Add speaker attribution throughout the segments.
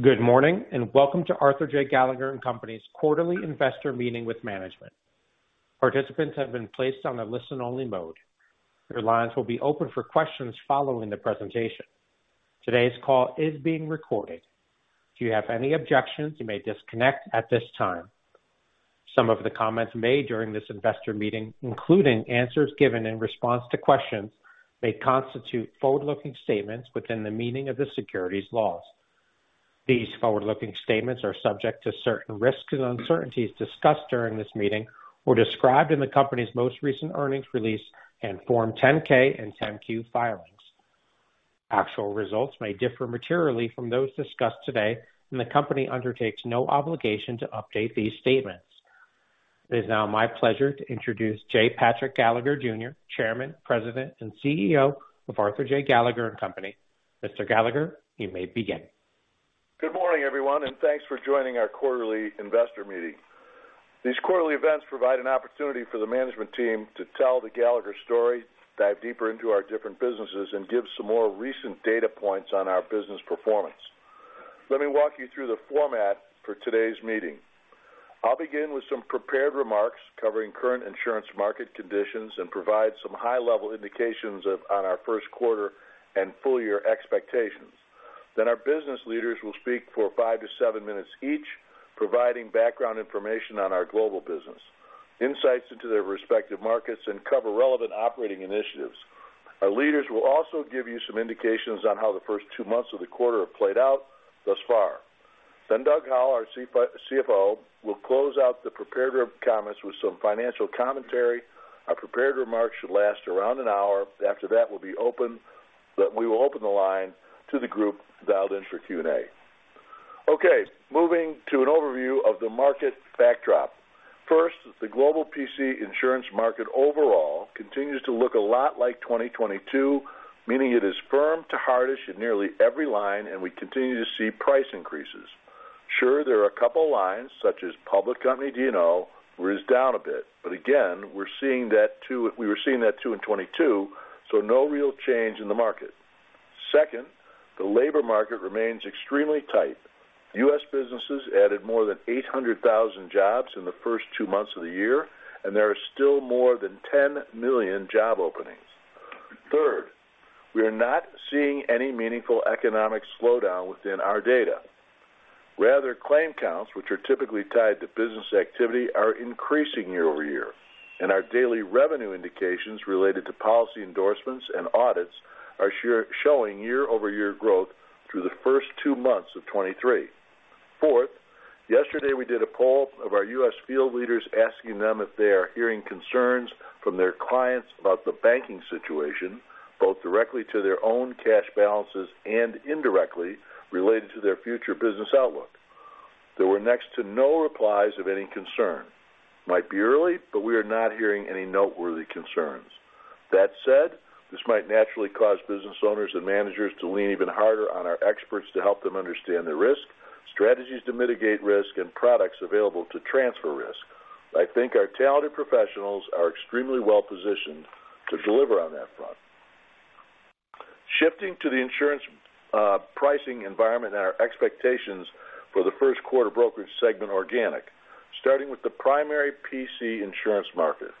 Speaker 1: Good morning, welcome to Arthur J. Gallagher & Co.'s Quarterly Investor Meeting with Management. Participants have been placed on a listen-only mode. Your lines will be open for questions following the presentation. Today's call is being recorded. If you have any objections, you may disconnect at this time. Some of the comments made during this investor meeting, including answers given in response to questions, may constitute forward-looking statements within the meaning of the securities laws. These forward-looking statements are subject to certain risks and uncertainties discussed during this meeting or described in the company's most recent earnings release and Form 10-K and 10-Q filings. Actual results may differ materially from those discussed today, and the company undertakes no obligation to update these statements. It is now my pleasure to introduce J. Patrick Gallagher, Jr., Chairman, President, and CEO of Arthur J. Gallagher & Co. Mr. Gallagher, you may begin.
Speaker 2: Good morning, everyone, and thanks for joining our quarterly investor meeting. These quarterly events provide an opportunity for the management team to tell the Gallagher story, dive deeper into our different businesses, and give some more recent data points on our business performance. Let me walk you through the format for today's meeting. I'll begin with some prepared remarks covering current insurance market conditions and provide some high-level indications on our Q1 and full year expectations. Our business leaders will speak for five to seven minutes each, providing background information on our global business, insights into their respective markets, and cover relevant operating initiatives. Our leaders will also give you some indications on how the first two months of the quarter have played out thus far. Doug Howell, our CFO, will close out the prepared comments with some financial commentary. Our prepared remarks should last around an hour. After that, we will open the line to the group dialed in for Q&A. Moving to an overview of the market backdrop. The global P&C insurance market overall continues to look a lot like 2022, meaning it is firm to hardish in nearly every line, and we continue to see price increases. Sure, there are a couple lines such as public company D&O, where it's down a bit. Again, we were seeing that too in 2022, no real change in the market. The labor market remains extremely tight. U.S. businesses added more than 800,000 jobs in the first two months of the year, and there are still more than 10 million job openings. We are not seeing any meaningful economic slowdown within our data. Rather, claim counts, which are typically tied to business activity, are increasing year-over-year, and our daily revenue indications related to policy endorsements and audits are showing year-over-year growth through the first two months of 2023. Fourth, yesterday we did a poll of our U.S. field leaders asking them if they are hearing concerns from their clients about the banking situation, both directly to their own cash balances and indirectly related to their future business outlook. There were next to no replies of any concern. Might be early, we are not hearing any noteworthy concerns. That said, this might naturally cause business owners and managers to lean even harder on our experts to help them understand the risk, strategies to mitigate risk, and products available to transfer risk. I think our talented professionals are extremely well positioned to deliver on that front. Shifting to the insurance, pricing environment and our expectations for the Q1 brokerage segment organic, starting with the primary PC insurance market.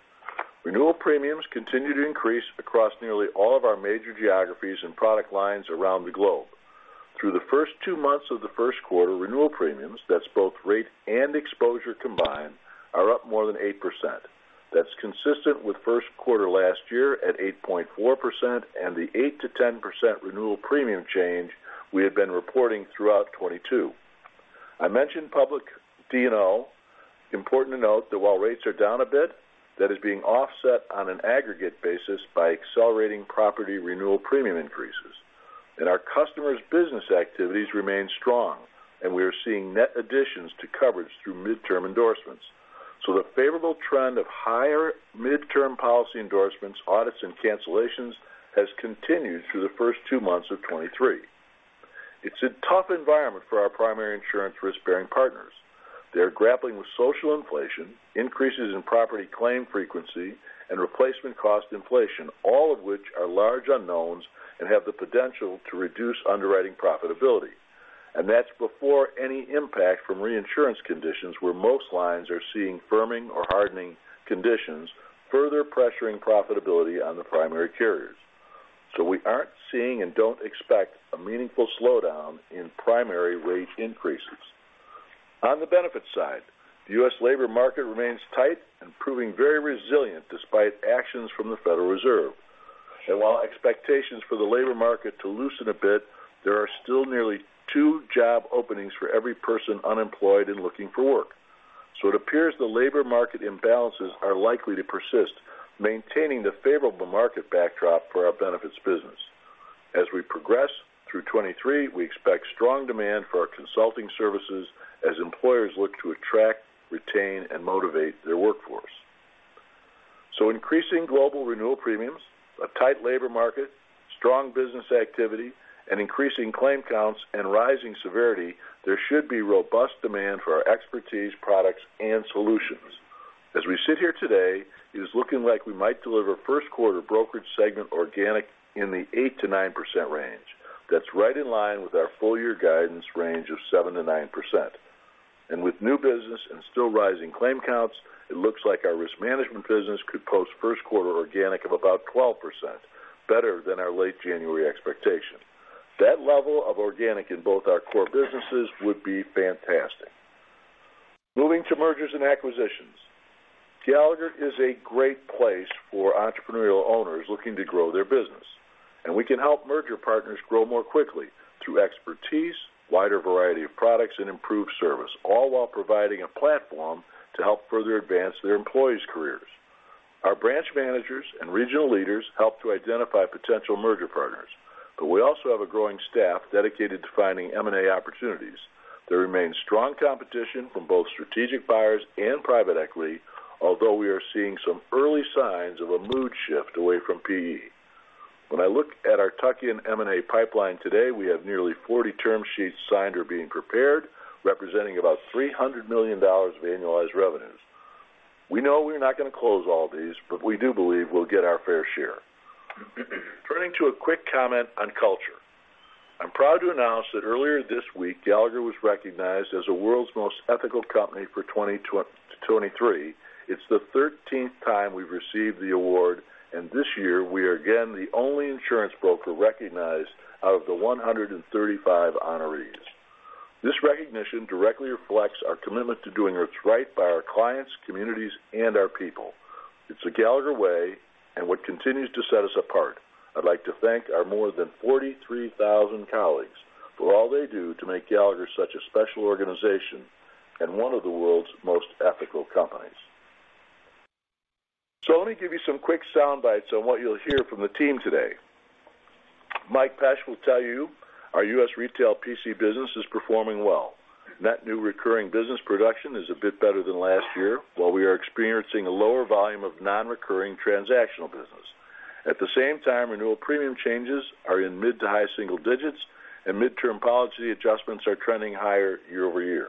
Speaker 2: Renewal premiums continue to increase across nearly all of our major geographies and product lines around the globe. Through the first two months of the Q1, renewal premiums, that's both rate and exposure combined, are up more than 8%. That's consistent with Q1 last year at 8.4% and the 8%-10% renewal premium change we have been reporting throughout 2022. I mentioned public D&O. Important to note that while rates are down a bit, that is being offset on an aggregate basis by accelerating property renewal premium increases. Our customers' business activities remain strong, and we are seeing net additions to coverage through midterm endorsements. The favorable trend of higher midterm policy endorsements, audits, and cancellations has continued through the first two months of 2023. It's a tough environment for our primary insurance risk-bearing partners. They are grappling with social inflation, increases in property claim frequency, and replacement cost inflation, all of which are large unknowns and have the potential to reduce underwriting profitability. That's before any impact from reinsurance conditions, where most lines are seeing firming or hardening conditions, further pressuring profitability on the primary carriers. We aren't seeing and don't expect a meaningful slowdown in primary rate increases. On the benefits side, the U.S. labor market remains tight and proving very resilient despite actions from the Federal Reserve. While expectations for the labor market to loosen a bit, there are still nearly two job openings for every person unemployed and looking for work. It appears the labor market imbalances are likely to persist, maintaining the favorable market backdrop for our benefits business. As we progress through 2023, we expect strong demand for our consulting services as employers look to attract, retain, and motivate their workforce. Increasing global renewal premiums, a tight labor market, strong business activity, and increasing claim counts and rising severity, there should be robust demand for our expertise, products, and solutions. As we sit here today, it is looking like we might deliver Q1 brokerage segment organic in the 8%-9% range. That's right in line with our full year guidance range of 7%-9%. With new business and still rising claim counts, it looks like our risk management business could post Q1 organic of about 12%, better than our late January expectation. That level of organic in both our core businesses would be fantastic. Moving to mergers and acquisitions. Gallagher is a great place for entrepreneurial owners looking to grow their business. We can help merger partners grow more quickly through expertise, wider variety of products, and improved service, all while providing a platform to help further advance their employees' careers. Our branch managers and regional leaders help to identify potential merger partners. We also have a growing staff dedicated to finding M&A opportunities. There remains strong competition from both strategic buyers and private equity, although we are seeing some early signs of a mood shift away from PE. When I look at our tuck-in M&A pipeline today, we have nearly 40 term sheets signed or being prepared, representing about $300 million of annualized revenues. We know we're not going to close all these, but we do believe we'll get our fair share. Turning to a quick comment on culture. I'm proud to announce that earlier this week, Gallagher was recognized as the world's most ethical company for 2023. It's the thirteenth time we've received the award, and this year we are again the only insurance broker recognized out of the 135 honorees. This recognition directly reflects our commitment to doing what's right by our clients, communities, and our people. It's the Gallagher way and what continues to set us apart. I'd like to thank our more than 43,000 colleagues for all they do to make Gallagher such a special organization and one of the world's most ethical companies. Let me give you some quick sound bites on what you'll hear from the team today. Mike Pesch will tell you our U.S. retail PC business is performing well. Net new recurring business production is a bit better than last year, while we are experiencing a lower volume of non-recurring transactional business. At the same time, renewal premium changes are in mid to high single digits and midterm policy adjustments are trending higher year-over-year.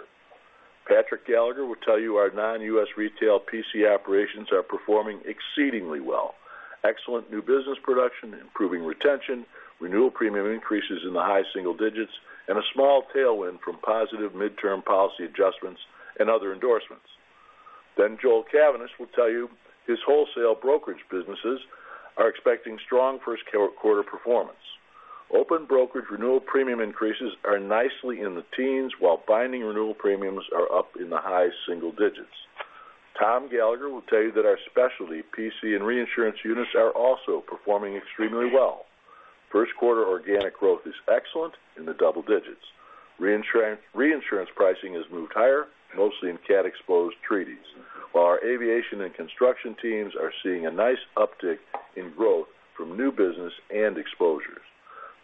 Speaker 2: Patrick Gallagher will tell you our non-U.S. retail PC operations are performing exceedingly well. Excellent new business production, improving retention, renewal premium increases in the high single digits, a small tailwind from positive midterm policy adjustments and other endorsements. Joel Cavaness will tell you his wholesale brokerage businesses are expecting strong Q1 performance. Open brokerage renewal premium increases are nicely in the teens, while binding renewal premiums are up in the high single digits. Tom Gallagher will tell you that our specialty PC and reinsurance units are also performing extremely well. Q1 organic growth is excellent in the double digits. Reinsurance pricing has moved higher, mostly in cat-exposed treaties, while our aviation and construction teams are seeing a nice uptick in growth from new business and exposures.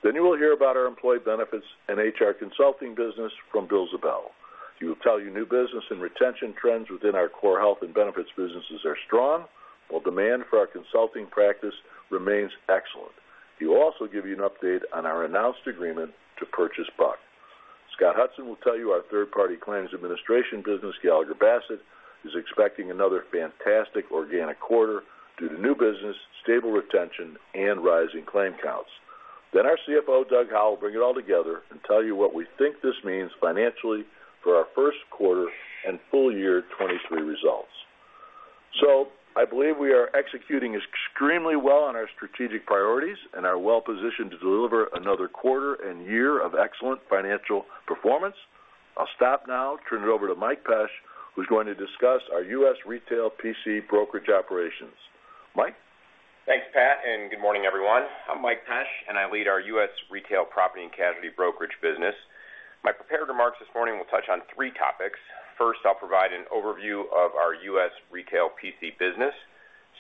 Speaker 2: You will hear about our employee benefits and HR consulting business from Bill Ziebell. He will tell you new business and retention trends within our core health and benefits businesses are strong, while demand for our consulting practice remains excellent. He will also give you an update on our announced agreement to purchase Buck. Scott Hudson will tell you our third-party claims administration business, Gallagher Bassett, is expecting another fantastic organic quarter due to new business, stable retention, and rising claim counts. Our CFO, Doug Howell, will bring it all together and tell you what we think this means financially for our Q1 and full year 2023 results. I believe we are executing extremely well on our strategic priorities and are well positioned to deliver another quarter and year of excellent financial performance. I'll stop now and turn it over to Mike Pesch, who's going to discuss our U.S. retail PC brokerage operations. Mike?
Speaker 3: Thanks, Pat, and good morning, everyone. I'm Mike Pesch, and I lead our U.S. retail property and casualty brokerage business. My prepared remarks this morning will touch on three topics. First, I'll provide an overview of our U.S. retail PC business.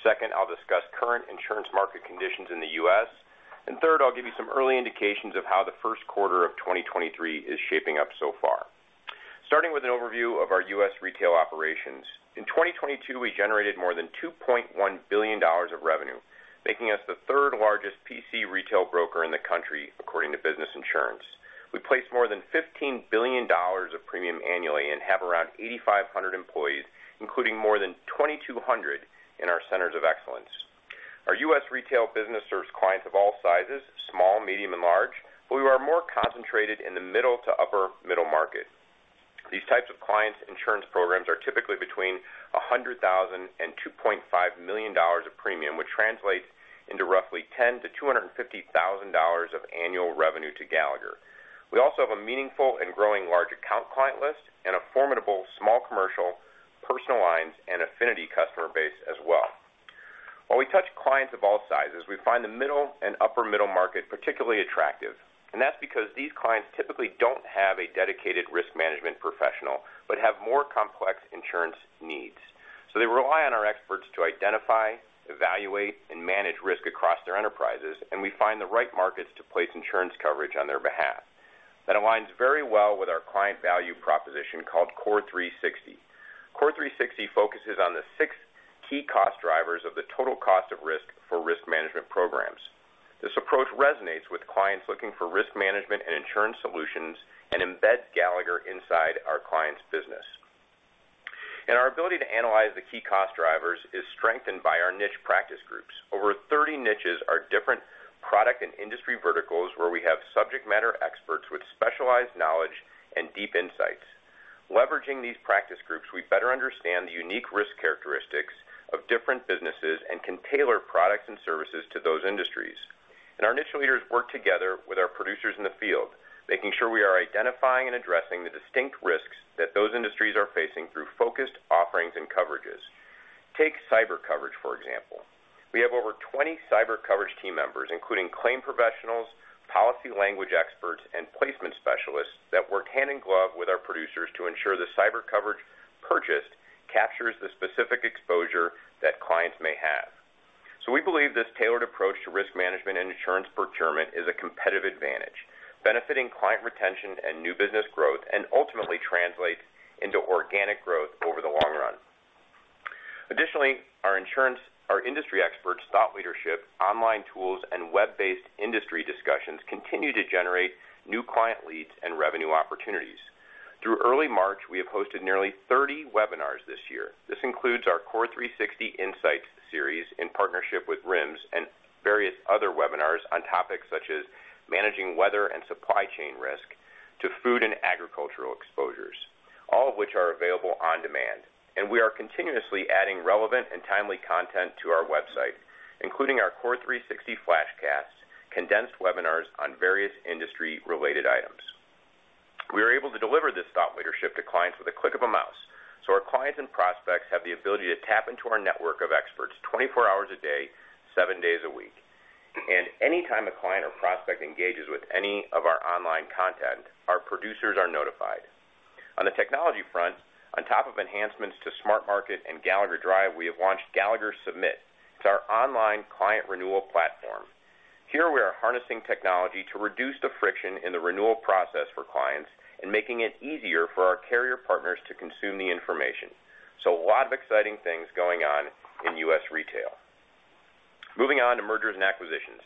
Speaker 3: Second, I'll discuss current insurance market conditions in the U.S. And third, I'll give you some early indications of how the Q1 of 2023 is shaping up so far. Starting with an overview of our U.S. retail operations. In 2022, we generated more than $2.1 billion of revenue, making us the third-largest PC retail broker in the country, according to Business Insurance. We place more than $15 billion of premium annually and have around 8,500 employees, including more than 2,200 in our centers of excellence. Our U.S. retail business serves clients of all sizes, small, medium, and large, but we are more concentrated in the middle to upper middle market. These types of clients' insurance programs are typically between $100,000 and $2.5 million of premium, which translates into roughly $10,000-$250,000 of annual revenue to Gallagher. We also have a meaningful and growing large account client list and a formidable small commercial, personal lines, and affinity customer base as well. While we touch clients of all sizes, we find the middle and upper middle market particularly attractive, and that's because these clients typically don't have a dedicated risk management professional, but have more complex insurance needs. They rely on our experts to identify, evaluate, and manage risk across their enterprises, and we find the right markets to place insurance coverage on their behalf. That aligns very well with our client value proposition called CORE360°. CORE360° focuses on the six key cost drivers of the total cost of risk for risk management programs. This approach resonates with clients looking for risk management and insurance solutions and embeds Gallagher inside our clients' business. Our ability to analyze the key cost drivers is strengthened by our niche practice groups. Over 30 niches are different product and industry verticals where we have subject matter experts with specialized knowledge and deep insights. Leveraging these practice groups, we better understand the unique risk characteristics of different businesses and can tailor products and services to those industries. Our niche leaders work together with our producers in the field, making sure we are identifying and addressing the distinct risks that those industries are facing through focused offerings and coverages. Take cyber coverage, for example. We have over 20 cyber coverage team members, including claim professionals, policy language experts, and placement specialists that work hand in glove with our producers to ensure the cyber coverage purchased captures the specific exposure that clients may have. We believe this tailored approach to risk management and insurance procurement is a competitive advantage, benefiting client retention and new business growth, and ultimately translates into organic growth over the long run. Additionally, our industry experts, thought leadership, online tools, and web-based industry discussions continue to generate new client leads and revenue opportunities. Through early March, we have hosted nearly 30 webinars this year. This includes our CORE360° Insights series in partnership with RIMS and various other webinars on topics such as managing weather and supply chain risk to food and agricultural exposures, all of which are available on demand. We are continuously adding relevant and timely content to our website, including our CORE360° FlashCast, condensed webinars on various industry-related items. We are able to deliver this thought leadership to clients with a click of a mouse, so our clients and prospects have the ability to tap into our network of experts 24 hours a day, seven days a week. Anytime a client or prospect engages with any of our online content, our producers are notified. On the technology front, on top of enhancements to SmartMarket and Gallagher Drive, we have launched Gallagher Submit. It's our online client renewal platform. Here we are harnessing technology to reduce the friction in the renewal process for clients and making it easier for our carrier partners to consume the information. A lot of exciting things going on in U.S. Retail. Moving on to mergers and acquisitions.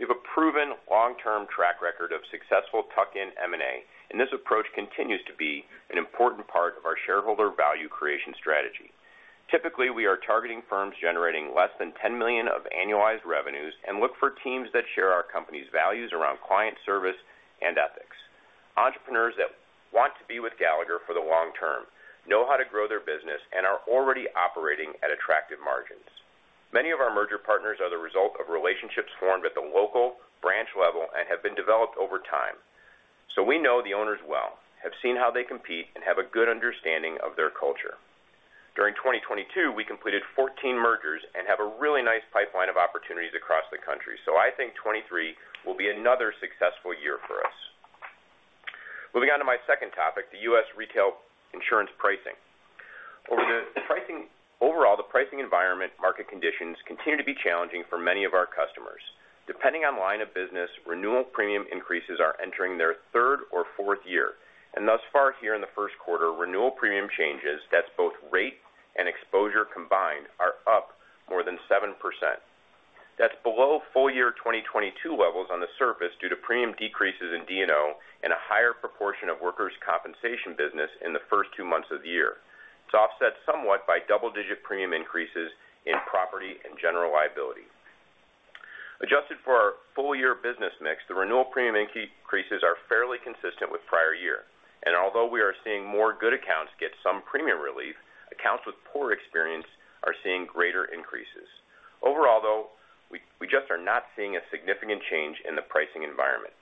Speaker 3: We have a proven long-term track record of successful tuck-in M&A. This approach continues to be an important part of our shareholder value creation strategy. Typically, we are targeting firms generating less than $10 million of annualized revenues and look for teams that share our company's values around client service and ethics. Entrepreneurs that want to be with Gallagher for the long term know how to grow their business and are already operating at attractive margins. Many of our merger partners are the result of relationships formed at the local branch level and have been developed over time. We know the owners well, have seen how they compete, and have a good understanding of their culture. During 2022, we completed 14 mergers and have a really nice pipeline of opportunities across the country. I think 2023 will be another successful year for us. Moving on to my second topic, the U.S. retail insurance pricing. overall, the pricing environment market conditions continue to be challenging for many of our customers. Depending on line of business, renewal premium increases are entering their third or fourth year, thus far here in the Q1, renewal premium changes, that's both rate and exposure combined, are up more than 7%. That's below full year 2022 levels on the surface due to premium decreases in D&O and a higher proportion of workers' compensation business in the first two months of the year. It's offset somewhat by double-digit premium increases in property and general liability. Adjusted for our full-year business mix, the renewal premium increases are fairly consistent with prior year. Although we are seeing more good accounts get some premium relief, accounts with poor experience are seeing greater increases. Overall, though, we just are not seeing a significant change in the pricing environment.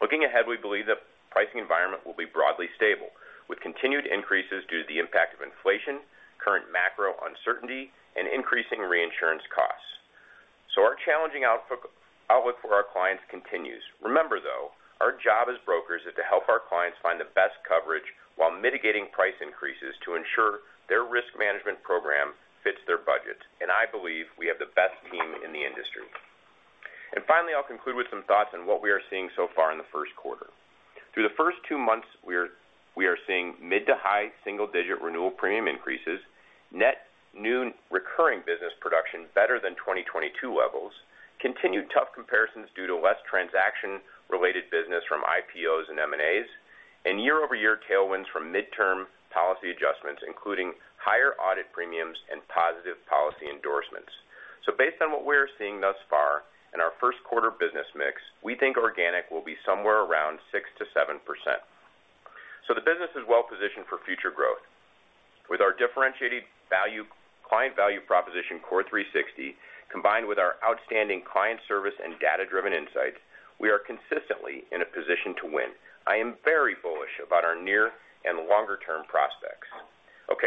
Speaker 3: Looking ahead, we believe the pricing environment will be broadly stable, with continued increases due to the impact of inflation, current macro uncertainty, and increasing reinsurance costs. Our challenging outlook for our clients continues. Remember, though, our job as brokers is to help our clients find the best coverage while mitigating price increases to ensure their risk management program fits their budget. I believe we have the best team in the industry. Finally, I'll conclude with some thoughts on what we are seeing so far in the Q1. Through the first two months, we are seeing mid to high single-digit renewal premium increases, net new recurring business production better than 2022 levels, continued tough comparisons due to less transaction-related business from IPOs and M&As, and year-over-year tailwinds from midterm policy adjustments, including higher audit premiums and positive policy endorsements. Based on what we're seeing thus far in our Q1 business mix, we think organic will be somewhere around 6%-7%. The business is well positioned for future growth. With our differentiated client value proposition CORE360°, combined with our outstanding client service and data-driven insights, we are consistently in a position to win. I am very bullish about our near and longer-term prospects.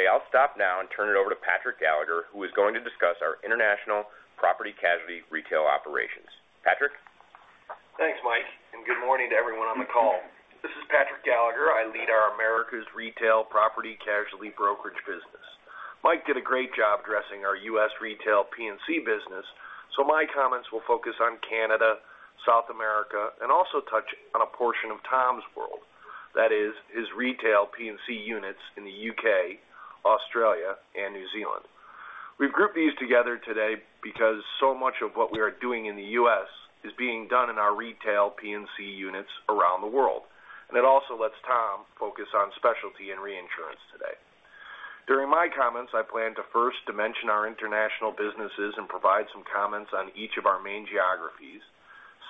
Speaker 3: I'll stop now and turn it over to Patrick Gallagher, who is going to discuss our international property casualty retail operations. Patrick?
Speaker 4: Thanks, Mike. Good morning to everyone on the call. This is Patrick Gallagher. I lead our Americas Retail Property Casualty Brokerage business. Mike did a great job addressing our U.S. Retail P&C business. My comments will focus on Canada, South America, and also touch on a portion of Tom's world. That is his retail P&C units in the U.K., Australia, and New Zealand. We've grouped these together today because so much of what we are doing in the U.S. is being done in our retail P&C units around the world. It also lets Tom focus on specialty and reinsurance today. During my comments, I plan to first dimension our international businesses and provide some comments on each of our main geographies.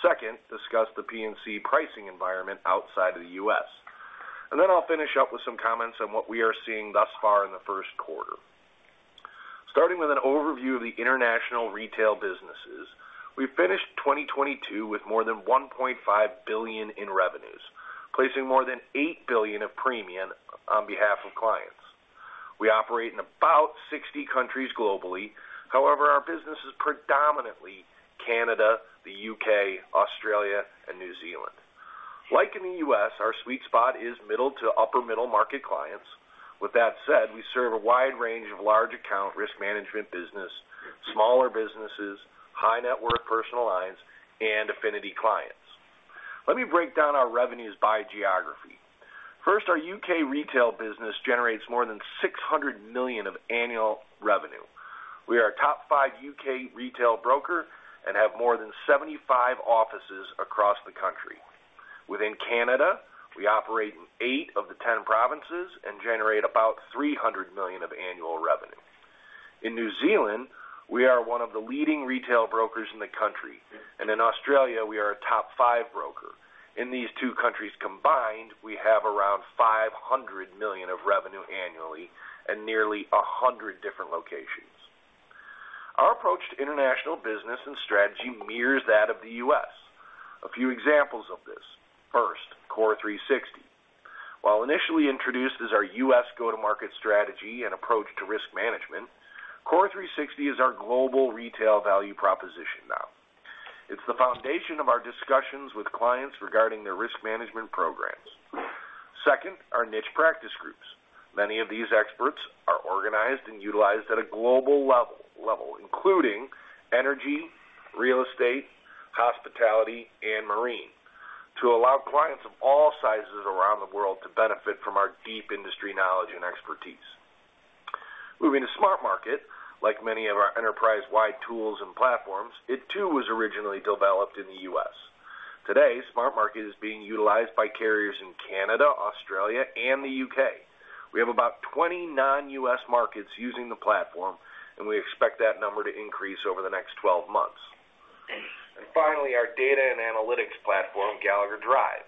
Speaker 4: Second, discuss the P&C pricing environment outside of the U.S. I'll finish up with some comments on what we are seeing thus far in the Q1. Starting with an overview of the international retail businesses, we finished 2022 with more than $1.5 billion in revenues, placing more than $8 billion of premium on behalf of clients. We operate in about 60 countries globally. However, our business is predominantly Canada, the U.K., Australia, and New Zealand. Like in the U.S., our sweet spot is middle to upper middle market clients. With that said, we serve a wide range of large account risk management business, smaller businesses, high net worth personal lines, and affinity clients. Let me break down our revenues by geography. First, our U.K. retail business generates more than $600 million of annual revenue. We are a top five U.K. retail broker and have more than 75 offices across the country. Within Canada, we operate in eight of the 10 provinces and generate about 300 million of annual revenue. In New Zealand, we are one of the leading retail brokers in the country. In Australia we are a top five broker. In these two countries combined, we have around 500 million of revenue annually and nearly 100 different locations. Our approach to international business and strategy mirrors that of the U.S. A few examples of this. First, CORE360°. While initially introduced as our U.S. go-to-market strategy and approach to risk management, CORE360° is our global retail value proposition now. It's the foundation of our discussions with clients regarding their risk management programs. Second, our niche practice groups. Many of these experts are organized and utilized at a global level, including energy, real estate, hospitality, and marine to allow clients of all sizes around the world to benefit from our deep industry knowledge and expertise. Moving to SmartMarket, like many of our enterprise-wide tools and platforms, it too was originally developed in the U.S. Today, SmartMarket is being utilized by carriers in Canada, Australia, and the U.K. We have about 20 non-U.S. markets using the platform, and we expect that number to increase over the next 12 months. Finally, our data and analytics platform, Gallagher Drive,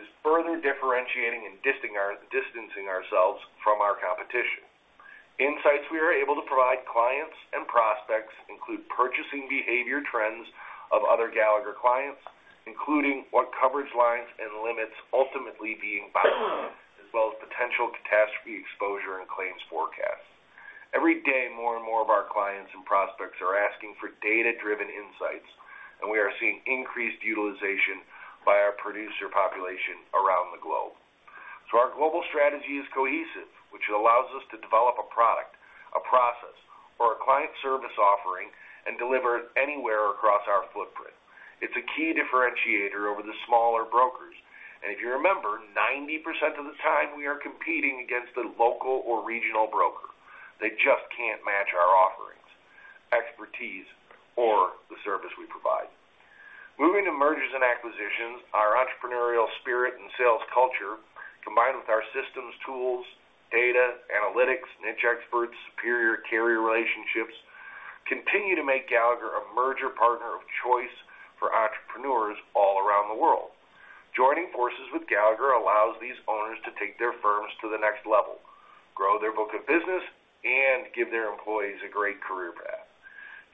Speaker 4: is further differentiating and distancing ourselves from our competition. Insights we are able to provide clients and prospects include purchasing behavior trends of other Gallagher clients, including what coverage lines and limits ultimately being bought, as well as potential catastrophe exposure and claims forecasts. Every day, more and more of our clients and prospects are asking for data-driven insights, and we are seeing increased utilization by our producer population around the globe. Our global strategy is cohesive, which allows us to develop a product, a process, or a client service offering and deliver it anywhere across our footprint. It's a key differentiator over the smaller brokers. If you remember, 90% of the time, we are competing against a local or regional broker. They just can't match our offerings, expertise, or the service we provide. Moving to mergers and acquisitions, our entrepreneurial spirit and sales culture, combined with our systems, tools, data, analytics, niche experts, superior carrier relationships, continue to make Gallagher a merger partner of choice for entrepreneurs all around the world. Joining forces with Gallagher allows these owners to take their firms to the next level, grow their book of business, and give their employees a great career path.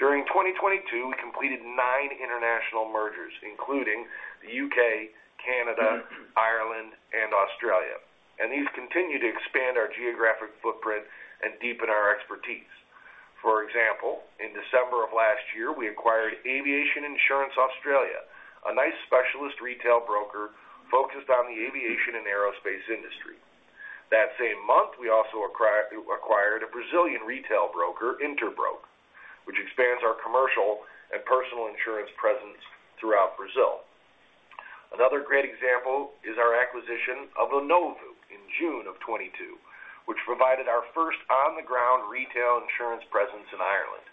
Speaker 4: During 2022, we completed nine international mergers, including the U.K., Canada, Ireland, and Australia. These continue to expand our geographic footprint and deepen our expertise. For example, in December of last year, we acquired Aviation Insurance Australia, a nice specialist retail broker focused on the aviation and aerospace industry. That same month, we also acquired a Brazilian retail broker, Interbrok, which expands our commercial and personal insurance presence throughout Brazil. Another great example is our acquisition of INNOVU in June of 2022, which provided our first on-the-ground retail insurance presence in Ireland,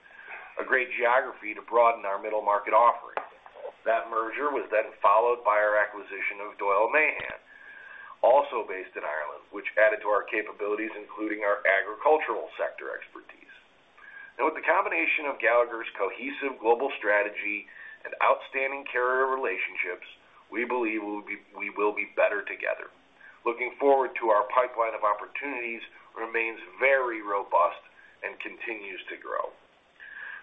Speaker 4: a great geography to broaden our middle market offerings. That merger was then followed by our acquisition of Doyle Mahon, also based in Ireland, which added to our capabilities, including our agricultural sector expertise. With the combination of Gallagher's cohesive global strategy and outstanding carrier relationships, we believe we will be better together. Looking forward to our pipeline of opportunities remains very robust and continues to grow.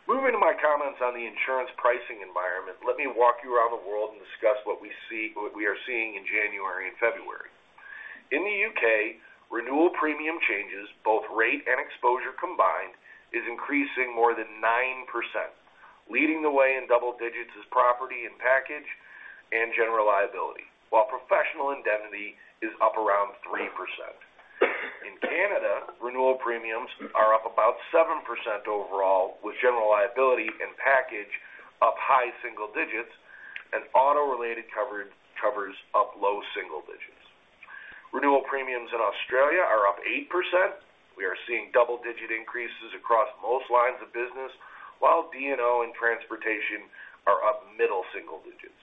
Speaker 4: Moving to my comments on the insurance pricing environment, let me walk you around the world and discuss what we are seeing in January and February. In the U.K., renewal premium changes, both rate and exposure combined, is increasing more than 9%. Leading the way in double digits is property and package and general liability, while professional indemnity is up around 3%. Canada renewal premiums are up about 7% overall, with general liability and package up high single digits and auto-related coverage, covers up low single digits. Renewal premiums in Australia are up 8%. We are seeing double-digit increases across most lines of business, while D&O and transportation are up middle single digits.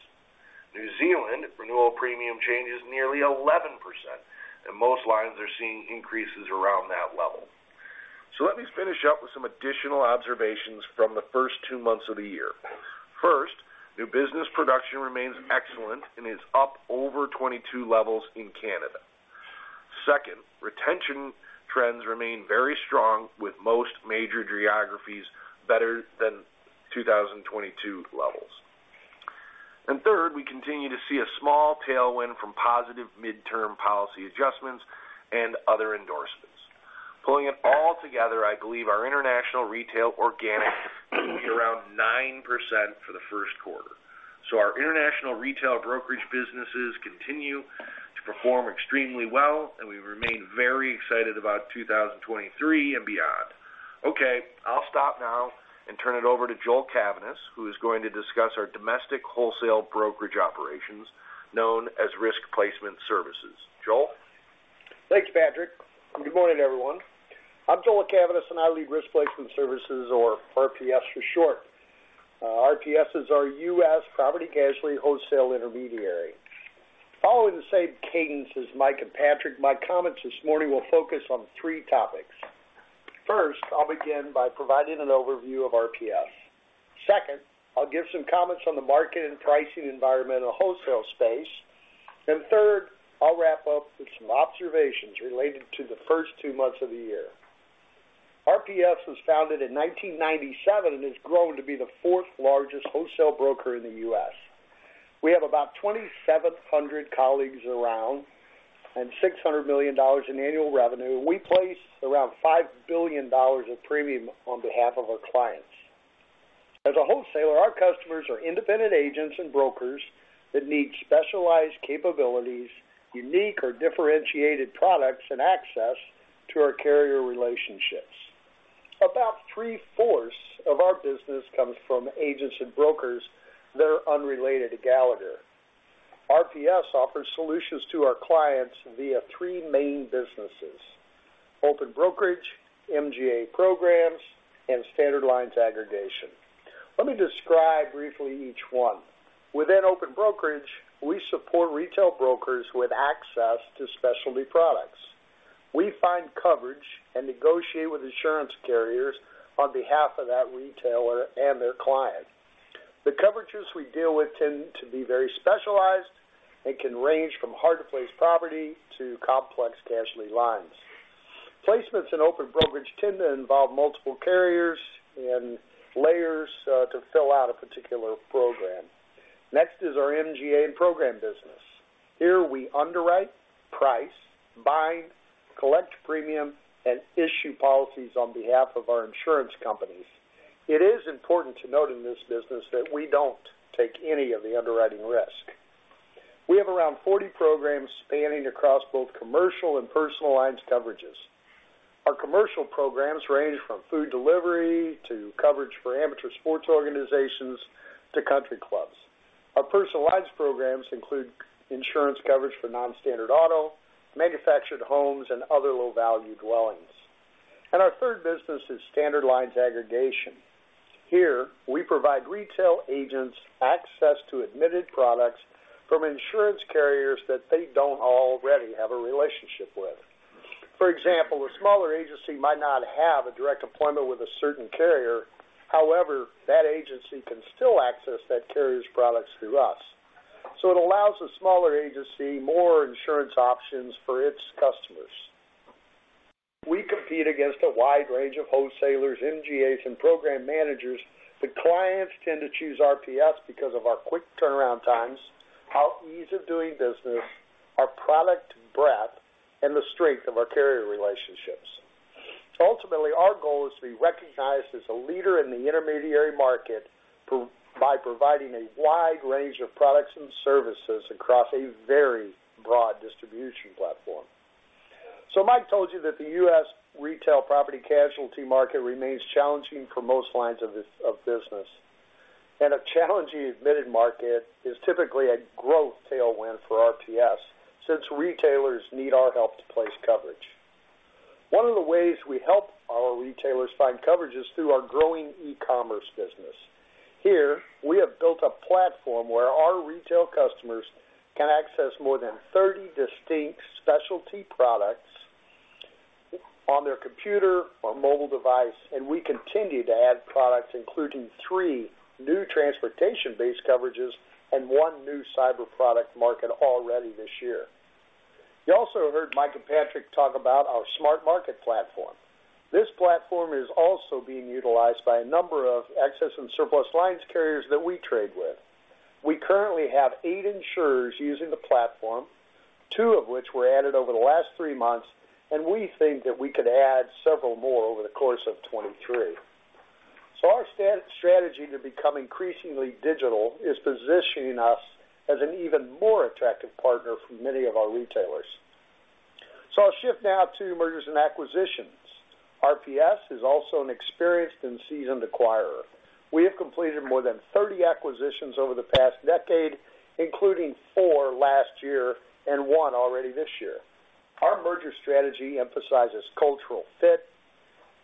Speaker 4: New Zealand renewal premium change is nearly 11%, and most lines are seeing increases around that level. Let me finish up with some additional observations from the first two months of the year. First, new business production remains excellent and is up over 2022 levels in Canada. Second, retention trends remain very strong, with most major geographies better than 2022 levels. Third, we continue to see a small tailwind from positive midterm policy adjustments and other endorsements. Pulling it all together, I believe our international retail organic will be around 9% for the Q1. Our international retail brokerage businesses continue to perform extremely well, and we remain very excited about 2023 and beyond. Okay, I'll stop now and turn it over to Joel Cavaness, who is going to discuss our domestic wholesale brokerage operations known as Risk Placement Services. Joel?
Speaker 5: Thanks, Patrick. Good morning, everyone. I'm Joel Cavaness, and I lead Risk Placement Services or RPS for short. RPS is our U.S. property casualty wholesale intermediary. Following the same cadence as Mike and Patrick, my comments this morning will focus on three topics. First, I'll begin by providing an overview of RPS. Second, I'll give some comments on the market and pricing environmental wholesale space. Third, I'll wrap up with some observations related to the first two months of the year. RPS was founded in 1997 and has grown to be the fourth largest wholesale broker in the U.S. We have about 2,700 colleagues around and $600 million in annual revenue. We place around $5 billion of premium on behalf of our clients. As a wholesaler, our customers are independent agents and brokers that need specialized capabilities, unique or differentiated products, and access to our carrier relationships. About three-fourths of our business comes from agents and brokers that are unrelated to Gallagher. RPS offers solutions to our clients via three main businesses: open brokerage, MGA programs, and standard lines aggregation. Let me describe briefly each one. Within open brokerage, we support retail brokers with access to specialty products. We find coverage and negotiate with insurance carriers on behalf of that retailer and their client. The coverages we deal with tend to be very specialized and can range from hard-to-place property to complex casualty lines. Placements in open brokerage tend to involve multiple carriers and layers to fill out a particular program. Next is our MGA and program business. Here we underwrite, price, bind, collect premium, and issue policies on behalf of our insurance companies. It is important to note in this business that we don't take any of the underwriting risk. We have around 40 programs spanning across both commercial and personal lines coverages. Our commercial programs range from food delivery to coverage for amateur sports organizations to country clubs. Our personal lines programs include insurance coverage for non-standard auto, manufactured homes, and other low-value dwellings. Our third business is standard lines aggregation. Here we provide retail agents access to admitted products from insurance carriers that they don't already have a relationship with. For example, a smaller agency might not have a direct appointment with a certain carrier. However, that agency can still access that carrier's products through us, so it allows a smaller agency more insurance options for its customers. We compete against a wide range of wholesalers, MGAs, and program managers, clients tend to choose RPS because of our quick turnaround times, our ease of doing business, our product breadth, and the strength of our carrier relationships. Ultimately, our goal is to be recognized as a leader in the intermediary market by providing a wide range of products and services across a very broad distribution platform. Mike told you that the U.S. retail property casualty market remains challenging for most lines of business. A challenging admitted market is typically a growth tailwind for RPS since retailers need our help to place coverage. One of the ways we help our retailers find coverage is through our growing e-commerce business. Here we have built a platform where our retail customers can access more than 30 distinct specialty products on their computer or mobile device, and we continue to add products, including three new transportation-based coverages and one new cyber product market already this year. You also heard Mike and Patrick talk about our SmartMarket platform. This platform is also being utilized by a number of excess and surplus lines carriers that we trade with. We currently have eight insurers using the platform, two of which were added over the last three months, and we think that we could add several more over the course of 2023. Our strategy to become increasingly digital is positioning us as an even more attractive partner for many of our retailers. I'll shift now to mergers and acquisitions. RPS is also an experienced and seasoned acquirer. We have completed more than 30 acquisitions over the past decade, including four last year, and one already this year. Our merger strategy emphasizes cultural fit,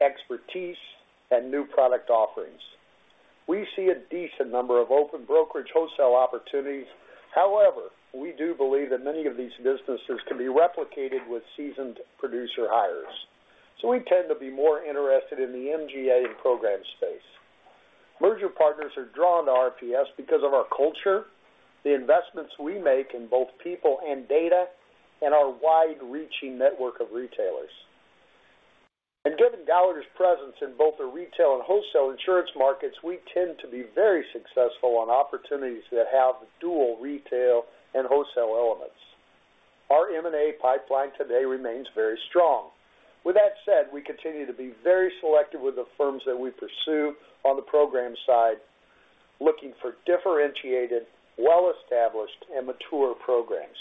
Speaker 5: expertise, and new product offerings. We see a decent number of open brokerage wholesale opportunities. However, we do believe that many of these businesses can be replicated with seasoned producer hires. We tend to be more interested in the MGA and program space. Merger partners are drawn to RPS because of our culture, the investments we make in both people and data, and our wide-reaching network of retailers. Given Gallagher's presence in both the retail and wholesale insurance markets, we tend to be very successful on opportunities that have dual retail and wholesale elements. Our M&A pipeline today remains very strong. With that said, we continue to be very selective with the firms that we pursue on the program side, looking for differentiated, well-established, and mature programs.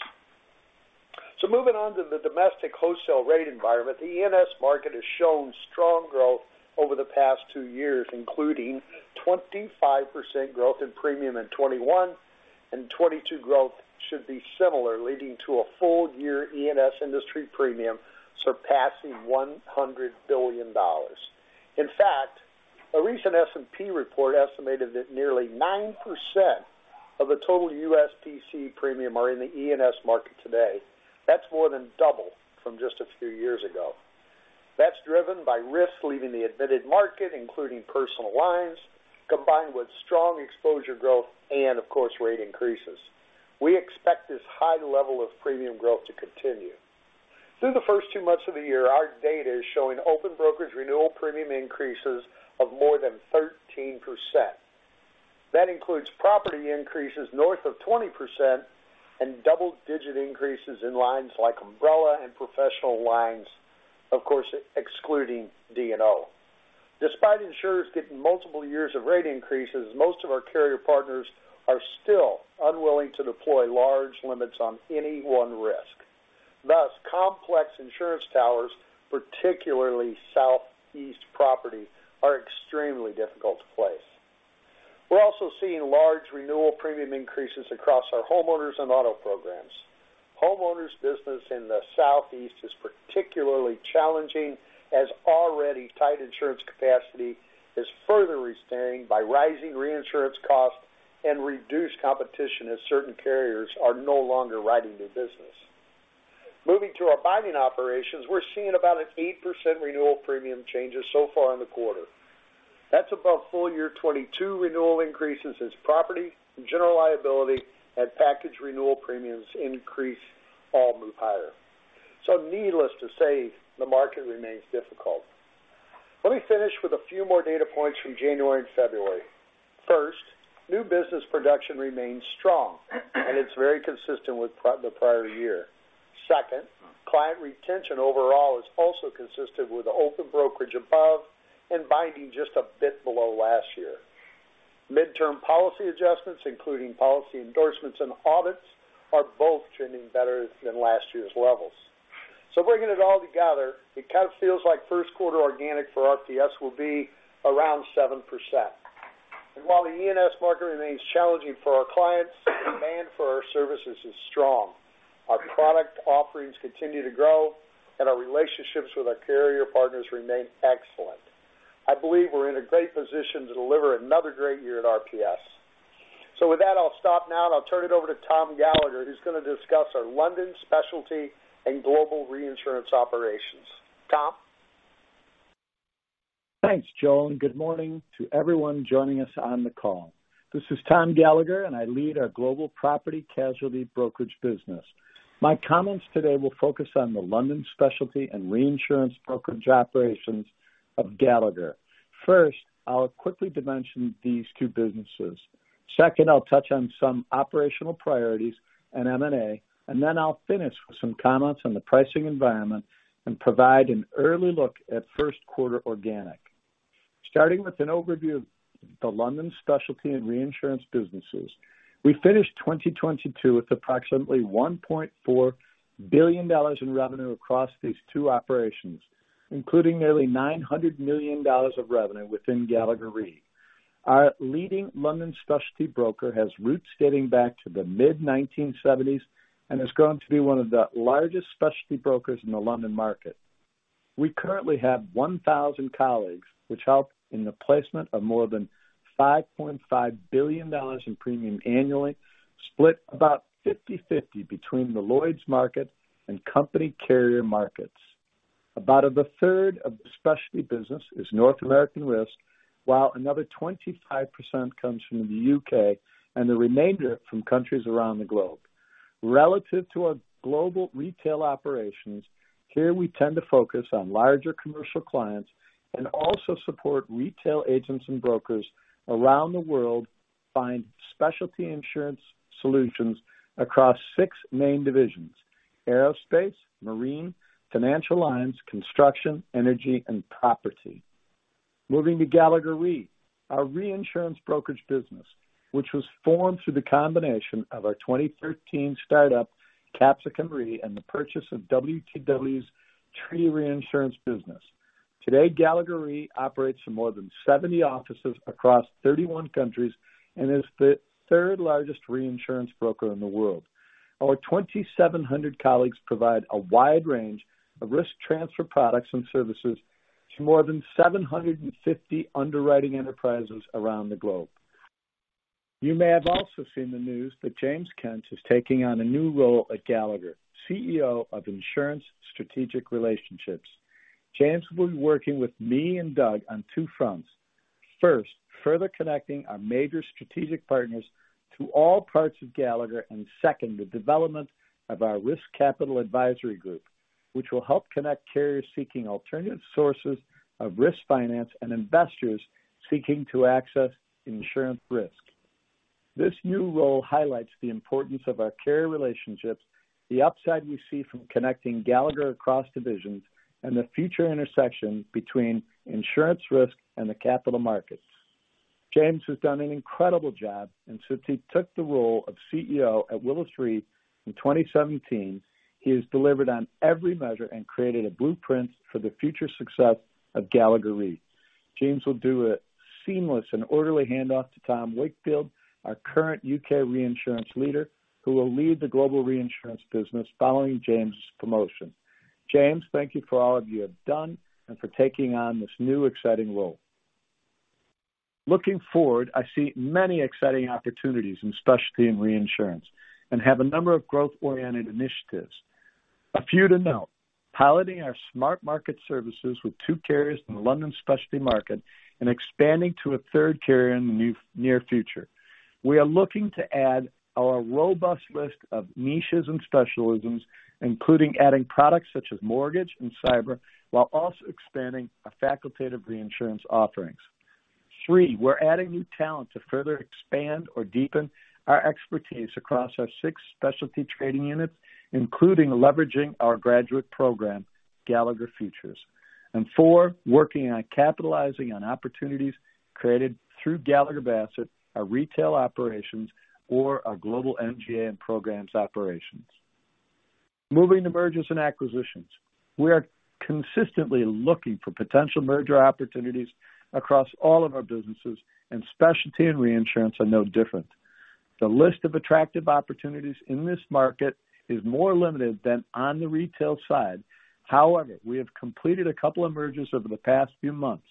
Speaker 5: Moving on to the domestic wholesale rate environment, the E&S market has shown strong growth over the past two years, including 25% growth in premium in '21, and '22 growth should be similar, leading to a full year E&S industry premium surpassing $100 billion. In fact, a recent S&P report estimated that nearly 9% of the total U.S. P&C premium are in the E&S market today. That's more than double from just a few years ago. That's driven by risks leaving the admitted market, including personal lines, combined with strong exposure growth and of course, rate increases. We expect this high level of premium growth to continue. Through the first two months of the year, our data is showing open brokerage renewal premium increases of more than 13%. That includes property increases north of 20% and double-digit increases in lines like umbrella and professional lines, of course, excluding D&O. Despite insurers getting multiple years of rate increases, most of our carrier partners are still unwilling to deploy large limits on any one risk. Thus, complex insurance towers, particularly Southeast property, are extremely difficult to place. We're also seeing large renewal premium increases across our homeowners and auto programs. Homeowners business in the Southeast is particularly challenging, as already tight insurance capacity is further restrained by rising reinsurance costs and reduced competition as certain carriers are no longer writing new business. Moving to our binding operations, we're seeing about an 8% renewal premium changes so far in the quarter. That's above full year 2022 renewal increases as property and general liability and package renewal premiums increase all move higher. Needless to say, the market remains difficult. Let me finish with a few more data points from January and February. First, new business production remains strong, and it's very consistent with the prior year. Second, client retention overall is also consistent with open brokerage above and binding just a bit below last year. Mid-term policy adjustments, including policy endorsements and audits, are both trending better than last year's levels. Bringing it all together, it kind of feels like Q1 organic for RPS will be around 7%. While the E&S market remains challenging for our clients, demand for our services is strong. Our product offerings continue to grow, and our relationships with our carrier partners remain excellent. I believe we're in a great position to deliver another great year at RPS. With that, I'll stop now, and I'll turn it over to Tom Gallagher, who's gonna discuss our London specialty and global reinsurance operations. Tom?
Speaker 6: Thanks, Joel. Good morning to everyone joining us on the call. This is Tom Gallagher, and I lead our global property casualty brokerage business. My comments today will focus on the London specialty and reinsurance brokerage operations of Gallagher. First, I'll quickly dimension these two businesses. Second, I'll touch on some operational priorities and M&A, and then I'll finish with some comments on the pricing environment and provide an early look at Q1 organic. Starting with an overview of the London specialty and reinsurance businesses, we finished 2022 with approximately $1.4 billion in revenue across these two operations, including nearly $900 million of revenue within Gallagher Re. Our leading London specialty broker has roots dating back to the mid-1970s and has grown to be one of the largest specialty brokers in the London market. We currently have 1,000 colleagues, which help in the placement of more than $5.5 billion in premium annually, split about 50/50 between the Lloyd's market and company carrier markets. About a third of the specialty business is North American risk, while another 25% comes from the U.K. and the remainder from countries around the globe. Relative to our global retail operations, here we tend to focus on larger commercial clients and also support retail agents and brokers around the world find specialty insurance solutions across six main divisions: Aerospace, marine, financial lines, construction, energy, and property. Moving to Gallagher Re, our reinsurance brokerage business, which was formed through the combination of our 2013 startup, Capsicum Re, and the purchase of WTW's treaty reinsurance business. Today, Gallagher Re operates in more than 70 offices across 31 countries and is the third-largest reinsurance broker in the world. Our 2,700 colleagues provide a wide range of risk transfer products and services to more than 750 underwriting enterprises around the globe. You may have also seen the news that James Kent is taking on a new role at Gallagher, CEO of Insurance Strategic Relationships. James will be working with me and Doug on two fronts. First, further connecting our major strategic partners to all parts of Gallagher. Second, the development of our risk capital advisory group, which will help connect carriers seeking alternative sources of risk finance and investors seeking to access insurance risk. This new role highlights the importance of our carrier relationships, the upside we see from connecting Gallagher across divisions, and the future intersection between insurance risk and the capital markets. James has done an incredible job since he took the role of CEO at Willis Re in 2017. He has delivered on every measure and created a blueprint for the future success of Gallagher Re. James will do a seamless and orderly handoff to Tom Wakefield, our current U.K. reinsurance leader, who will lead the global reinsurance business following James' promotion. James, thank you for all you have done and for taking on this new, exciting role. Looking forward, I see many exciting opportunities in specialty and reinsurance and have a number of growth-oriented initiatives. A few to note. Piloting our SmartMarket services with 2nd carriers in the London specialty market and expanding to a 3rd carrier in the near future. We are looking to add our robust list of niches and specialisms, including adding products such as mortgage and cyber, while also expanding our facultative reinsurance offerings. Three, we're adding new talent to further expand or deepen our expertise across our six specialty trading units, including leveraging our graduate program, Gallagher Futures. four, working on capitalizing on opportunities created through Gallagher Bassett, our retail operations, or our global MGA and programs operations. Moving to mergers and acquisitions. We are consistently looking for potential merger opportunities across all of our businesses, and specialty and reinsurance are no different. The list of attractive opportunities in this market is more limited than on the retail side. However, we have completed a couple of mergers over the past few months.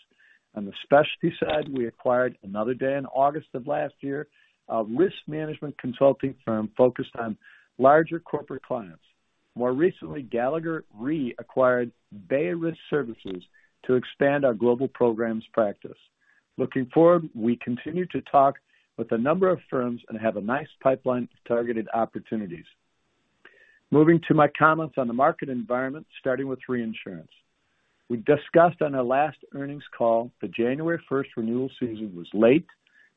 Speaker 6: On the specialty side, we acquired Another Day in August of last year, a risk management consulting firm focused on larger corporate clients. More recently, Gallagher Re acquired Bay Risk Services to expand our global programs practice. Looking forward, we continue to talk with a number of firms and have a nice pipeline of targeted opportunities. Moving to my comments on the market environment, starting with reinsurance. We discussed on our last earnings call the January 1st renewal season was late,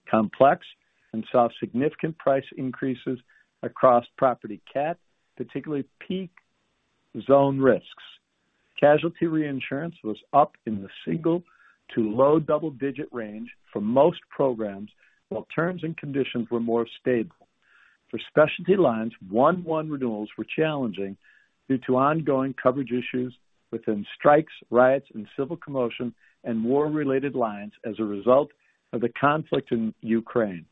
Speaker 6: complex, and saw significant price increases across property cat, particularly peak zone risks. Casualty reinsurance was up in the single to low double-digit range for most programs, while terms and conditions were more stable. For specialty lines, 1/1 renewals were challenging due to ongoing coverage issues within strikes, riots, and civil commotion and war-related lines as a result of the conflict in Ukraine.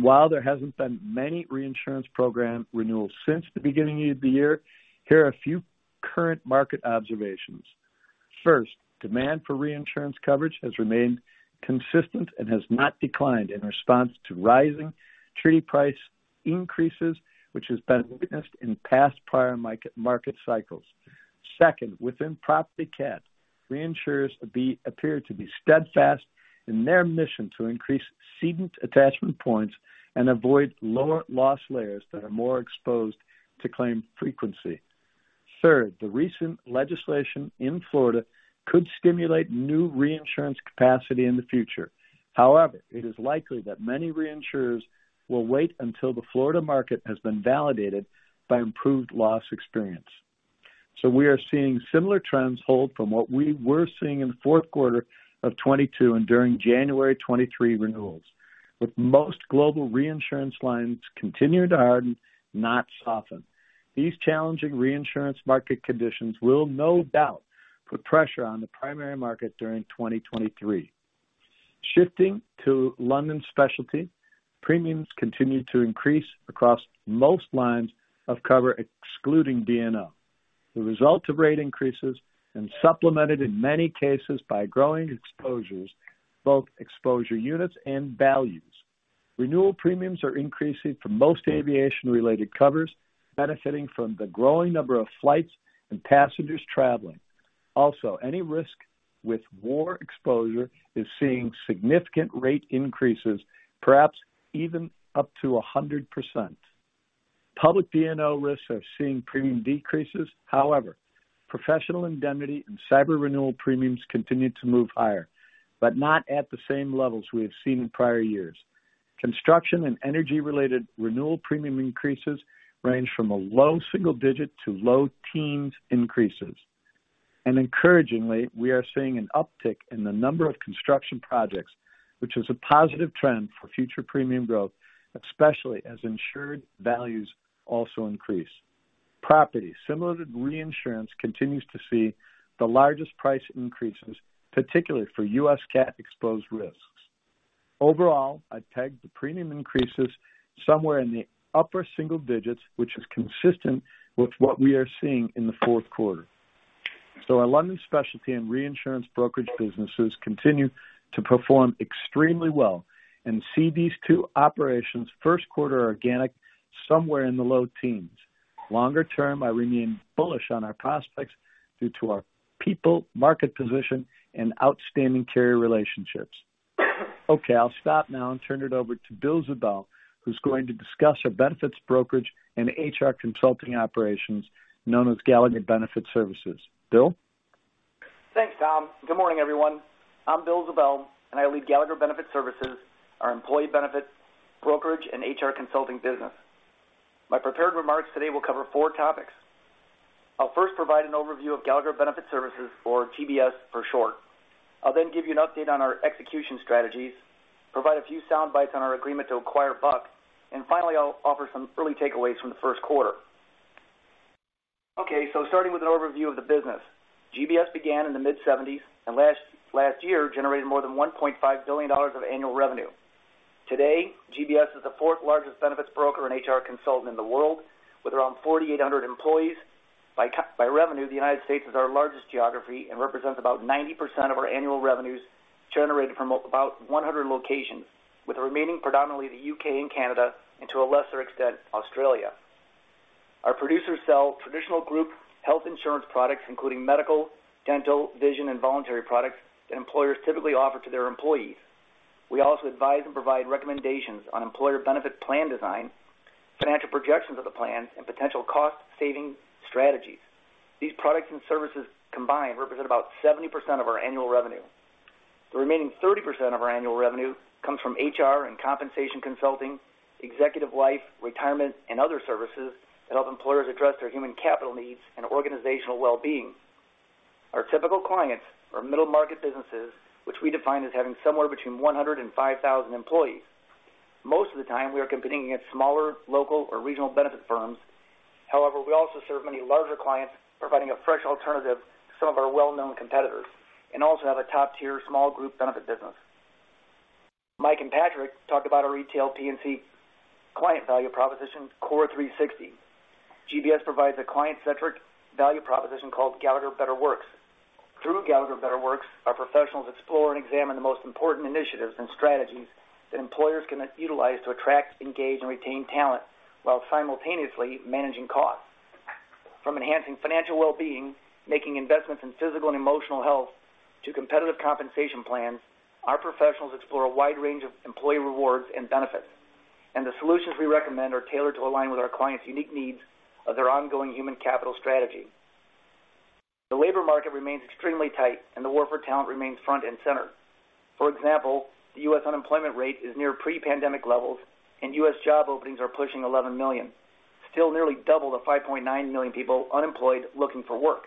Speaker 6: While there hasn't been many reinsurance program renewals since the beginning of the year, here are a few current market observations. First, demand for reinsurance coverage has remained consistent and has not declined in response to rising treaty price increases, which has been witnessed in past prior market cycles. Second, within property cat, reinsurers appear to be steadfast in their mission to increase cedant attachment points and avoid lower loss layers that are more exposed to claim frequency. Third, the recent legislation in Florida could stimulate new reinsurance capacity in the future. However, it is likely that many reinsurers will wait until the Florida market has been validated by improved loss experience. We are seeing similar trends hold from what we were seeing in the Q4 of 2022 and during January 2023 renewals, with most global reinsurance lines continuing to harden, not soften. These challenging reinsurance market conditions will no doubt put pressure on the primary market during 2023. Shifting to London specialty, premiums continue to increase across most lines of cover, excluding D&O, the result of rate increases and supplemented in many cases by growing exposures, both exposure units and values. Renewal premiums are increasing for most aviation-related covers, benefiting from the growing number of flights and passengers traveling. Any risk with war exposure is seeing significant rate increases, perhaps even up to 100%. Public D&O risks are seeing premium decreases. Professional indemnity and cyber renewal premiums continued to move higher, but not at the same levels we have seen in prior years. Construction and energy-related renewal premium increases range from a low single-digit to low teens increases. Encouragingly, we are seeing an uptick in the number of construction projects, which is a positive trend for future premium growth, especially as insured values also increase. Property, similar to reinsurance, continues to see the largest price increases, particularly for U.S. cat-exposed risks. Overall, I'd tag the premium increases somewhere in the upper single digits, which is consistent with what we are seeing in the 4th quarter. Our London specialty and reinsurance brokerage businesses continue to perform extremely well and see these two-operations 1st quarter organic somewhere in the low teens. Longer term, I remain bullish on our prospects due to our people, market position, and outstanding carrier relationships. I'll stop now and turn it over to Bill Ziebell, who's going to discuss our benefits brokerage and HR consulting operations known as Gallagher Benefit Services. Bill?
Speaker 7: Thanks, Tom. Good morning, everyone. I'm Bill Ziebell, and I lead Gallagher Benefit Services, our employee benefit brokerage and HR consulting business. My prepared remarks today will cover four topics. I'll first provide an overview of Gallagher Benefit Services or GBS for short. I'll then give you an update on our execution strategies, provide a few sound bites on our agreement to acquire Buck, and finally, I'll offer some early takeaways from the Q1. Starting with an overview of the business. GBS began in the mid-'70s and last year generated more than $1.5 billion of annual revenue. Today, GBS is the fourth-largest benefits broker and HR consultant in the world, with around 4,800 employees. By revenue, the United States is our largest geography and represents about 90% of our annual revenues generated from about 100 locations, with the remaining predominantly the U.K. and Canada, and to a lesser extent, Australia. Our producers sell traditional group health insurance products, including medical, dental, vision, and voluntary products that employers typically offer to their employees. We also advise and provide recommendations on employer benefit plan design, financial projections of the plan, and potential cost-saving strategies. These products and services combined represent about 70% of our annual revenue. The remaining 30% of our annual revenue comes from HR and compensation consulting, executive life, retirement, and other services that help employers address their human capital needs and organizational well-being. Our typical clients are middle-market businesses, which we define as having somewhere between 100 and 5,000 employees. Most of the time, we are competing against smaller, local, or regional benefit firms. However, we also serve many larger clients, providing a fresh alternative to some of our well-known competitors, and also have a top-tier small group benefit business. Mike and Patrick talked about our retail P&C client value proposition, CORE360°. GBS provides a client-centric value proposition called Gallagher Better Works. Through Gallagher Better Works, our professionals explore and examine the most important initiatives and strategies that employers can utilize to attract, engage, and retain talent while simultaneously managing costs. From enhancing financial well-being, making investments in physical and emotional health, to competitive compensation plans, our professionals explore a wide range of employee rewards and benefits, and the solutions we recommend are tailored to align with our clients' unique needs of their ongoing human capital strategy. The labor market remains extremely tight, and the war for talent remains front and center. For example, the U.S. unemployment rate is near pre-pandemic levels, and U.S. job openings are pushing 11 million, still nearly double the 5.9 million people unemployed looking for work.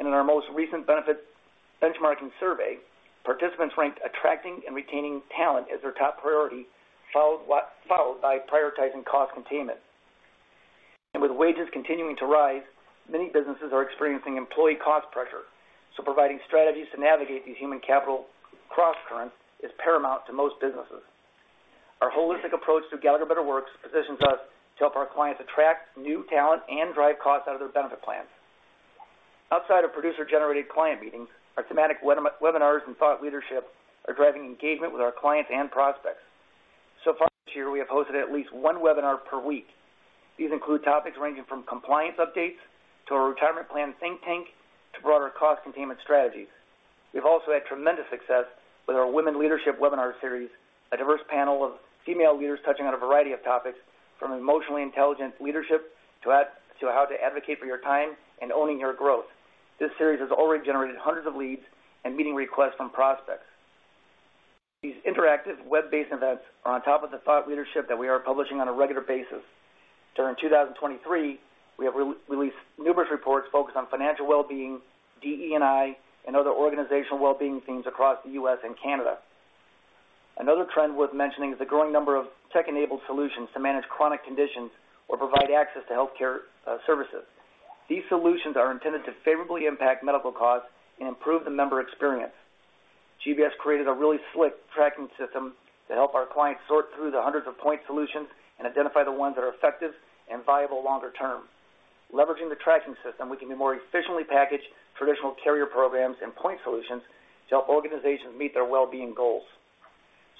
Speaker 7: In our most recent benefit benchmarking survey, participants ranked attracting and retaining talent as their top priority, followed by prioritizing cost containment. With wages continuing to rise, many businesses are experiencing employee cost pressure, so providing strategies to navigate these human capital crosscurrents is paramount to most businesses. Our holistic approach through Gallagher Better Works positions us to help our clients attract new talent and drive costs out of their benefit plans. Outside of producer-generated client meetings, our thematic webinars and thought leadership are driving engagement with our clients and prospects. Far this year, we have hosted at least one webinar per week. These include topics ranging from compliance updates to our retirement plan think tank to broader cost containment strategies. We've also had tremendous success with our Women Leadership Webinar Series, a diverse panel of female leaders touching on a variety of topics from emotionally intelligent leadership to how to advocate for your time and owning your growth. This series has already generated hundreds of leads and meeting requests from prospects. These interactive web-based events are on top of the thought leadership that we are publishing on a regular basis. During 2023, we have released numerous reports focused on financial well-being, DE&I, and other organizational well-being themes across the U.S. and Canada. Another trend worth mentioning is the growing number of tech-enabled solutions to manage chronic conditions or provide access to healthcare services. These solutions are intended to favorably impact medical costs and improve the member experience. GBS created a really slick tracking system to help our clients sort through the hundreds of point solutions and identify the ones that are effective and viable longer term. Leveraging the tracking system, we can more efficiently package traditional carrier programs and point solutions to help organizations meet their well-being goals.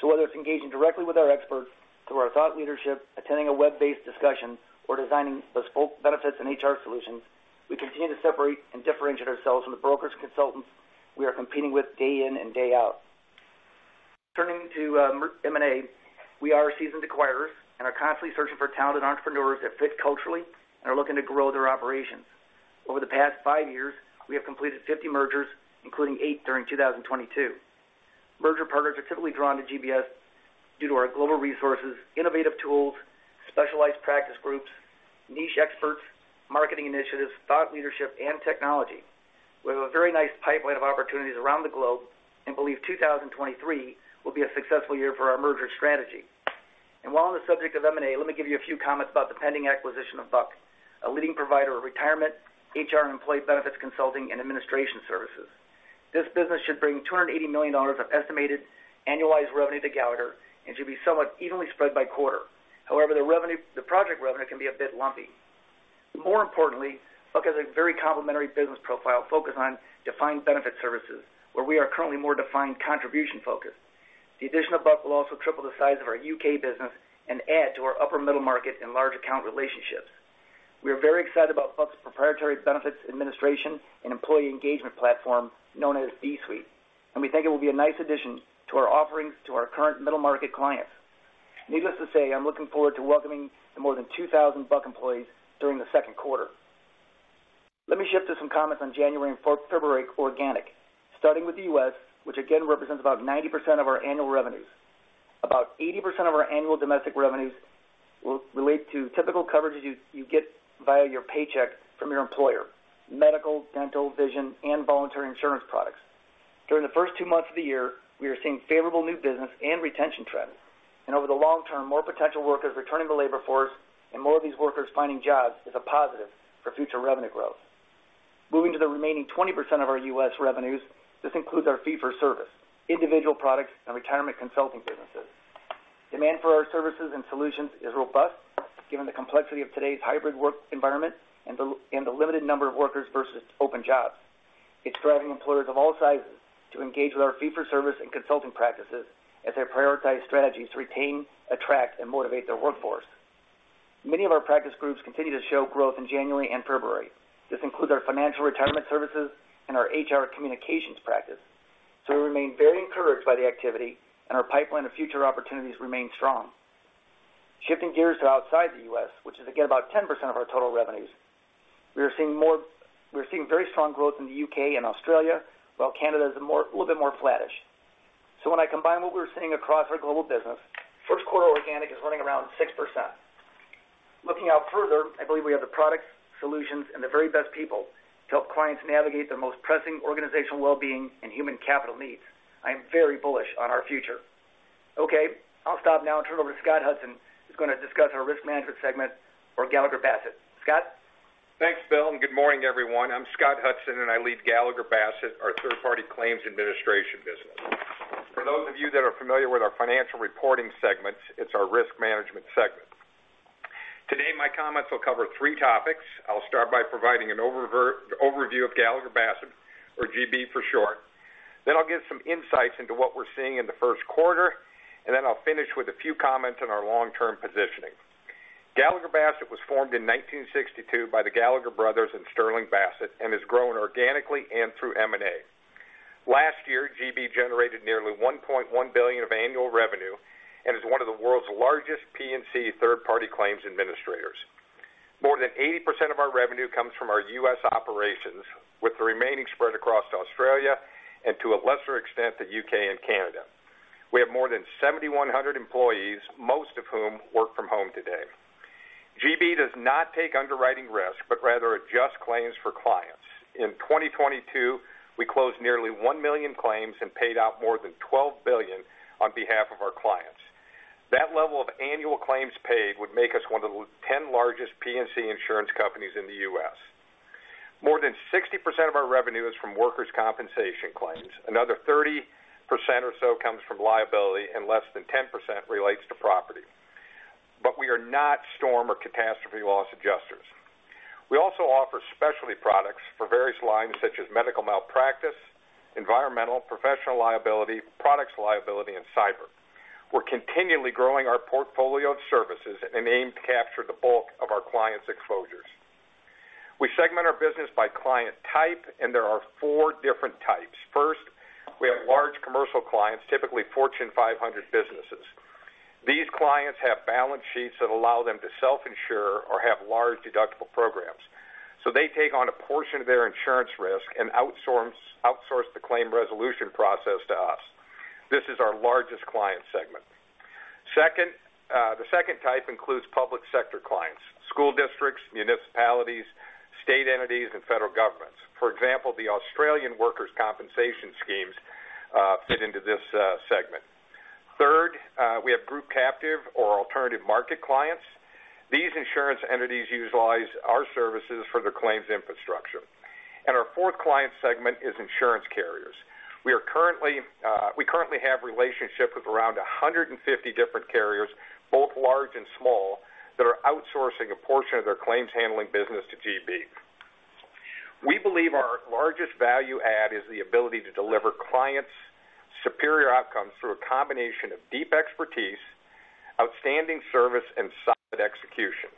Speaker 7: Whether it's engaging directly with our experts through our thought leadership, attending a web-based discussion, or designing bespoke benefits and HR solutions, we continue to separate and differentiate ourselves from the brokers and consultants we are competing with day in and day out. Turning to M&A, we are seasoned acquirers and are constantly searching for talented entrepreneurs that fit culturally and are looking to grow their operations. Over the past five years, we have completed 50 mergers, including eight during 2022. Merger partners are typically drawn to GBS due to our global resources, innovative tools, specialized practice groups, niche experts, marketing initiatives, thought leadership, and technology. We have a very nice pipeline of opportunities around the globe and believe 2023 will be a successful year for our merger strategy. While on the subject of M&A, let me give you a few comments about the pending acquisition of Buck, a leading provider of retirement, HR, and employee benefits consulting, and administration services. This business should bring $280 million of estimated annualized revenue to Gallagher and should be somewhat evenly spread by quarter. However, the project revenue can be a bit lumpy. More importantly, Buck has a very complimentary business profile focused on defined benefit services, where we are currently more defined contribution focused. The addition of Buck will also triple the size of our U.K. business and add to our upper middle market and large account relationships. We are very excited about Buck's proprietary benefits administration and employee engagement platform known as b-suite, and we think it will be a nice addition to our offerings to our current middle market clients. Needless to say, I'm looking forward to welcoming the more than 2,000 Buck employees during the Q2. Let me shift to some comments on January and February organic, starting with the U.S., which again represents about 90% of our annual revenues. About 80% of our annual domestic revenues relate to typical coverages you get via your paycheck from your employer: medical, dental, vision, and voluntary insurance products. During the first two months of the year, we are seeing favorable new business and retention trends. Over the long term, more potential workers returning to labor force and more of these workers finding jobs is a positive for future revenue growth. Moving to the remaining 20% of our U.S. revenues, this includes our fee for service, individual products, and retirement consulting businesses. Demand for our services and solutions is robust, given the complexity of today's hybrid work environment and the limited number of workers versus open jobs. It's driving employers of all sizes to engage with our fee for service and consulting practices as they prioritize strategies to retain, attract, and motivate their workforce. Many of our practice groups continue to show growth in January and February. This includes our financial retirement services and our HR communications practice. We remain very encouraged by the activity, and our pipeline of future opportunities remain strong. Shifting gears to outside the U.S., which is again about 10% of our total revenues, we're seeing very strong growth in the U.K. and Australia, while Canada is a little bit more flattish. When I combine what we're seeing across our global business, Q1 organic is running around 6%. Looking out further, I believe we have the products, solutions, and the very best people to help clients navigate their most pressing organizational well-being and human capital needs. I am very bullish on our future. Okay, I'll stop now and turn over to Scott Hudson, who's gonna discuss our risk management segment for Gallagher Bassett. Scott?
Speaker 8: Thanks, Bill. Good morning, everyone. I'm Scott Hudson. I lead Gallagher Bassett, our third-party claims administration business. For those of you that are familiar with our financial reporting segments, it's our risk management segment. Today, my comments will cover three topics. I'll start by providing an overview of Gallagher Bassett or GB for short. I'll give some insights into what we're seeing in the Q1. I'll finish with a few comments on our long-term positioning. Gallagher Bassett was formed in 1962 by the Gallagher brothers and Sterling Bassett and has grown organically and through M&A. Last year, GB generated nearly $1.1 billion of annual revenue and is one of the world's largest P&C third-party claims administrators. More than 80% of our revenue comes from our U.S. operations, with the remaining spread across Australia and to a lesser extent, the U.K. and Canada. We have more than 7,100 employees, most of whom work from home today. GB does not take underwriting risk, rather adjust claims for clients. In 2022, we closed nearly $1 million claims and paid out more than $12 billion on behalf of our clients. That level of annual claims paid would make us one of the 10 largest P&C insurance companies in the U.S. More than 60% of our revenue is from workers' compensation claims. Another 30% or so comes from liability, and less than 10% relates to property. We are not storm or catastrophe loss adjusters. We also offer specialty products for various lines, such as medical malpractice, environmental, professional liability, products liability, and cyber. We're continually growing our portfolio of services in an aim to capture the bulk of our clients' exposures. We segment our business by client type, and there are four different types. First, we have large commercial clients, typically Fortune 500 businesses. These clients have balance sheets that allow them to self-insure or have large deductible programs, so they take on a portion of their insurance risk and outsource the claim resolution process to us. This is our largest client segment. Second, the second type includes public sector clients, school districts, municipalities, state entities, and federal governments. For example, the Australian Workers Compensation Schemes fit into this segment. Third, we have group captive or alternative market clients. These insurance entities utilize our services for their claims infrastructure. Our fourth client segment is insurance carriers. We currently have relationships with around 150 different carriers, both large and small, that are outsourcing a portion of their claims handling business to GB. We believe our largest value add is the ability to deliver clients superior outcomes through a combination of deep expertiseOutstanding service and solid execution.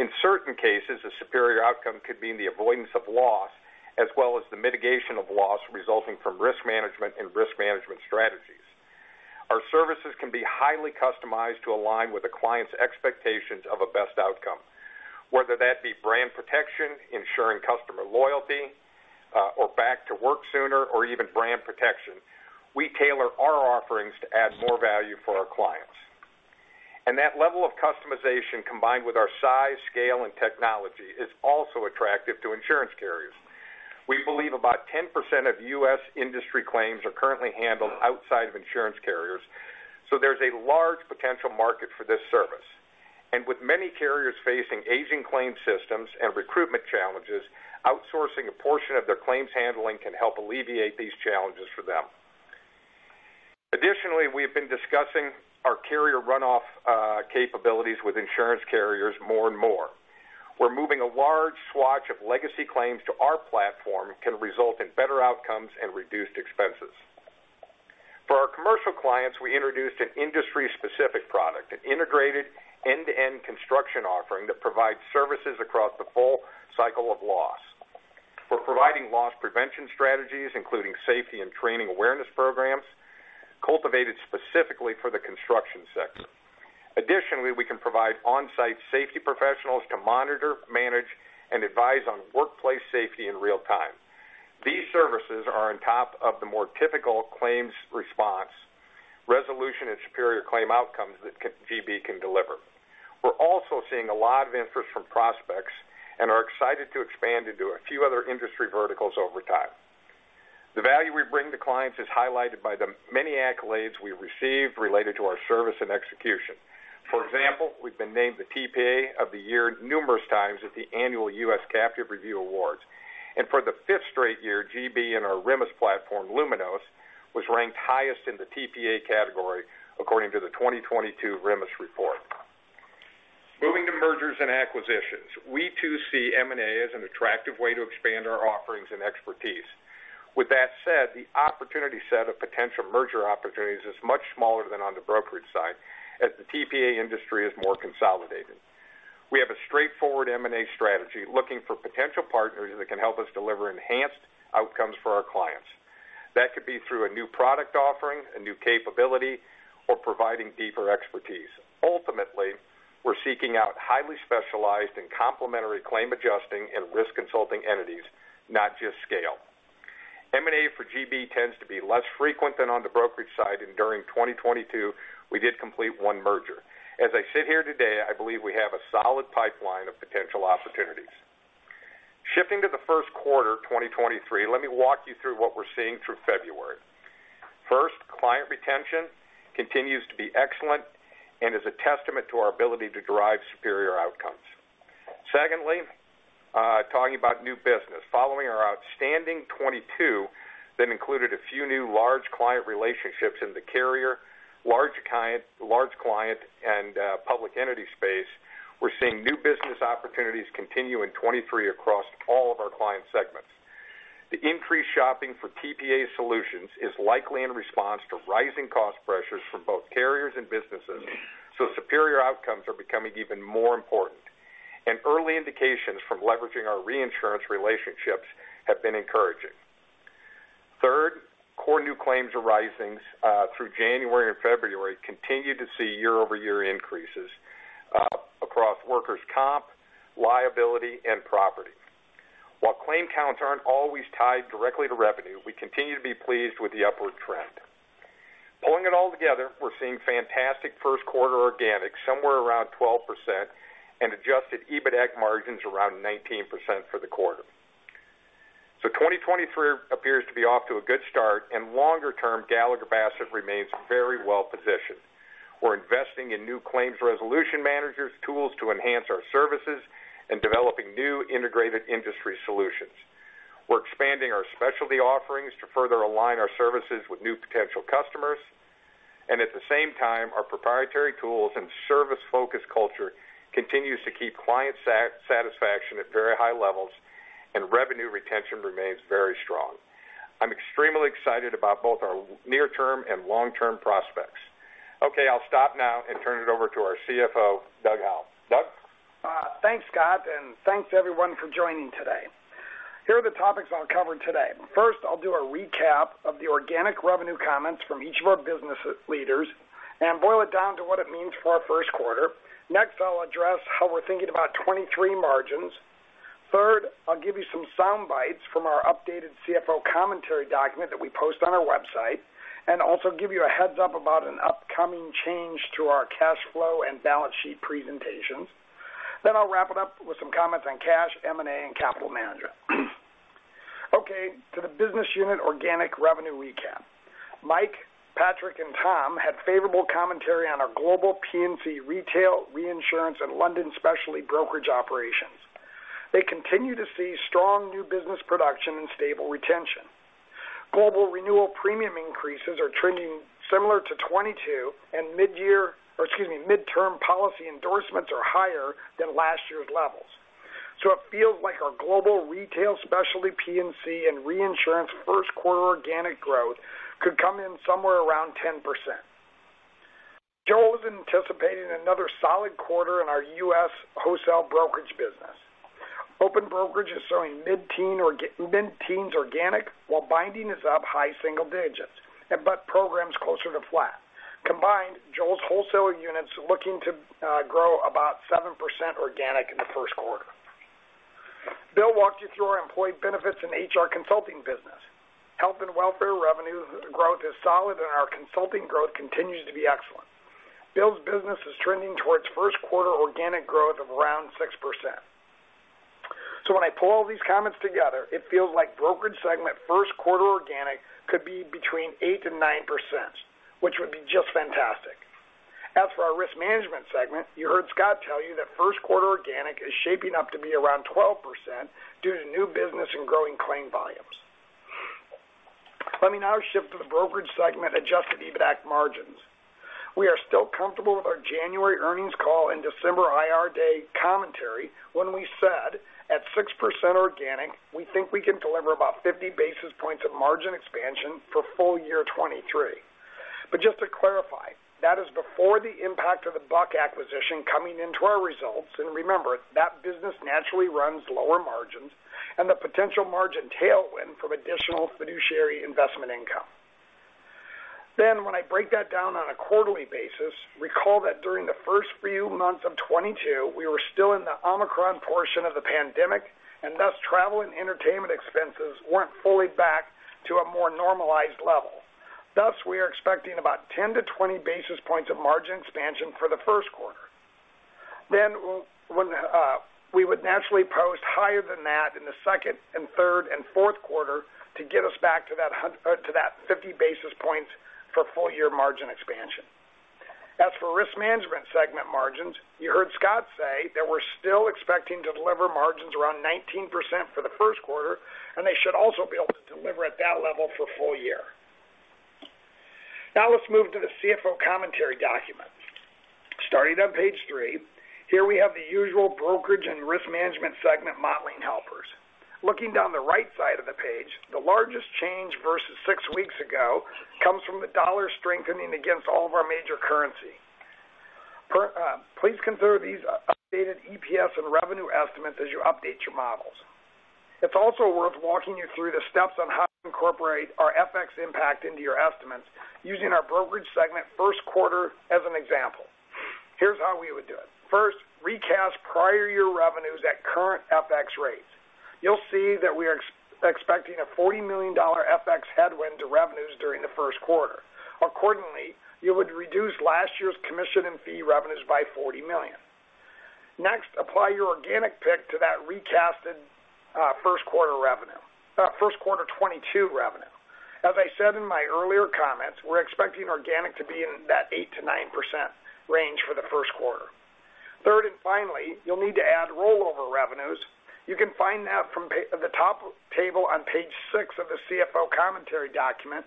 Speaker 8: In certain cases, a superior outcome could mean the avoidance of loss, as well as the mitigation of loss resulting from risk management and risk management strategies. Our services can be highly customized to align with a client's expectations of a best outcome. Whether that be brand protection, ensuring customer loyalty, or back to work sooner or even brand protection, we tailor our offerings to add more value for our clients. That level of customization, combined with our size, scale, and technology, is also attractive to insurance carriers. We believe about 10% of U.S. industry claims are currently handled outside of insurance carriers, so there's a large potential market for this service. With many carriers facing aging claim systems and recruitment challenges, outsourcing a portion of their claims handling can help alleviate these challenges for them. We have been discussing our carrier runoff capabilities with insurance carriers more and more. We're moving a large swatch of legacy claims to our platform can result in better outcomes and reduced expenses. For our commercial clients, we introduced an industry-specific product, an integrated end-to-end construction offering that provides services across the full cycle of loss. We're providing loss prevention strategies, including safety and training awareness programs, cultivated specifically for the construction sector. We can provide on-site safety professionals to monitor, manage, and advise on workplace safety in real time. These services are on top of the more typical claims response, resolution and superior claim outcomes that GB can deliver. We're also seeing a lot of interest from prospects and are excited to expand into a few other industry verticals over time. The value we bring to clients is highlighted by the many accolades we receive related to our service and execution. For example, we've been named the TPA of the year numerous times at the annual Captive Review US Awards. For the fifth straight year, GB and our RMIS platform, Luminos, was ranked highest in the TPA category according to the 2022 RMIS Report. Moving to mergers and acquisitions, we too see M&A as an attractive way to expand our offerings and expertise. With that said, the opportunity set of potential merger opportunities is much smaller than on the brokerage side, as the TPA industry is more consolidated. We have a straightforward M&A strategy, looking for potential partners that can help us deliver enhanced outcomes for our clients. That could be through a new product offering, a new capability, or providing deeper expertise. Ultimately, we're seeking out highly specialized and complementary claim adjusting and risk consulting entities, not just scale. M&A for GB tends to be less frequent than on the brokerage side, and during 2022, we did complete one merger. As I sit here today, I believe we have a solid pipeline of potential opportunities. Shifting to the Q1, 2023, let me walk you through what we're seeing through February. First, client retention continues to be excellent and is a testament to our ability to derive superior outcomes. Secondly, talking about new business. Following our outstanding 2022 that included a few new large client relationships in the carrier, large client, and public entity space, we're seeing new business opportunities continue in 2023 across all of our client segments. The increased shopping for TPA solutions is likely in response to rising cost pressures from both carriers and businesses. Superior outcomes are becoming even more important. Early indications from leveraging our reinsurance relationships have been encouraging. Third, core new claims arisings through January and February continue to see year-over-year increases across workers' comp, liability, and property. While claim counts aren't always tied directly to revenue, we continue to be pleased with the upward trend. Pulling it all together, we're seeing fantastic Q1 organic, somewhere around 12%, and adjusted EBITDAC margins around 19% for the quarter. 2023 appears to be off to a good start, and longer term, Gallagher Bassett remains very well positioned. We're investing in new claims resolution managers tools to enhance our services and developing new integrated industry solutions. We're expanding our specialty offerings to further align our services with new potential customers. At the same time, our proprietary tools and service-focused culture continues to keep client satisfaction at very high levels, and revenue retention remains very strong. I'm extremely excited about both our near-term and long-term prospects. Okay, I'll stop now and turn it over to our CFO, Doug Howell. Doug?
Speaker 9: Thanks, Scott, and thanks to everyone for joining today. Here are the topics I'll cover today. First, I'll do a recap of the organic revenue comments from each of our business leaders and boil it down to what it means for our Q1. Next, I'll address how we're thinking about 23 margins. Third, I'll give you some sound bites from our updated CFO commentary document that we post on our website, and also give you a heads-up about an upcoming change to our cash flow and balance sheet presentations. I'll wrap it up with some comments on cash, M&A, and capital management. Okay, to the business unit organic revenue recap. Mike, Patrick, and Tom had favorable commentary on our global P&C retail reinsurance and London specialty brokerage operations. They continue to see strong new business production and stable retention. Global renewal premium increases are trending similar to 22 and midyear or excuse me, midterm policy endorsements are higher than last year's levels. It feels like our global retail specialty P&C and reinsurance Q1 organic growth could come in somewhere around 10%. Joel is anticipating another solid quarter in our U.S. wholesale brokerage business. Open brokerage is showing mid-teens organic, while binding is up high single digits, but programs closer to flat. Combined, Joel's wholesaling unit's looking to grow about 7% organic in the Q1. Bill walked you through our employee benefits and HR consulting business. Health and welfare revenue growth is solid, and our consulting growth continues to be excellent. Bill's business is trending towards Q1 organic growth of around 6%. When I pull all these comments together, it feels like brokerage segment Q1 organic could be between 8% and 9%, which would be just fantastic. As for our risk management segment, you heard Scott tell you that Q1 organic is shaping up to be around 12% due to new business and growing claim volumes. Let me now shift to the brokerage segment adjusted EBITAC margins. We are still comfortable with our January earnings call and December IR day commentary when we said, at 6% organic, we think we can deliver about 50 basis points of margin expansion for full year 2023. Just to clarify, that is before the impact of the Buck acquisition coming into our results, and remember, that business naturally runs lower margins and the potential margin tailwind from additional fiduciary investment income. When I break that down on a quarterly basis, recall that during the first few months of 2022, we were still in the Omicron portion of the pandemic, and thus travel and entertainment expenses weren't fully back to a more normalized level. Thus, we are expecting about 10-20 basis points of margin expansion for the Q1. When we would naturally post higher than that in the second and third and Q4 to get us back to that 50 basis points for full year margin expansion. As for risk management segment margins, you heard Scott say that we're still expecting to deliver margins around 19% for the Q1, and they should also be able to deliver at that level for full year. Now let's move to the CFO commentary document. Starting on page three, here we have the usual brokerage and risk management segment modeling helpers. Looking down the right side of the page, the largest change versus six weeks ago comes from the dollar strengthening against all of our major currency. Per, please consider these updated EPS and revenue estimates as you update your models. It's also worth walking you through the steps on how to incorporate our FX impact into your estimates using our brokerage segment Q1 as an example. Here's how we would do it. First, recast prior year revenues at current FX rates. You'll see that we are expecting a $40 million FX headwind to revenues during the Q1. Accordingly, you would reduce last year's commission and fee revenues by $40 million. Next, apply your organic pick to that recasted Q1 revenue. Q1 2022 revenue. As I said in my earlier comments, we're expecting organic to be in that 8%-9% range for the 1st quarter. Finally, you'll need to add rollover revenues. You can find that from the top table on page six of the CFO commentary document.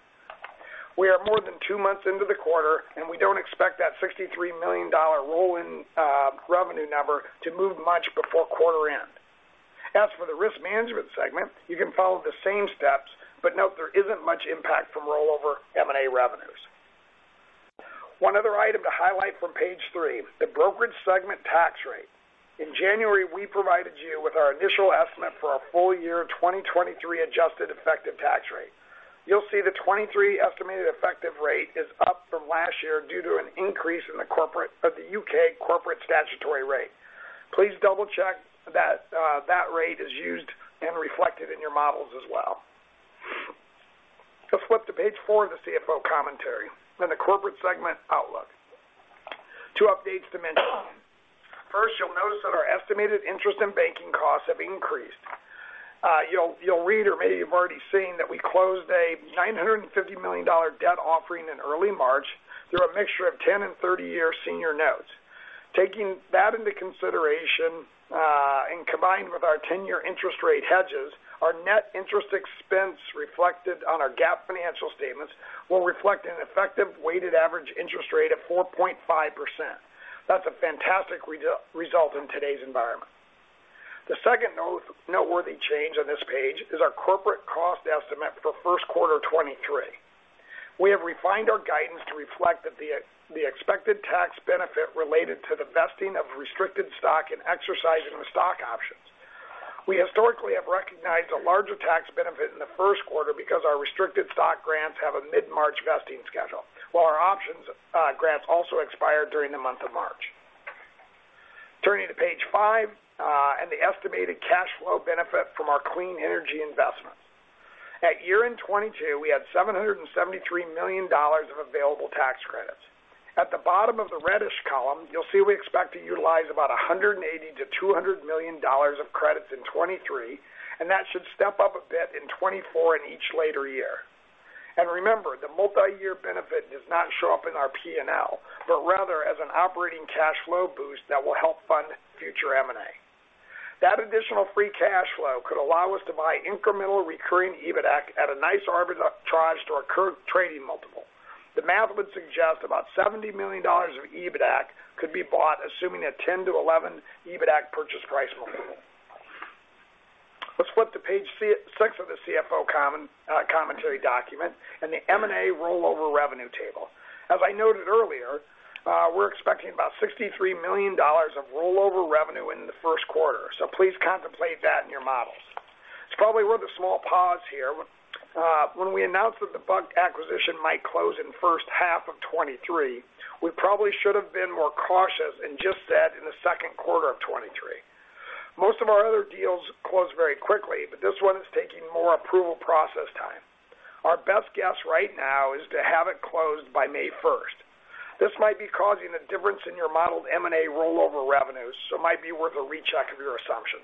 Speaker 9: We are more than two months into the quarter, and we don't expect that $63 million roll-in revenue number to move much before quarter end. For the risk management segment, you can follow the same steps, but note there isn't much impact from rollover M&A revenues. One other item to highlight from page three, the brokerage segment tax rate. In January, we provided you with our initial estimate for our full year 2023 adjusted effective tax rate. You'll see the 2023 estimated effective rate is up from last year due to an increase in the U.K. corporate statutory rate. Please double-check that that rate is used and reflected in your models as well. Let's flip to page four of the CFO commentary in the corporate segment outlook. Two updates to mention. First, you'll notice that our estimated interest and banking costs have increased. You'll read or maybe you've already seen that we closed a $950 million debt offering in early March through a mixture of 10 and 30-year senior notes. Taking that into consideration, and combined with our 10-year interest rate hedges, our net interest expense reflected on our GAAP financial statements will reflect an effective weighted average interest rate of 4.5%. That's a fantastic result in today's environment. The second noteworthy change on this page is our corporate cost estimate for Q1 2023. We have refined our guidance to reflect that the expected tax benefit related to the vesting of restricted stock and exercising of stock options. We historically have recognized a larger tax benefit in the Q1 because our restricted stock grants have a mid-March vesting schedule, while our options grants also expire during the month of March. Turning to page five and the estimated cash flow benefit from our clean energy investment. At year-end 2022, we had $773 million of available tax credits. At the bottom of the reddish column, you'll see we expect to utilize about $180 million-$200 million of credits in 2023, and that should step up a bit in 2024 and each later year. Remember, the multiyear benefit does not show up in our P&L, but rather as an operating cash flow boost that will help fund future M&A. That additional free cash flow could allow us to buy incremental recurring EBITDAC at a nice arbitrage to our current trading multiple. The math would suggest about $70 million of EBITDAC could be bought, assuming a 10-11 EBITDAC purchase price multiple. Let's flip to page six of the CFO Commentary Document and the M&A rollover revenue table. As I noted earlier, we're expecting about $63 million of rollover revenue in the Q1, please contemplate that in your models. It's probably worth a small pause here. When we announced that the Buck acquisition might close in H1 of 2023, we probably should have been more cautious and just said in the Q2 of 2023. Most of our other deals close very quickly, but this one is taking more approval process time. Our best guess right now is to have it closed by May 1. This might be causing a difference in your modeled M&A rollover revenues, so it might be worth a recheck of your assumption.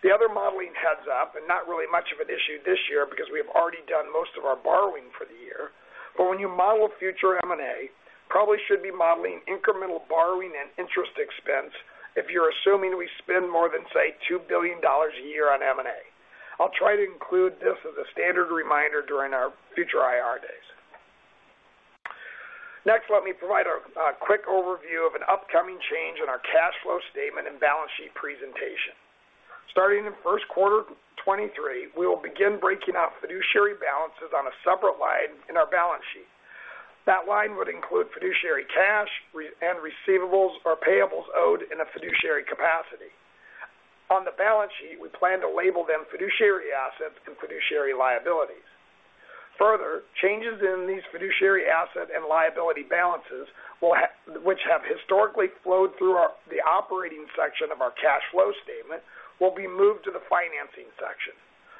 Speaker 9: The other modeling heads up, and not really much of an issue this year because we have already done most of our borrowing for the year, but when you model future M&A, probably should be modeling incremental borrowing and interest expense if you're assuming we spend more than, say, $2 billion a year on M&A. I'll try to include this as a standard reminder during our future IR days. Let me provide a quick overview of an upcoming change in our cash flow statement and balance sheet presentation. Starting in Q1 23, we will begin breaking out fiduciary balances on a separate line in our balance sheet. That line would include fiduciary cash and receivables or payables owed in a fiduciary capacity. On the balance sheet, we plan to label them fiduciary assets and fiduciary liabilities. Changes in these fiduciary asset and liability balances which have historically flowed through the operating section of our cash flow statement, will be moved to the financing section.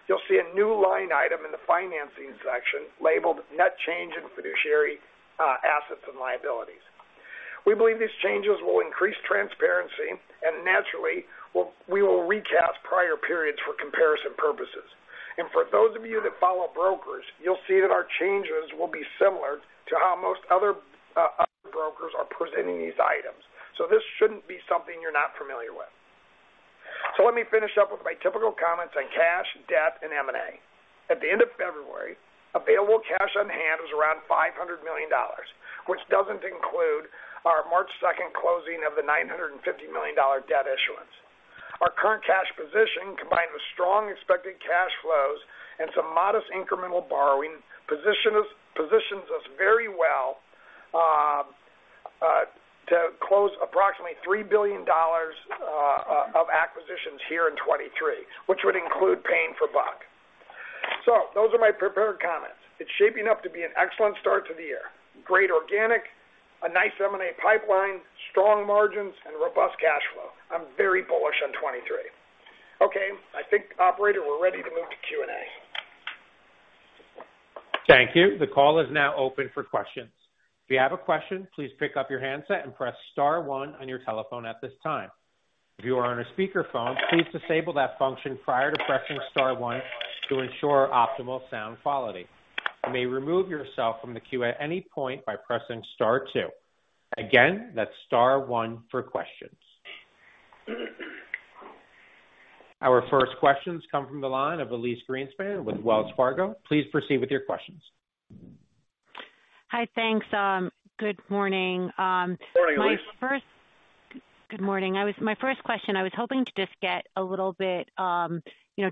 Speaker 9: You'll see a new line item in the financing section labeled Net Change in Fiduciary Assets and Liabilities. We believe these changes will increase transparency, naturally we will recast prior periods for comparison purposes. For those of you that follow brokers, you'll see that our changes will be similar to how most other brokers are presenting these items. This shouldn't be something you're not familiar with. Let me finish up with my typical comments on cash, debt, and M&A. At the end of February, available cash on hand was around $500 million, which doesn't include our March second closing of the $950 million debt issuance. Our current cash position, combined with strong expected cash flows and some modest incremental borrowing positions us very well to close approximately $3 billion of acquisitions here in 2023, which would include paying for Buck. Those are my prepared comments. It's shaping up to be an excellent start to the year. Great organic, a nice M&A pipeline, strong margins, and robust cash flow. I'm very bullish on 2023. Okay. I think, operator, we're ready to move to Q&A.
Speaker 1: Thank you. The call is now open for questions. If you have a question, please pick up your handset and press star one on your telephone at this time. If you are on a speakerphone, please disable that function prior to pressing star one to ensure optimal sound quality. You may remove yourself from the queue at any point by pressing star two. Again, that's star one for questions. Our first questions come from the line of Elyse Greenspan with Wells Fargo. Please proceed with your questions.
Speaker 10: Hi. Thanks. Good morning.
Speaker 9: Morning, Elyse.
Speaker 10: Good morning. My first question, I was hoping to just get a little bit, you know,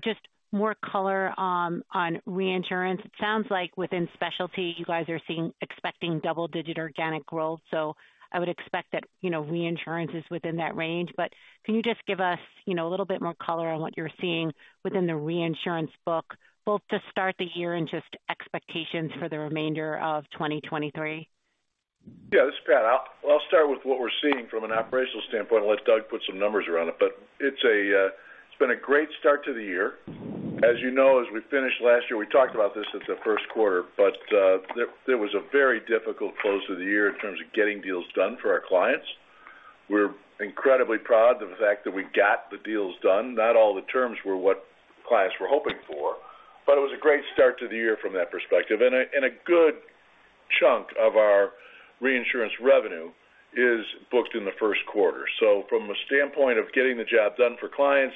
Speaker 10: just more color on reinsurance. It sounds like within specialty, you guys are expecting double-digit organic growth, I would expect that, you know, reinsurance is within that range. Can you just give us, you know, a little bit more color on what you're seeing within the reinsurance book, both to start the year and just expectations for the remainder of 2023?
Speaker 2: Yeah, this is Pat. I'll start with what we're seeing from an operational standpoint and let Doug put some numbers around it. It's a great start to the year. As you know, as we finished last year, we talked about this at the Q1, but there was a very difficult close of the year in terms of getting deals done for our clients. We're incredibly proud of the fact that we got the deals done. Not all the terms were what clients were hoping for, but it was a great start to the year from that perspective. A good chunk of our reinsurance revenue is booked in the Q1. From a standpoint of getting the job done for clients,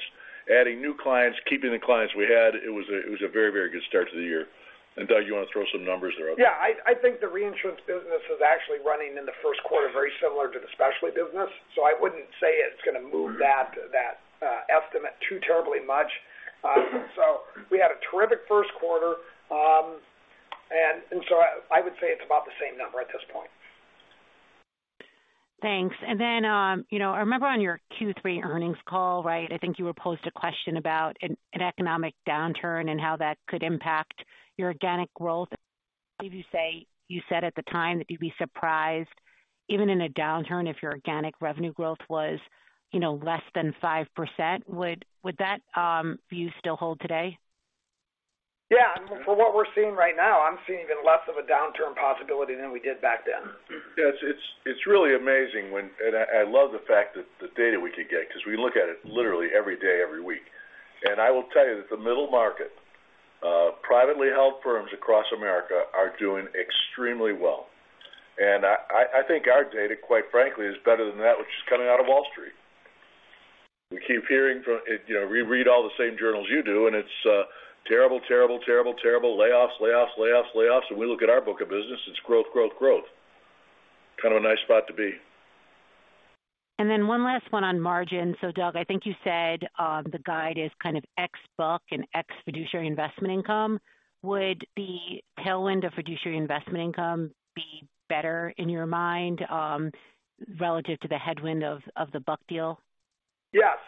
Speaker 2: adding new clients, keeping the clients we had, it was a very good start to the year. Doug, you wanna throw some numbers there?
Speaker 9: Yeah. I think the reinsurance business is actually running in the Q1 very similar to the specialty business. I wouldn't say it's gonna move that estimate too terribly much. We had a terrific Q1. I would say it's about the same number at this point.
Speaker 10: Thanks. You know, I remember on your Q3 earnings call, right, I think you were posed a question about an economic downturn and how that could impact your organic growth. I believe you said at the time that you'd be surprised, even in a downturn, if your organic revenue growth was, you know, less than 5%. Would that view still hold today?
Speaker 9: Yeah. From what we're seeing right now, I'm seeing even less of a downturn possibility than we did back then.
Speaker 2: Yeah, it's really amazing I love the fact that the data we could get, 'cause we look at it literally every day, every week. I will tell you that the middle market, privately held firms across America are doing extremely well. I think our data, quite frankly, is better than that which is coming out of Wall Street. We keep hearing from it, you know, we read all the same journals you do, and it's terrible layoffs. We look at our book of business. It's growth. Kind of a nice spot to be.
Speaker 10: One last one on margin. Doug, I think you said, the guide is kind of ex-book and ex-fiduciary investment income. Would the tailwind of fiduciary investment income be better in your mind, relative to the headwind of the Buck deal?
Speaker 9: Yes.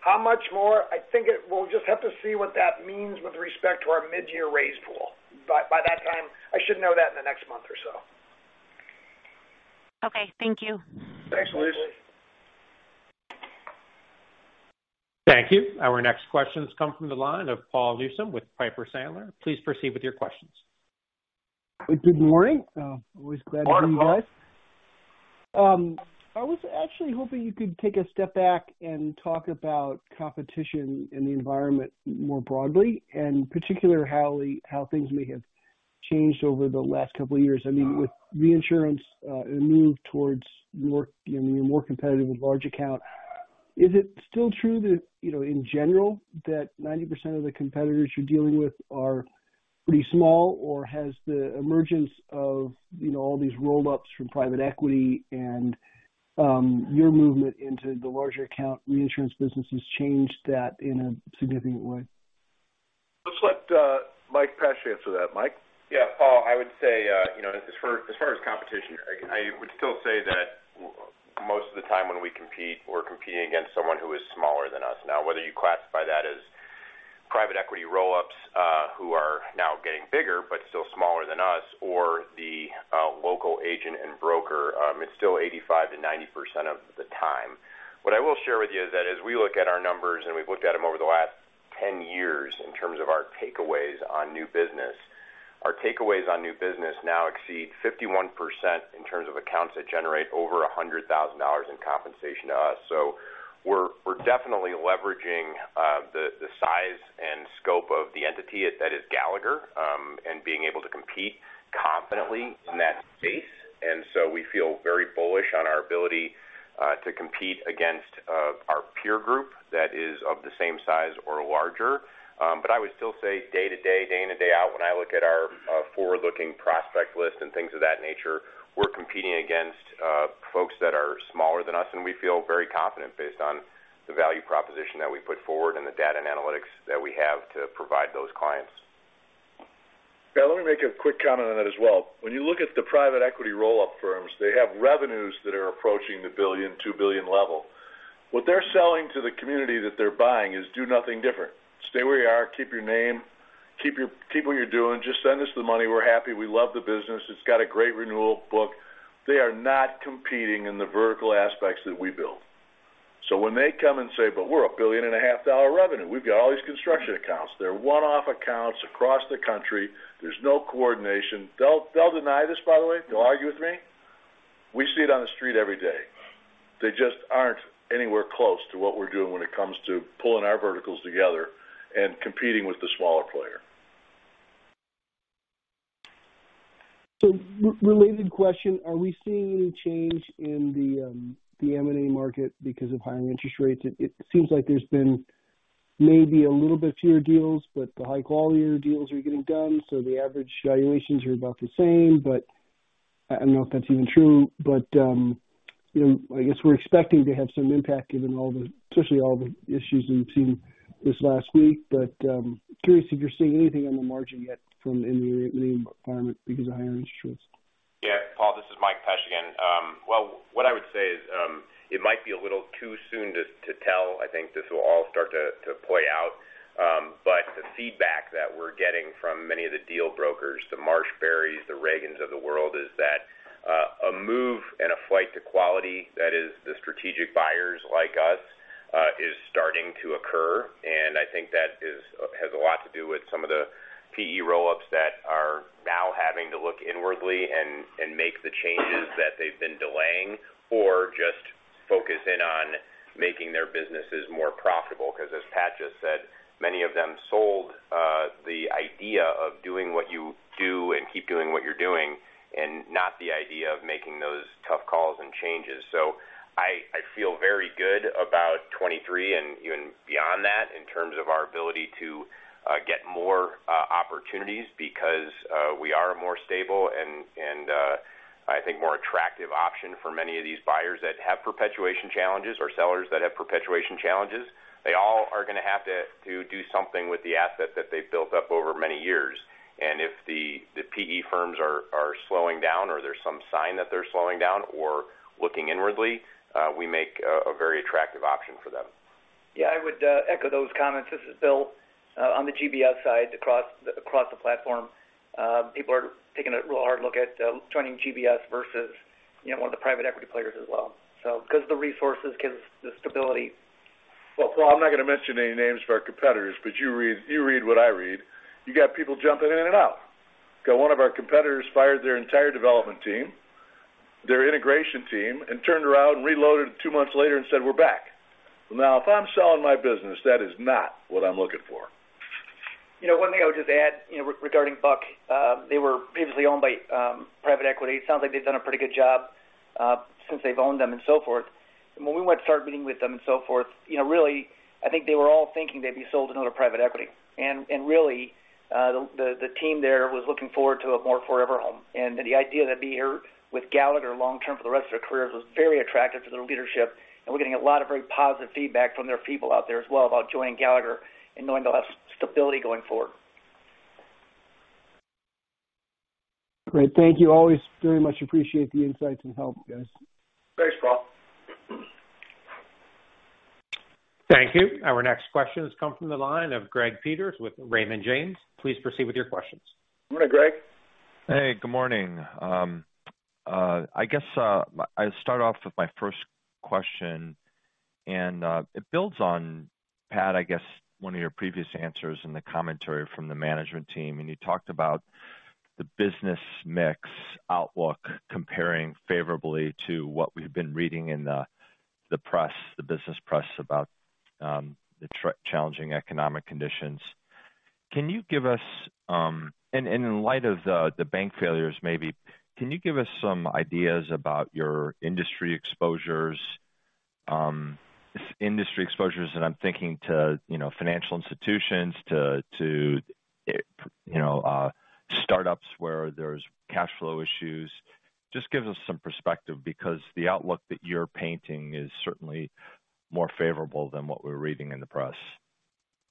Speaker 9: How much more? I think we'll just have to see what that means with respect to our mid-year raise pool. By that time, I should know that in the next month or so.
Speaker 10: Okay, thank you.
Speaker 2: Thanks, Louise.
Speaker 1: Thank you. Our next questions come from the line of Paul Newsome with Piper Sandler. Please proceed with your questions.
Speaker 11: Good morning. Always glad to join you guys.
Speaker 2: Morning, Paul.
Speaker 11: I was actually hoping you could take a step back and talk about competition in the environment more broadly, and particularly how things may have changed over the last couple of years. I mean, with reinsurance, a move towards more, you know, more competitive with large account, is it still true that, you know, in general, that 90% of the competitors you're dealing with are pretty small or has the emergence of, you know, all these roll-ups from private equity and your movement into the larger account reinsurance business has changed that in a significant way?
Speaker 2: Let's let Mike Pesch answer that. Mike?
Speaker 3: Paul, I would say, you know, as far as competition, I would still say that most of the time when we compete, we're competing against someone who is smaller than us. Whether you classify that as private equity roll-ups, who are now getting bigger but still smaller than us or the local agent and broker, it's still 85%-90% of the time. What I will share with you is that as we look at our numbers, and we've looked at them over the last 10 years in terms of our takeaways on new business, our takeaways on new business now exceed 51% in terms of accounts that generate over $100,000 in compensation to us. We're definitely leveraging the size and scope of the entity at his Gallagher and being able to compete confidently in that space. We feel very bullish on our ability to compete against our peer group that is of the same size or larger. I would still say day-to-day, day in and day out, when I look at our forward-looking prospect list and things of that nature, we're competing against folks that are smaller than us, and we feel very confident based on the value proposition that we put forward and the data and analytics that we have to provide those clients.
Speaker 2: Let me make a quick comment on that as well. When you look at the private equity roll-up firms, they have revenues that are approaching the $1 billion-$2 billion level. What they're selling to the community that they're buying is, do nothing different. Stay where you are, keep your name, keep what you're doing, just send us the money. We're happy. We love the business. It's got a great renewal book. They are not competing in the vertical aspects that we build. When they come and say, but we're a $1.5 billion revenue, we've got all these construction accounts. They're one-off accounts across the country. There's no coordination. They'll deny this, by the way. They'll argue with me. We see it on the street every day. They just aren't anywhere close to what we're doing when it comes to pulling our verticals together and competing with the smaller player.
Speaker 11: Related question, are we seeing any change in the M&A market because of higher interest rates? It seems like there's been maybe a little bit fewer deals, but the high-quality deals are getting done, so the average valuations are about the same. I don't know if that's even true. You know, I guess we're expecting to have some impact given especially all the issues we've seen this last week. Curious if you're seeing anything on the margin yet from in the M&A environment because of higher interest rates.
Speaker 3: Yeah. Paul, this is Mike Pesch again. Well, what I would say is, it might be a little too soon to tell. I think this will all start to play out. But the feedback that we're getting from many of the deal brokers, the MarshBerry, the Reagan of the world, is that a move and a flight to quality that is the strategic buyers like us, is starting to occur. I think that has a lot to do with some of the PE roll-ups that are now having to look inwardly and make the changes that they've been delaying or just focus in on making their businesses more profitable, 'cause as Pat just said, many of them sold the idea of doing what you do and keep doing what you're doing and not the idea of making those tough calls and changes. I feel very good about 2023 and even beyond that in terms of our ability to get more opportunities because we are a more stable and I think more attractive option for many of these buyers that have perpetuation challenges or sellers that have perpetuation challenges. They all are gonna have to do something with the asset that they've built up over many years. If the PE firms are slowing down or there's some sign that they're slowing down or looking inwardly, we make a very attractive option for them.
Speaker 7: Yeah, I would echo those comments. This is Bill. On the GBS side, across the platform, people are taking a real hard look at joining GBS versus, you know, one of the private equity players as well. 'Cause the resources, 'cause the stability.
Speaker 2: Well, Paul, I'm not gonna mention any names of our competitors, but you read, you read what I read. You got people jumping in and out. Got one of our competitors fired their entire development team, their integration team, and turned around and reloaded two months later and said, "We're back." Now, if I'm selling my business, that is not what I'm looking for.
Speaker 7: You know, one thing I would just add, you know, regarding Buck, they were previously owned by private equity. It sounds like they've done a pretty good job since they've owned them and so forth. When we went to start meeting with them and so forth, you know, really, I think they were all thinking they'd be sold to another private equity. Really, the team there was looking forward to a more forever home. The idea that being here with Gallagher long term for the rest of their careers was very attractive to their leadership, and we're getting a lot of very positive feedback from their people out there as well about joining Gallagher and knowing they'll have stability going forward.
Speaker 11: Great. Thank you. Always very much appreciate the insights and help, guys.
Speaker 9: Thanks, Paul.
Speaker 1: Thank you. Our next question has come from the line of Greg Peters with Raymond James. Please proceed with your questions.
Speaker 9: Good morning, Greg.
Speaker 12: Hey, good morning. I guess I'll start off with my first question. It builds on, Pat, I guess one of your previous answers in the commentary from the management team. You talked about the business mix outlook comparing favorably to what we've been reading in the press, the business press, about the challenging economic conditions. Can you give us, in light of the bank failures, maybe, some ideas about your industry exposures, and I'm thinking to, you know, financial institutions to, you know, startups where there's cash flow issues. Just give us some perspective because the outlook that you're painting is certainly more favorable than what we're reading in the press.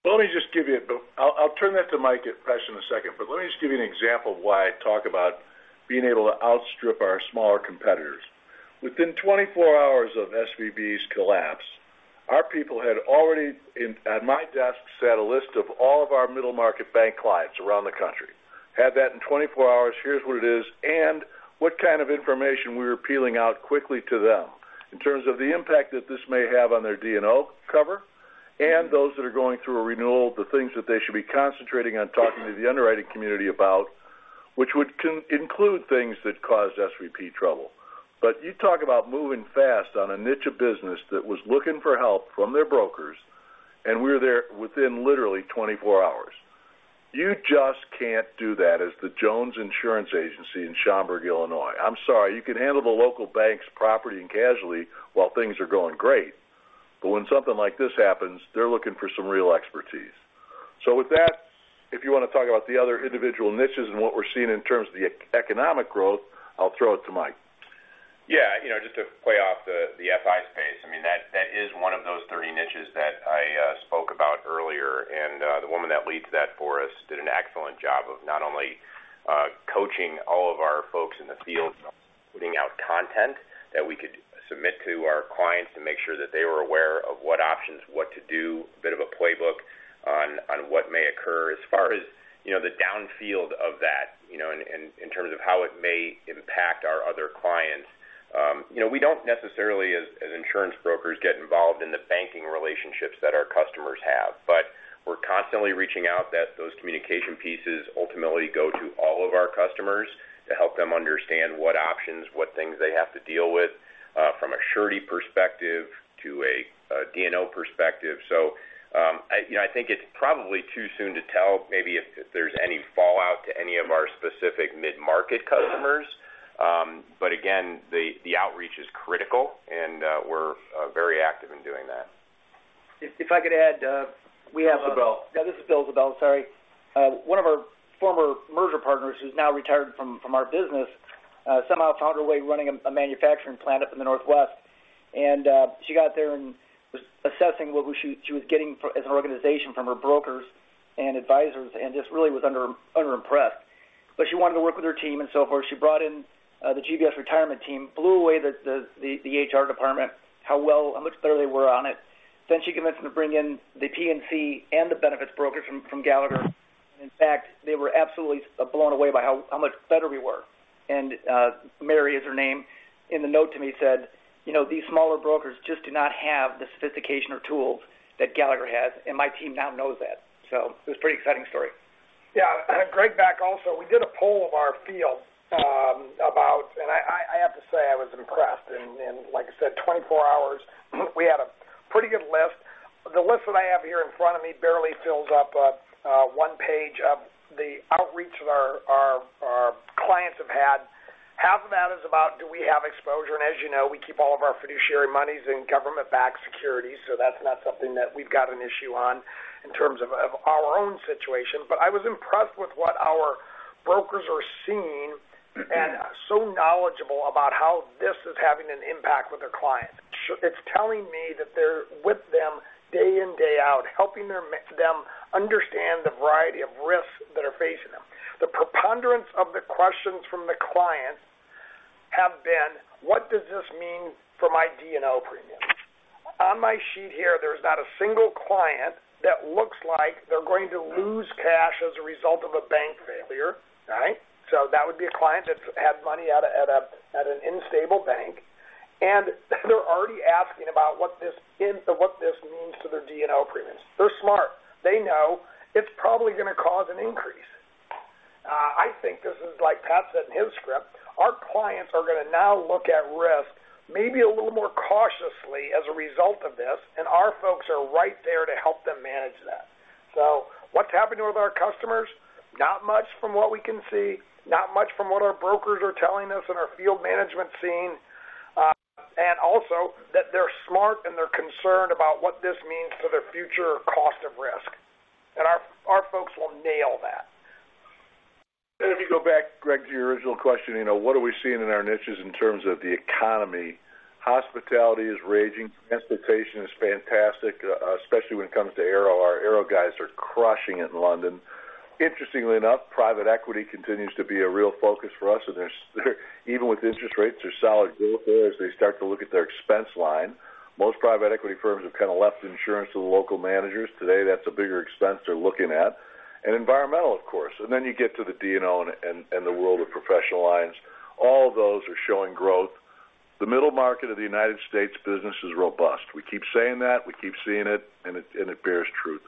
Speaker 2: Let me just give you I'll turn that to Mike Pesch in a second. Let me just give you an example of why I talk about being able to outstrip our smaller competitors. Within 24 hours of SVB's collapse, our people had already at my desk, set a list of all of our middle market bank clients around the country. Had that in 24 hours. Here's what it is and what kind of information we were peeling out quickly to them in terms of the impact that this may have on their D&O cover and those that are going through a renewal, the things that they should be concentrating on talking to the underwriting community about, which would include things that caused SVB trouble. You talk about moving fast on a niche of business that was looking for help from their brokers, and we're there within literally 24 hours. You just can't do that as the Jones Insurance Agency in Schaumburg, Illinois. I'm sorry, you can handle the local bank's property and casualty while things are going great. When something like this happens, they're looking for some real expertise. With that, if you want to talk about the other individual niches and what we're seeing in terms of the economic growth, I'll throw it to Mike.
Speaker 3: Yeah, you know, just to play off the FI space, I mean, that is one of those 30 niches that I spoke about earlier. The woman that leads that for us did an excellent job of not only coaching all of our folks in the field, putting out content that we could submit to our clients to make sure that they were aware of what options, what to do, a bit of a playbook on what may occur. As far as, you know, the downfield of that, you know, in terms of how it may impact our other clients, you know, we don't necessarily as insurance brokers get involved in the banking relationships that our customers have. We're constantly reaching out that those communication pieces ultimately go to all of our customers to help them understand what options, what things they have to deal with, from a surety perspective to a D&O perspective. I, you know, I think it's probably too soon to tell maybe if there's any fallout to any of our specific mid-market customers. Again, the outreach is critical, and we're very active in doing that.
Speaker 7: If I could add.
Speaker 9: This is Bill.
Speaker 7: Yeah, this is Bill Ziebell. Sorry. One of our former merger partners, who's now retired from our business, somehow found her way running a manufacturing plant up in the Northwest. She got there and was assessing what she was getting as an organization from her brokers and advisors, and just really was under impressed. She wanted to work with her team and so forth. She brought in the GBS retirement team, blew away the HR department, how much better they were on it. She convinced them to bring in the P&C and the benefits broker from Gallagher. In fact, they were absolutely blown away by how much better we were. Mary is her name, in the note to me said, "You know, these smaller brokers just do not have the sophistication or tools that Gallagher has, and my team now knows that." It was a pretty exciting story.
Speaker 9: Yeah. Greg, back also, we did a poll of our field about. I have to say I was impressed. Like I said, 24 hours, we had a pretty good list. The list that I have here in front of me barely fills up one page of the outreach that our clients have had. Half of that is about do we have exposure? As you know, we keep all of our fiduciary monies in government-backed securities, so that's not something that we've got an issue on in terms of our own situation. I was impressed with what our brokers are seeing and so knowledgeable about how this is having an impact with their client. It's telling me that they're with them day in, day out, helping their them understand the variety of risks that are facing them. The preponderance of the questions from the clients have been, "What does this mean for my D&O premium?" On my sheet here, there's not a single client that looks like they're going to lose cash as a result of a bank failure. Right? That would be a client that's had money at an instable bank. They're already asking about what this means to their D&O premiums. They're smart. They know it's probably going to cause an increase. I think this is like Pat said in his script, our clients are gonna now look at risk maybe a little more cautiously as a result of this, and our folks are right there to help them manage that. What's happening with our customers? Not much from what we can see, not much from what our brokers are telling us and our field management seeing, and also that they're smart, and they're concerned about what this means for their future cost of risk. Our folks will nail that.
Speaker 2: If you go back, Greg, to your original question, you know, what are we seeing in our niches in terms of the economy? Hospitality is raging, transportation is fantastic, especially when it comes to aero. Our aero guys are crushing it in London. Interestingly enough, private equity continues to be a real focus for us, and there's even with interest rates, there's solid growth there as they start to look at their expense line. Most private equity firms have kind of left insurance to the local managers. Today, that's a bigger expense they're looking at. Environmental of course. Then you get to the D&O and the world of professional lines. All of those are showing growth. The middle market of the United States business is robust. We keep saying that, we keep seeing it, and it bears truth.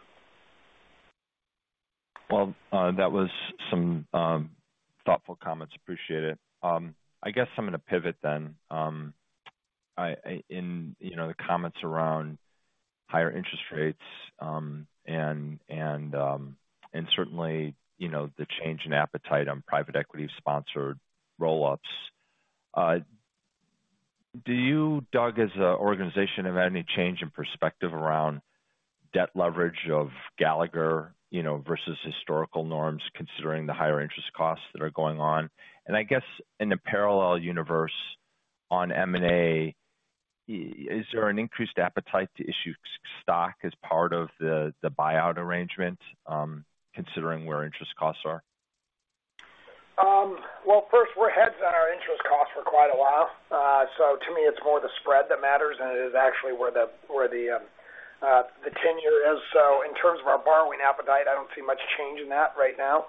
Speaker 12: That was some thoughtful comments. Appreciate it. I guess I'm gonna pivot. In, you know, the comments around higher interest rates, and certainly, you know, the change in appetite on private equity-sponsored roll-ups. Do you, Doug, as a organization have had any change in perspective around debt leverage of Gallagher, you know, versus historical norms considering the higher interest costs that are going on? I guess in a parallel universe on M&A, is there an increased appetite to issue stock as part of the buyout arrangement, considering where interest costs are?
Speaker 9: Well, first, we're ahead on our interest costs for quite a while. To me, it's more the spread that matters, and it is actually where the tenure is. In terms of our borrowing appetite, I don't see much change in that right now.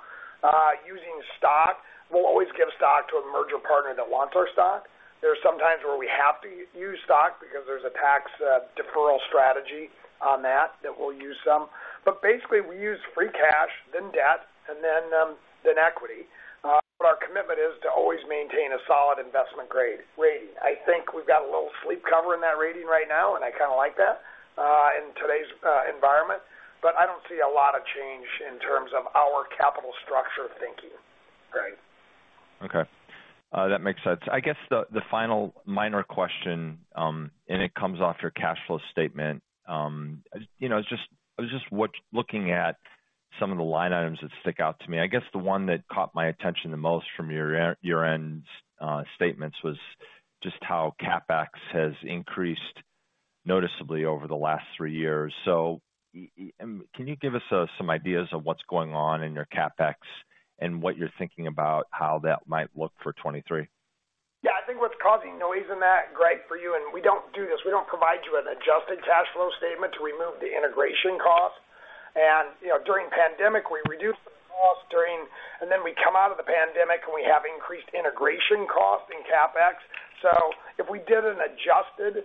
Speaker 9: Using stock, we'll always give stock to a merger partner that wants our stock. There are some times where we have to use stock because there's a tax deferral strategy on that we'll use some. Basically, we use free cash, then debt, and then equity. Our commitment is to always maintain a solid investment grade rating. I think we've got a little sleep cover in that rating right now, and I kinda like that, in today's environment, but I don't see a lot of change in terms of our capital structure thinking, Greg.
Speaker 12: Okay. That makes sense. I guess the final minor question, it comes off your cash flow statement. You know, I was just looking at some of the line items that stick out to me. I guess the one that caught my attention the most from your year end's statements was just how CapEx has increased noticeably over the last three years. Can you give us some ideas of what's going on in your CapEx and what you're thinking about how that might look for 2023?
Speaker 9: Yeah. I think what's causing noise in that, Greg, for you, we don't do this, we don't provide you an adjusted cash flow statement to remove the integration costs. You know, during pandemic, we reduced the costs during. Then we come out of the pandemic, and we have increased integration costs in CapEx. If we did an adjusted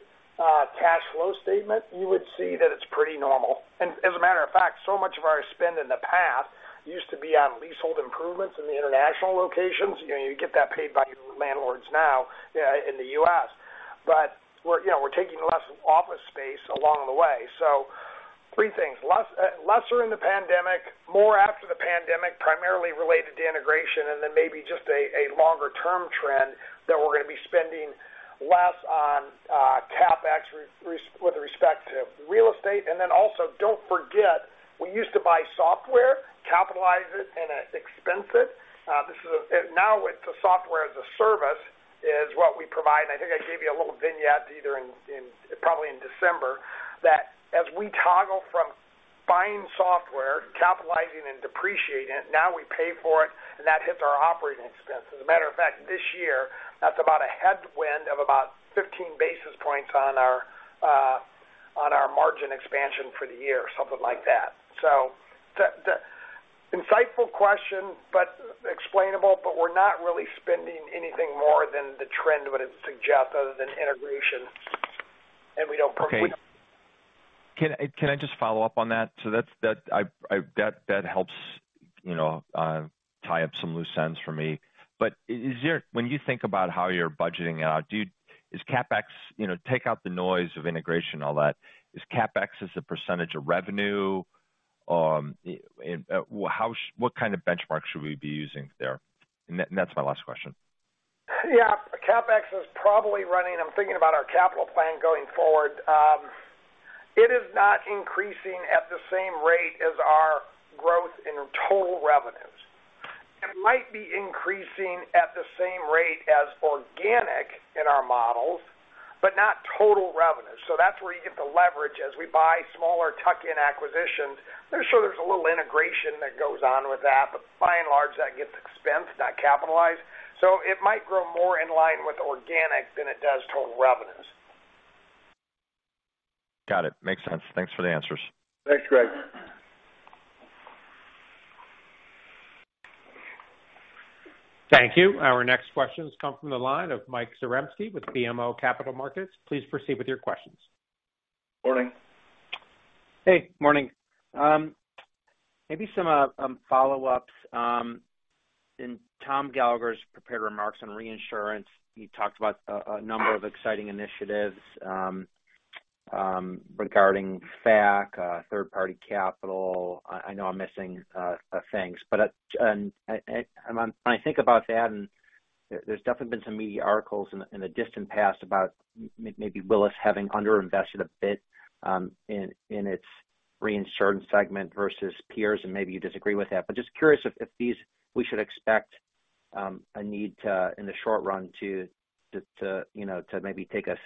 Speaker 9: cash flow statement, you would see that it's pretty normal. As a matter of fact, so much of our spend in the past used to be on leasehold improvements in the international locations. You know, you get that paid by landlords now in the U.S. We're, you know, we're taking less office space along the way. Three things. Less, lesser in the pandemic, more after the pandemic, primarily related to integration. Maybe just a longer-term trend that we're gonna be spending less on CapEx with respect to real estate. Don't forget, we used to buy software, capitalize it in an expense it. This is now with the software as a service is what we provide. I think I gave you a little vignette either in, probably in December, that as we toggle from buying software, capitalizing and depreciating it, now we pay for it, and that hits our operating expenses. This year, that's about a headwind of about 15 basis points on our margin expansion for the year, something like that. The insightful question, but explainable, but we're not really spending anything more than the trend would suggest other than integration. We don't.
Speaker 12: Okay.
Speaker 9: We don't-.
Speaker 12: Can I just follow up on that? That helps, you know, tie up some loose ends for me. When you think about how you're budgeting out, is CapEx, you know, take out the noise of integration and all that, is CapEx as a % of revenue? Well how what kind of benchmark should we be using there? That, and that's my last question.
Speaker 9: CapEx is probably running, I'm thinking about our capital plan going forward. It is not increasing at the same rate as our growth in total revenues. It might be increasing at the same rate as organic in our models, but not total revenues. That's where you get the leverage as we buy smaller tuck-in acquisitions. I'm sure there's a little integration that goes on with that, by and large, that gets expensed, not capitalized. It might grow more in line with organic than it does total revenues.
Speaker 12: Got it. Makes sense. Thanks for the answers.
Speaker 9: Thanks, Greg.
Speaker 1: Thank you. Our next questions come from the line of Mike Zaremski with BMO Capital Markets. Please proceed with your questions.
Speaker 2: Morning.
Speaker 13: Hey, morning. Maybe some follow-ups. In Tom Gallagher's prepared remarks on reinsurance, he talked about a number of exciting initiatives regarding FAC, third party capital. I know I'm missing things. When I think about that, and there's definitely been some media articles in the distant past about maybe Willis having under invested a bit in its reinsurance segment versus peers, and maybe you disagree with that. Just curious if we should expect a need to, in the short run to, you know, to maybe take a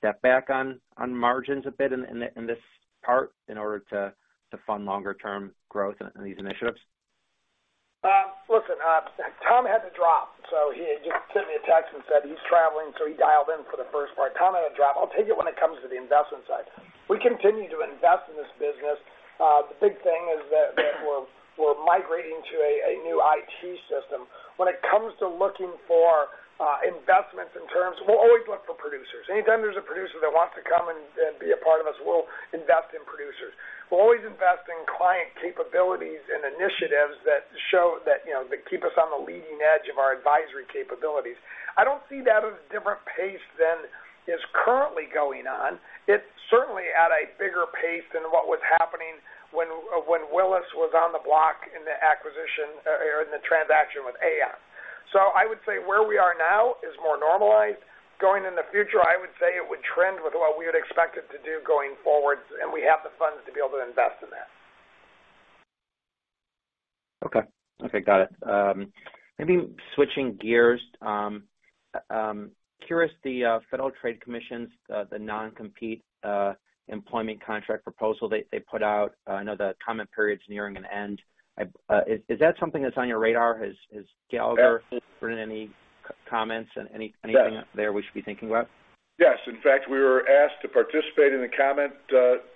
Speaker 13: step back on margins a bit in this part in order to fund longer term growth in these initiatives?
Speaker 9: listen, Tom had to drop. He just sent me a text and said he's traveling. He dialed in for the first part. Tom had to drop. I'll take it when it comes to the investment side. We continue to invest in this business. The big thing is that we're migrating to a new IT system. When it comes to looking for investments in terms, we'll always look for producers. Anytime there's a producer that wants to come and be a part of us, we'll invest in producers. We're always invest in client capabilities and initiatives that show that, you know, keep us on the leading edge of our advisory capabilities. I don't see that at a different pace than is currently going on. It's certainly at a bigger pace than what was happening when Willis was on the block in the acquisition or in the transaction with Aon. I would say where we are now is more normalized. Going in the future, I would say it would trend with what we would expect it to do going forward. We have the funds to be able to invest in that.
Speaker 13: Okay. Okay, got it. maybe switching gears, curious, the Federal Trade Commission's the non-compete employment contract proposal they put out, I know the comment period's nearing an end. Is that something that's on your radar? Has Gallagher put in any comments?
Speaker 9: Yes.
Speaker 13: anything out there we should be thinking about?
Speaker 2: Yes. In fact, we were asked to participate in the comment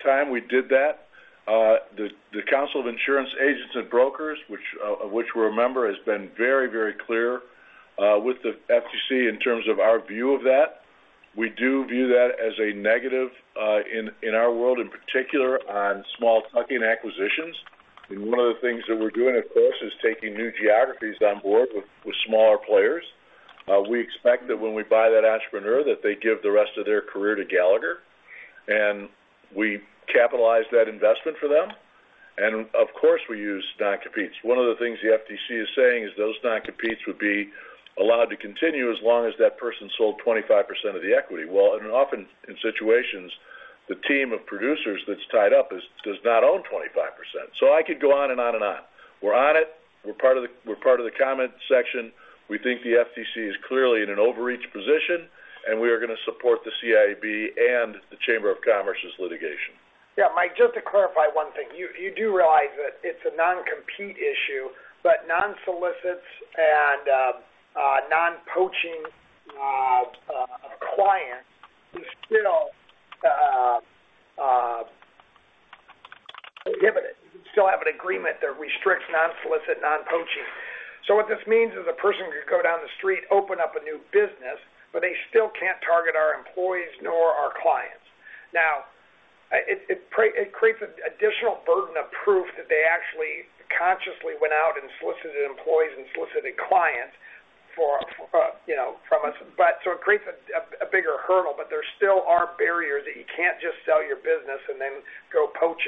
Speaker 2: time. We did that. The Council of Insurance Agents & Brokers, of which we're a member, has been very, very clear with the FTC in terms of our view of that. We do view that as a negative in our world, in particular on small tuck-in acquisitions. One of the things that we're doing, of course, is taking new geographies on board with smaller players. We expect that when we buy that entrepreneur, that they give the rest of their career to Gallagher, and we capitalize that investment for them. Of course, we use non-competes. One of the things the FTC is saying is those non-competes would be allowed to continue as long as that person sold 25% of the equity. Often in situations, the team of producers that's tied up does not own 25%. I could go on and on and on. We're on it. We're part of the comment section. We think the FTC is clearly in an overreach position, and we are gonna support the CIAB and the Chamber of Commerce's litigation.
Speaker 9: Yeah, Mike, just to clarify one thing, you do realize that it's a non-compete issue, but non-solicits and non-poaching a client is still inhibited. You still have an agreement that restricts non-solicit, non-poaching. What this means is a person could go down the street, open up a new business, but they still can't target our employees nor our clients. Now, it creates an additional burden of proof that they actually consciously went out and solicited employees and solicited clients for, you know, from us. It creates a bigger hurdle, but there still are barriers that you can't just sell your business and then go poach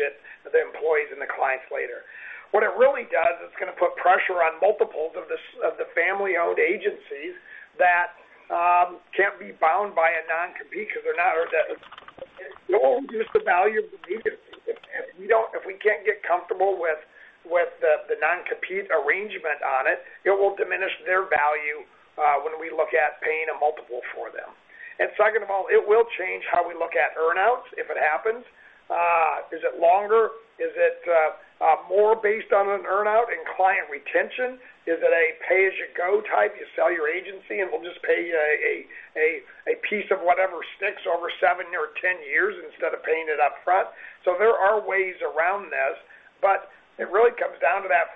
Speaker 9: the employees and the clients later. What it really does, it's gonna put pressure on multiples of the family-owned agencies that can't be bound by a non-compete because they're not, or that it will reduce the value of the agency. If we can't get comfortable with the non-compete arrangement on it will diminish their value when we look at paying a multiple for them. Second of all, it will change how we look at earn-outs if it happens. Is it longer? Is it more based on an earn-out and client retention? Is it a pay as you go type, you sell your agency, and we'll just pay a piece of whatever sticks over seven or 10 years instead of paying it up front? There are ways around this, but it really comes down to that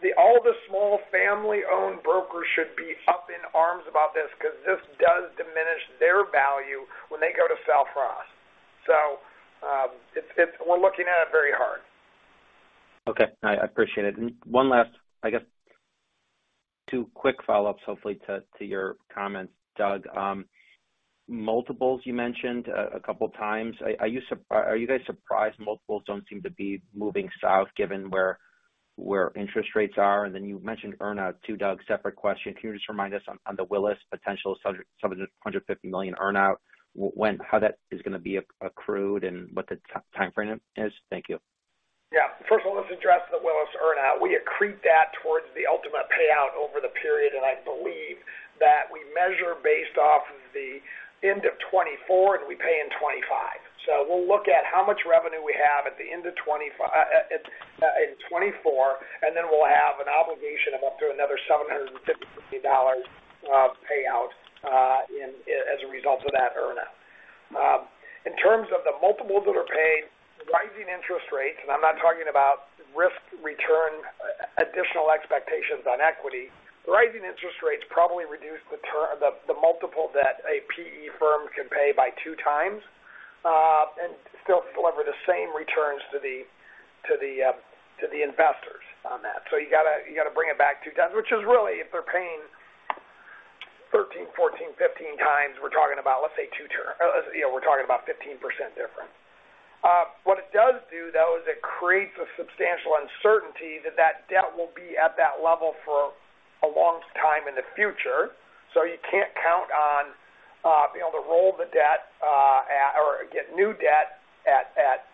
Speaker 9: the, all the small family-owned brokers should be up in arms about this because this does diminish their value when they go to sell for us. It's, we're looking at it very hard.
Speaker 13: Okay. I appreciate it. One last, I guess two quick follow-ups, hopefully to your comments, Doug. Multiples you mentioned a couple of times. Are you guys surprised multiples don't seem to be moving south given where interest rates are? Then you mentioned earn-out too, Doug, separate question. Can you just remind us on the Willis potential $750 million earn-out, when how that is gonna be accrued and what the timeframe is? Thank you.
Speaker 9: First of all, let's address the Willis earn-out. We accrued that towards the ultimate payout over the period, and I believe that we measure based off of the end of 2024, and we pay in 2025. We'll look at how much revenue we have at the end of 2024, and then we'll have an obligation of up to another $750 million payout as a result of that earn-out. In terms of the multiples that are paid, rising interest rates, and I'm not talking about risk return additional expectations on equity. Rising interest rates probably reduce the multiple that a PE firm can pay by two times and still deliver the same returns to the investors on that. You got to bring it back two times, which is really if they're paying 13, 14, 15 times, we're talking about, let's say, you know, we're talking about 15% difference. What it does do, though, is it creates a substantial uncertainty that that debt will be at that level for a long time in the future. You can't count on, you know, to roll the debt at or get new debt at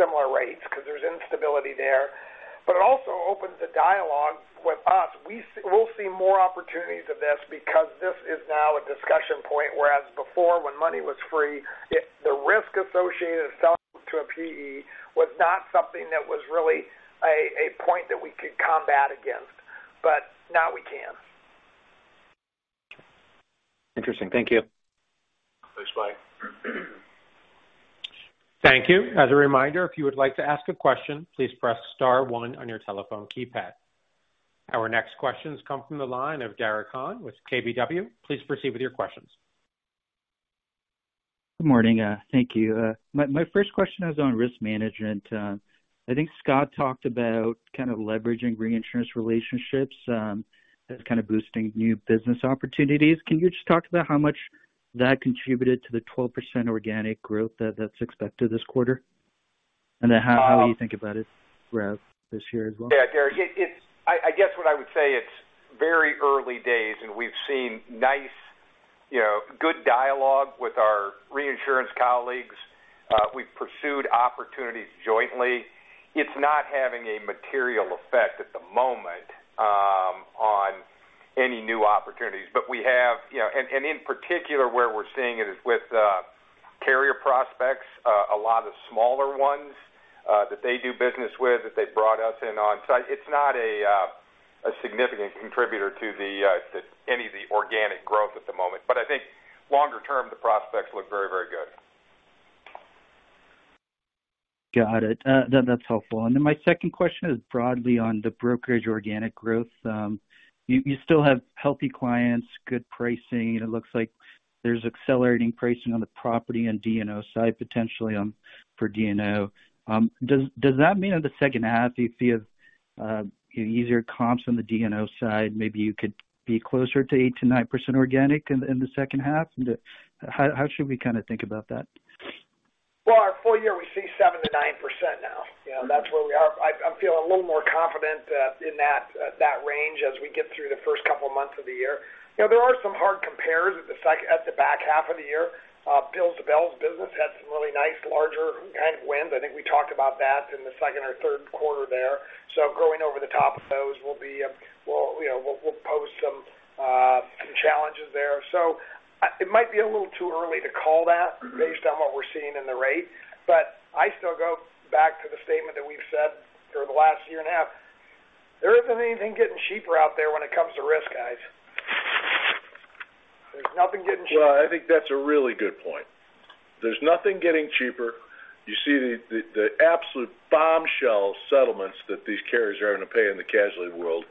Speaker 9: similar rates because there's instability there. It also opens a dialogue with us. We'll see more opportunities of this because this is now a discussion point, whereas before, when money was free, the risk associated with selling to a PE was not something that was really a point that we could combat against. Now we can.
Speaker 13: Interesting. Thank you.
Speaker 9: Thanks, Mike.
Speaker 1: Thank you. As a reminder, if you would like to ask a question, please press star one on your telephone keypad. Our next questions come from the line of Derek Han with KBW. Please proceed with your questions.
Speaker 14: Good morning. Thank you. My first question is on risk management. I think Scott talked about kind of leveraging reinsurance relationships, as kind of boosting new business opportunities. Can you just talk about how much that contributed to the 12% organic growth that's expected this quarter? How you think about it, Rev, this year as well?
Speaker 2: Yeah, Derek. I guess what I would say it's very early days. We've seen nice, you know, good dialogue with our reinsurance colleagues. We've pursued opportunities jointly. It's not having a material effect at the moment on any new opportunities. In particular, where we're seeing it is with carrier prospects, a lot of smaller ones that they do business with, that they brought us in on. It's not a significant contributor to the to any of the organic growth at the moment. I think longer term, the prospects look very good.
Speaker 14: Got it. That's helpful. Then my second question is broadly on the brokerage organic growth. You still have healthy clients, good pricing, and it looks like there's accelerating pricing on the property and D&O side, potentially on, for D&O. Does that mean in the H2 you feel easier comps on the D&O side, maybe you could be closer to 8%-9% organic in the H2? How should we kind of think about that?
Speaker 9: Well, our full year, we see 7%-9% now. You know, that's where we are. I feel a little more confident in that that range as we get through the first couple of months of the year. You know, there are some hard compares at the back half of the year. Bill Dobell's business had some really nice larger kind of wins. I think we talked about that in the second or Q3 there. Going over the top of those will be, well, you know, we'll pose some challenges there. It might be a little too early to call that based on what we're seeing in the rate. I still go back to the statement that we've said through the last year and a half. There isn't anything getting cheaper out there when it comes to risk, guys. There's nothing getting cheaper.
Speaker 2: Well, I think that's a really good point. There's nothing getting cheaper. You see the absolute bombshell settlements that these carriers are going to pay in the casualty world.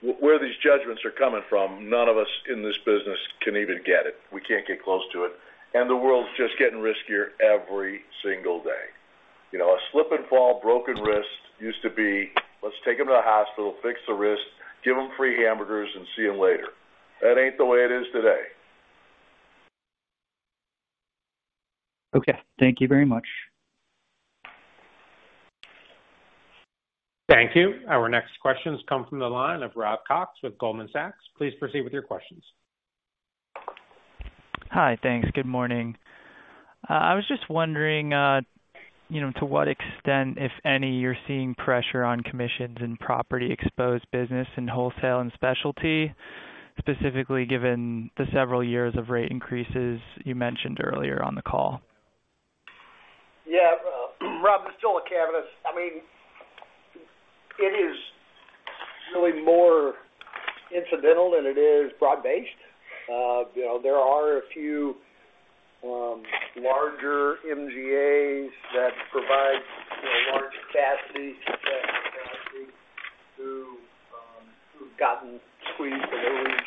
Speaker 2: Where these judgments are coming from, none of us in this business can even get it. We can't get close to it. The world's just getting riskier every single day. You know, a slip and fall broken wrist used to be, let's take them to the hospital, fix the wrist, give them free hamburgers, and see them later. That ain't the way it is today.
Speaker 14: Okay. Thank you very much.
Speaker 1: Thank you. Our next questions come from the line of Robert Cox with Goldman Sachs. Please proceed with your questions.
Speaker 15: Hi. Thanks. Good morning. I was just wondering, you know, to what extent, if any, you're seeing pressure on commissions in property exposed business and wholesale and specialty, specifically given the several years of rate increases you mentioned earlier on the call.
Speaker 9: Yeah. Rob, there's still a cavernous. I mean, it is really more incidental than it is broad-based. you know, there are a few, larger MGAs that provide, you know, large capacity through, who've gotten sweet for their reinsurance.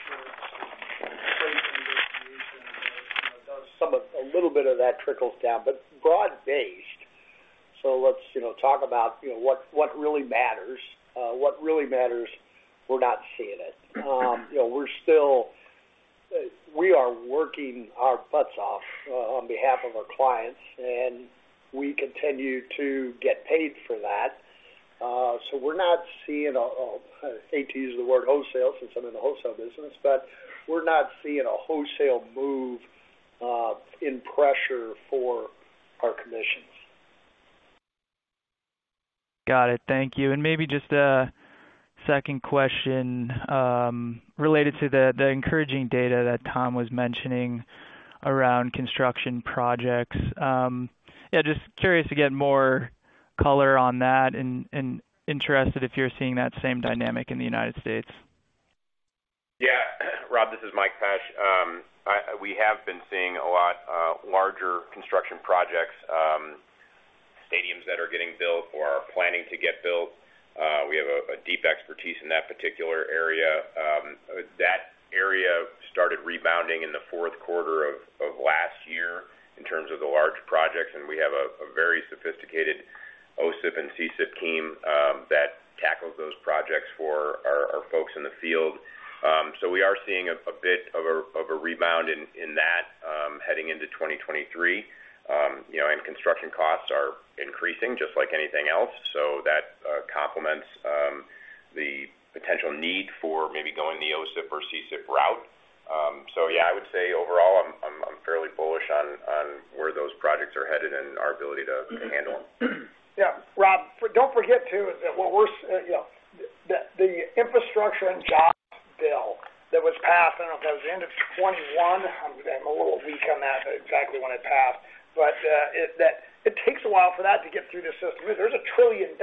Speaker 9: A little bit of that trickles down, but broad-based. Let's, you know, talk about, you know, what really matters. What really matters, we're not seeing it. you know, We are working our butts off, on behalf of our clients, and we continue to get paid for that. We're not seeing a, I hate to use the word wholesale since I'm in the wholesale business, but we're not seeing a wholesale move, in pressure for our commissions.
Speaker 15: Got it. Thank you. Maybe just a second question, related to the encouraging data that Tom was mentioning around construction projects. just curious to get more color on that and interested if you're seeing that same dynamic in the United States.
Speaker 3: Yeah. Rob, this is Mike Pesch. We have been seeing a lot, larger construction projects, stadiums that are getting built or are planning to get built. We have a deep expertise in that particular area. That area started rebounding in the Q4 of last year in terms of the large projects. We have a very sophisticated OSIP and CSIP team that tackles those projects for our folks in the field. We are seeing a bit of a rebound in that heading into 2023. You know, construction costs are increasing just like anything else. That complements the potential need for maybe going the OSIP or CSIP route. Yeah, I would say overall, I'm fairly bullish on where those projects are headed and our ability to handle them.
Speaker 9: Yeah. Rob, don't forget too, is that what we're, you know, the infrastructure and jobs bill that was passed, I don't know if that was the end of 2021. I'm a little weak on that, exactly when it passed, but that it takes a while for that to get through the system. There's $1 trillion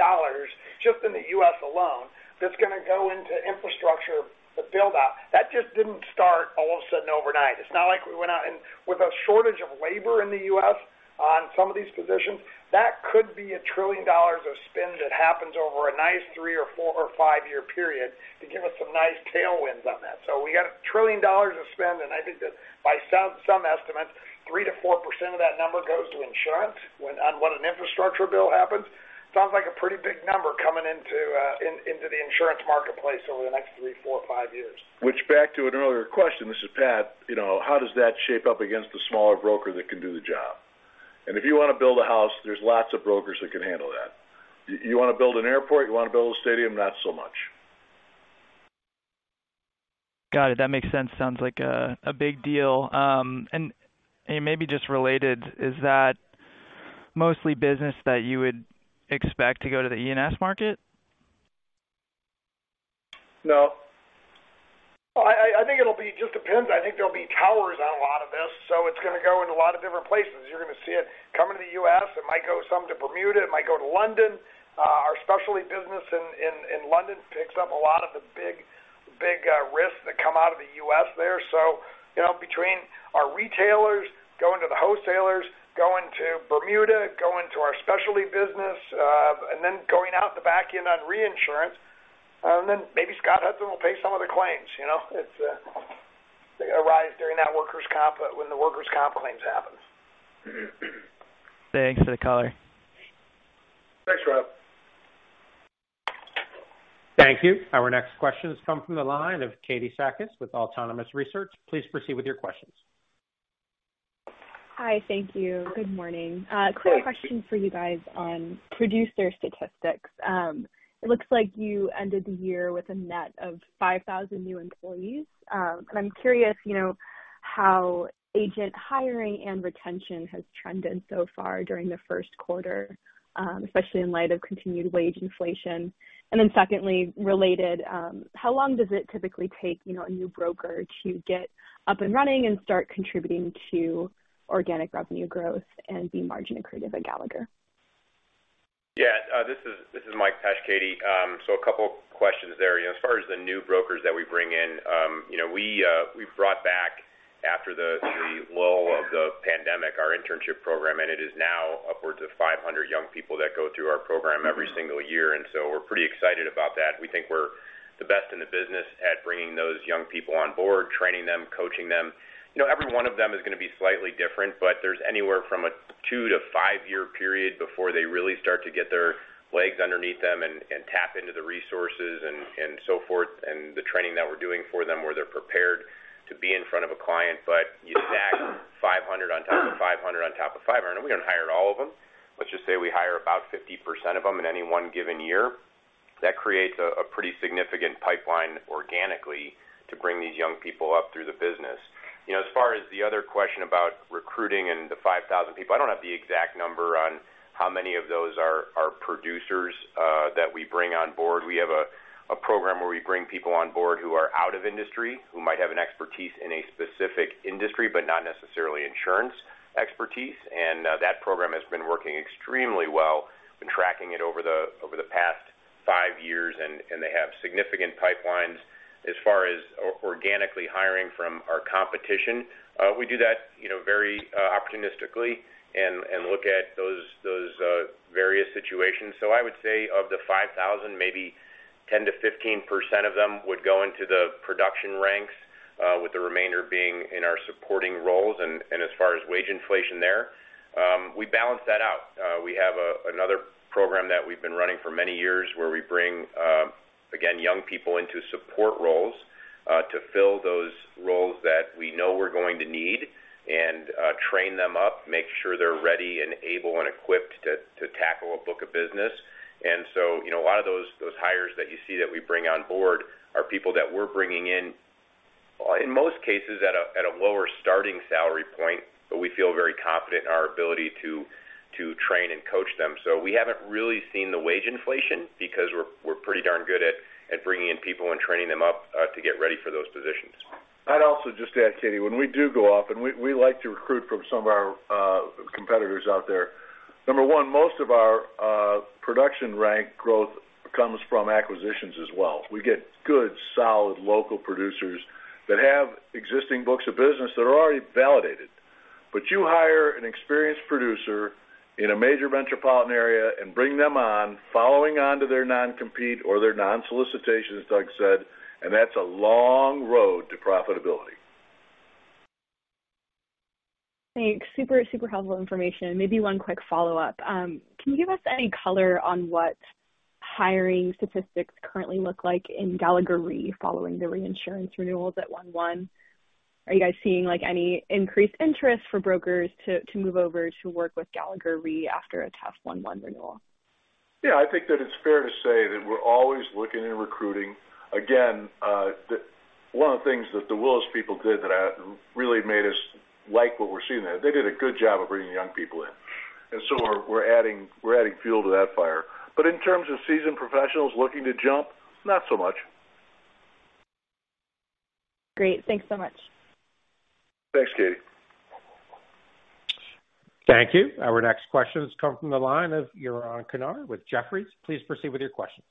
Speaker 9: just in the U.S. alone that's gonna go into infrastructure to build out. That just didn't start all of a sudden overnight. It's not like we went out. With a shortage of labor in the U.S. on some of these positions, that could be $1 trillion of spend that happens over a nice three or four or five-year period to give us some nice tailwinds on that. We got $1 trillion of spend, and I think that by some estimates, 3%-4% of that number goes to insurance on what an infrastructure bill happens. Sounds like a pretty big number coming into the insurance marketplace over the next three, four or five years.
Speaker 2: Which back to an earlier question, this is Pat, you know, how does that shape up against the smaller broker that can do the job? If you wanna build a house, there's lots of brokers that can handle that. You wanna build an airport, you wanna build a stadium? Not so much.
Speaker 15: Got it. That makes sense. Sounds like a big deal. Maybe just related, is that mostly business that you would expect to go to the E&S market?
Speaker 9: No. I think it'll be just depends. I think there'll be towers on a lot of this, so it's gonna go in a lot of different places. You're gonna see it come into the US. It might go some to Bermuda, it might go to London. Our specialty business in London picks up a lot of the big risks that come out of the US there. You know, between our retailers going to the wholesalers, going to Bermuda, going to our specialty business, and then going out the back end on reinsurance, and then maybe Scott Hudson will pay some of the claims. You know, it's, they arise during that workers' comp, when the workers' comp claims happen.
Speaker 15: Thanks for the color.
Speaker 9: Thanks, Rob.
Speaker 1: Thank you. Our next question has come from the line of Katie Sakys with Autonomous Research. Please proceed with your questions.
Speaker 16: Hi. Thank you. Good morning.
Speaker 9: Good morning.
Speaker 16: Quick question for you guys on producer statistics. It looks like you ended the year with a net of 5,000 new employees. But I'm curious, you know, how agent hiring and retention has trended so far during the Q1, especially in light of continued wage inflation? Secondly, related, how long does it typically take, you know, a new broker to get up and running and start contributing to organic revenue growth and be margin accretive at Gallagher?
Speaker 3: This is Mike Pesch, Katie. A couple questions there. You know, as far as the new brokers that we bring in, you know, we've brought back after the lull of the pandemic, our internship program, and it is now upwards of 500 young people that go through our program every single year. We're pretty excited about that. We think we're the best in the business at bringing those young people on board, training them, coaching them. You know, every one of them is gonna be slightly different, but there's anywhere from a two to five-year period before they really start to get their legs underneath them and tap into the resources and so forth, and the training that we're doing for them, where they're prepared to be in front of a client. You stack 500 on top of 500 on top of 500, and we don't hire all of them. Let's just say we hire about 50% of them in any one given year. That creates a pretty significant pipeline organically to bring these young people up through the business. You know, as far as the other question about recruiting and the 5,000 people, I don't have the exact number on how many of those are producers that we bring on board. We have a program where we bring people on board who are out of industry, who might have an expertise in a specific industry, but not necessarily insurance expertise. That program has been working extremely well. Been tracking it over the past five years, and they have significant pipelines as far as organically hiring from our competition. We do that, you know, very opportunistically and look at those various situations. I would say of the 5,000, maybe 10%-15% of them would go into the production ranks, with the remainder being in our supporting roles. As far as wage inflation there, we balance that out. We have another program that we've been running for many years where we bring again, young people into support roles, to fill those roles that we know we're going to need and train them up, make sure they're ready and able and equipped to tackle a book of business. You know, a lot of those hires that you see that we bring on board are people that we're bringing in most cases at a lower starting salary point, but we feel very confident in our ability to train and coach them. We haven't really seen the wage inflation because we're pretty darn good at bringing in people and training them up, to get ready for those positions.
Speaker 2: I'd also just add, Katie, when we do go off and we like to recruit from some of our competitors out there. Number one, most of our production rank growth comes from acquisitions as well. We get good, solid local producers that have existing books of business that are already validated. You hire an experienced producer in a major metropolitan area and bring them on following on to their non-compete or their non-solicitation, as Doug said, and that's a long road to profitability.
Speaker 16: Thanks. Super, super helpful information. Maybe one quick follow-up. Can you give us any color on what hiring statistics currently look like in Gallagher Re following the reinsurance renewals at one-one? Are you guys seeing, like, any increased interest for brokers to move over to work with Gallagher Re after a tough one-one renewal?
Speaker 2: Yeah, I think that it's fair to say that we're always looking and recruiting. Again, one of the things that the Willis people did that really made us like what we're seeing there, they did a good job of bringing young people in. We're adding fuel to that fire. In terms of seasoned professionals looking to jump, not so much.
Speaker 16: Great. Thanks so much.
Speaker 2: Thanks, Katie.
Speaker 1: Thank you. Our next question has come from the line of Yaron Kinar with Jefferies. Please proceed with your questions.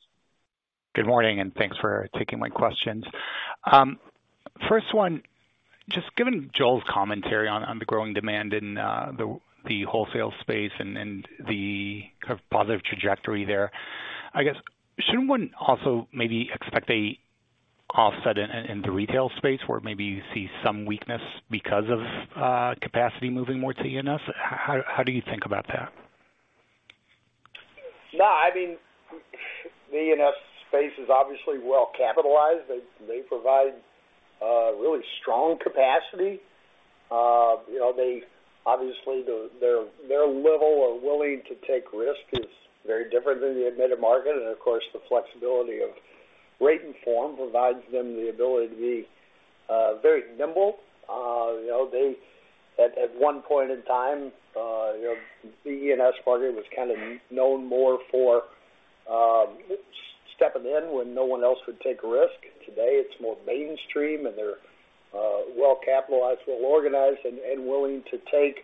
Speaker 17: Good morning. Thanks for taking my questions. First one, just given Joel's commentary on the growing demand in the wholesale space and the kind of positive trajectory there, I guess shouldn't one also maybe expect a offset in the retail space where maybe you see some weakness because of capacity moving more to E&S? How do you think about that?
Speaker 5: I mean, the E&S space is obviously well-capitalized. They provide really strong capacity. You know, obviously, their level of willing to take risk is very different than the admitted market. Of course, the flexibility of rate and form provides them the ability to be very nimble. You know, at one point in time, you know, the E&S market was kind of known more for stepping in when no one else would take a risk. Today, it's more mainstream, and they're well-capitalized, well-organized, and willing to take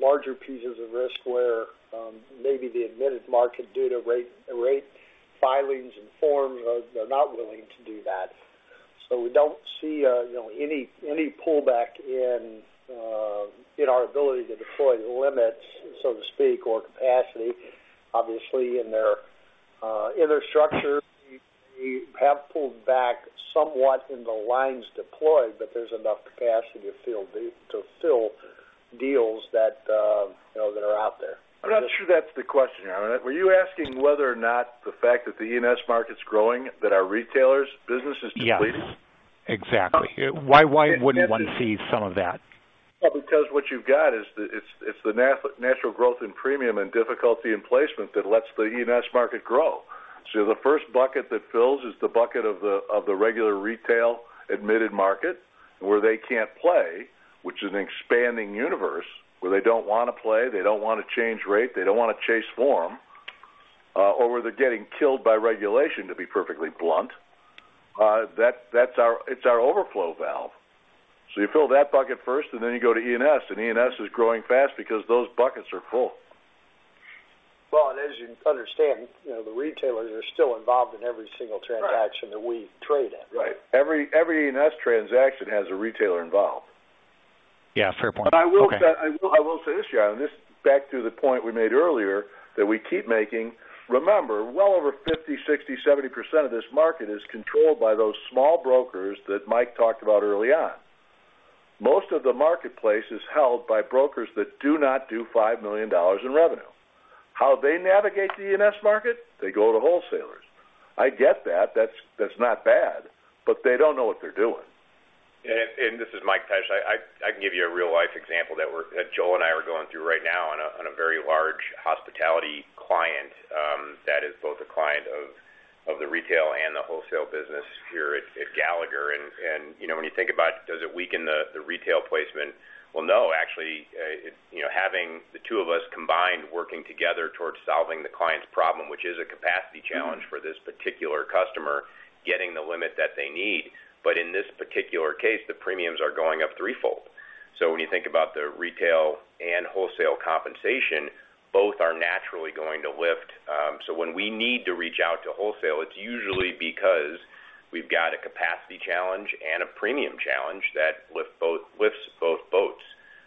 Speaker 5: larger pieces of risk where maybe the admitted market due to rate filings and forms are not willing to do that. We don't see, you know, any pullback in our ability to deploy the limits, so to speak, or capacity. Obviously, in their infrastructure, we have pulled back somewhat in the lines deployed, but there's enough capacity to fill deals that, you know, that are out there.
Speaker 2: I'm not sure that's the question, Yaron. Were you asking whether or not the fact that the E&S market's growing, that our retailers business is depleting?
Speaker 17: Yes, exactly. Why wouldn't one see some of that?
Speaker 2: Because what you've got is it's the natural growth in premium and difficulty in placement that lets the E&S market grow. The first bucket that fills is the bucket of the regular retail admitted market where they can't play, which is an expanding universe, where they don't wanna play, they don't wanna change rate, they don't wanna chase form, or where they're getting killed by regulation, to be perfectly blunt. That's our overflow valve. You fill that bucket first, and then you go to E&S, and E&S is growing fast because those buckets are full.
Speaker 5: Well, as you understand, you know, the retailers are still involved in every single transaction that we trade in.
Speaker 2: Right. Every E&S transaction has a retailer involved.
Speaker 17: Yeah, fair point. Okay.
Speaker 2: I will say this, Yaron, this back to the point we made earlier that we keep making. Well over 50%, 60%, 70% of this market is controlled by those small brokers that Mike talked about early on. Most of the marketplace is held by brokers that do not do $5 million in revenue. How they navigate the E&S market, they go to wholesalers. I get that. That's not bad, but they don't know what they're doing.
Speaker 3: This is Mike Pesch. I can give you a real-life example that Joel and I are going through right now on a very large hospitality client, that is both a client of the retail and the wholesale business here at Gallagher. You know, when you think about does it weaken the retail placement? Well, no, actually. You know, having the two of us combined working together towards solving the client's problem, which is a capacity challenge for this particular customer, getting the limit that they need. In this particular case, the premiums are going up threefold. When you think about the retail and wholesale compensation, both are naturally going to lift. When we need to reach out to wholesale, it's usually because we've got a capacity challenge and a premium challenge that lifts both boats.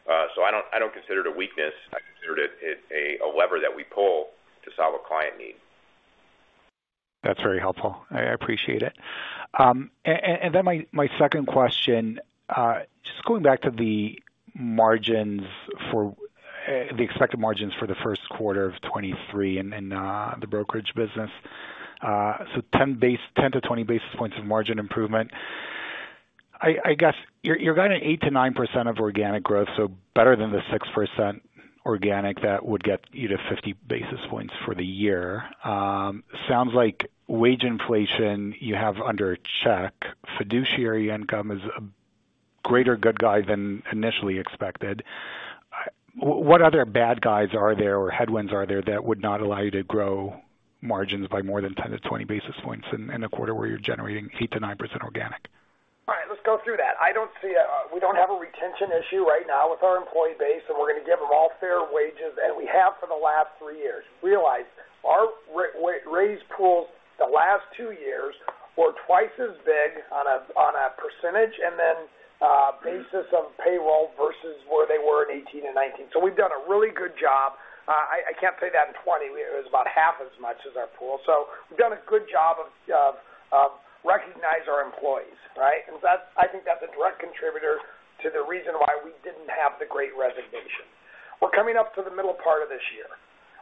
Speaker 3: I don't consider it a weakness. I consider it a lever that we pull to solve a client need.
Speaker 17: That's very helpful. I appreciate it. My second question, just going back to the expected margins for the Q1 of 2023 in the brokerage business. 10-20 basis points of margin improvement. I guess you're guiding 8%-9% of organic growth, so better than the 6% organic that would get you to 50 basis points for the year. Sounds like wage inflation you have under check. Fiduciary income is a greater good guy than initially expected. What other bad guys are there or headwinds are there that would not allow you to grow margins by more than 10-20 basis points in a quarter where you're generating 8%-9% organic?
Speaker 9: Let's go through that. I don't see. We don't have a retention issue right now with our employee base. We're gonna give them all fair wages. We have for the last three years. Realize our raise pools the last two years were twice as big on a percentage then basis of payroll versus where they were in 18 and 19. We've done a really good job. I can't say that in 2020. It was about half as much as our pool. We've done a good job of recognize our employees, right? I think that's a direct contributor to the reason why we didn't have the Great Resignation. We're coming up to the middle part of this year.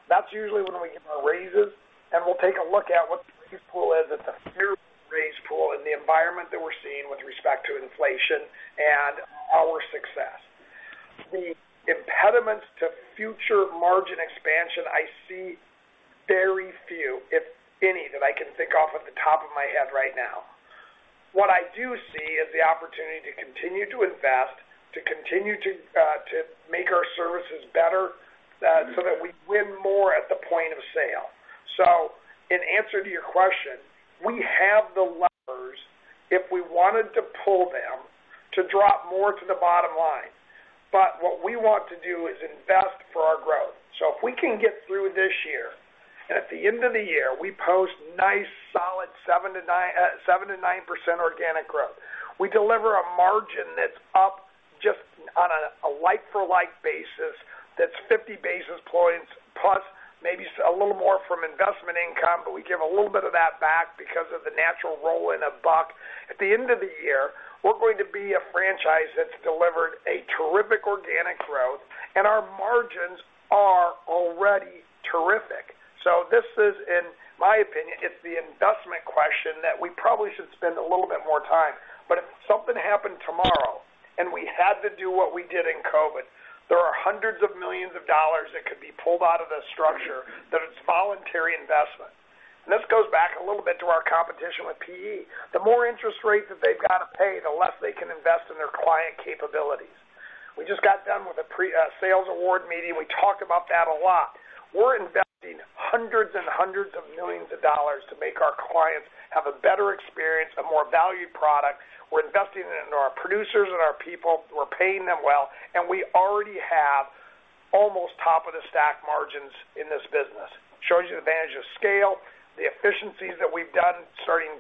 Speaker 9: That's usually when we give our raises. We'll take a look at what the raise pool is. It's a fair raise pool in the environment that we're seeing with respect to inflation and our success. The impediments to future margin expansion, I see very few, if any, that I can think of off the top of my head right now. What I do see is the opportunity to continue to invest, to continue to make our services better so that we win more at the point of sale. In answer to your question, we have the levers if we wanted to pull them to drop more to the bottom line. What we want to do is invest for our growth. If we can get through this year, and at the end of the year, we post nice solid 7%-9% organic growth. We deliver a margin that's up just on a like for like basis, that's 50 basis points plus maybe a little more from investment income, but we give a little bit of that back because of the natural roll in of Buck. At the end of the year, we're going to be a franchise that's delivered a terrific organic growth, and our margins are already terrific. This is, in my opinion, it's the investment question that we probably should spend a little bit more time. If something happened tomorrow and we had to do what we did in COVID, there are $hundreds of millions that could be pulled out of this structure that is voluntary investment. This goes back a little bit to our competition with PE. The more interest rates that they've got to pay, the less they can invest in their client capabilities. We just got done with a sales award meeting. We talked about that a lot. We're investing hundreds and hundreds of millions of dollars to make our clients have a better experience, a more valued product. We're investing it in our producers and our people. We're paying them well, and we already have almost top of the stack margins in this business. Shows you the advantage of scale. The efficiencies that we've done starting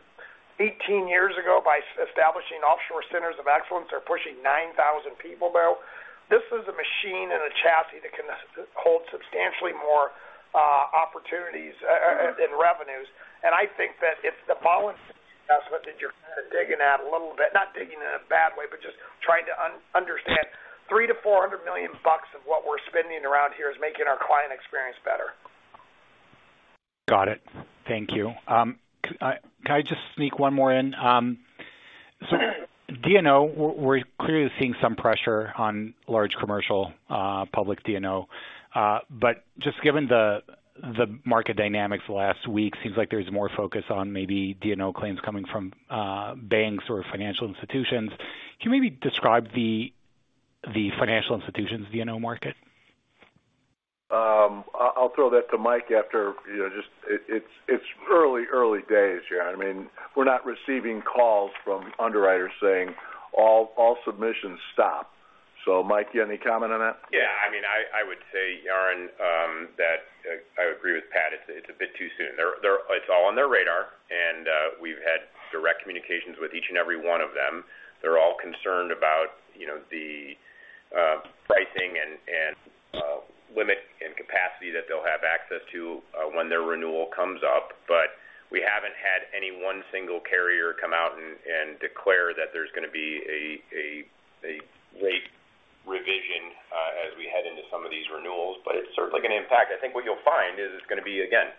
Speaker 9: 18 years ago by establishing offshore centers of excellence are pushing 9,000 people now. This is a machine and a chassis that can hold substantially more opportunities in revenues. I think that if the voluntary investment that you're kind of digging at a little bit, not digging in a bad way, but just trying to un-understand, $300 million-$400 million of what we're spending around here is making our client experience better.
Speaker 17: Got it. Thank you. Can I just sneak one more in? D&O, we're clearly seeing some pressure on large commercial public D&O. Just given the market dynamics the last week, seems like there's more focus on maybe D&O claims coming from banks or financial institutions. Can you maybe describe the financial institutions D&O market?
Speaker 2: I'll throw that to Mike after, you know, just it's early days, Yaron Kinar. I mean, we're not receiving calls from underwriters saying all submissions stop. Mike, you have any comment on that?
Speaker 3: Yeah. I mean, I would say, Yaron, that I agree with Pat. It's a bit too soon. It's all on their radar, we've had direct communications with each and every one of them. They're all concerned about, you know, the pricing and limit and capacity that they'll have access to when their renewal comes up. We haven't had any one single carrier come out and declare that there's gonna be a rate revision as we head into some of these renewals. It's certainly gonna impact. I think what you'll find is it's gonna be, again,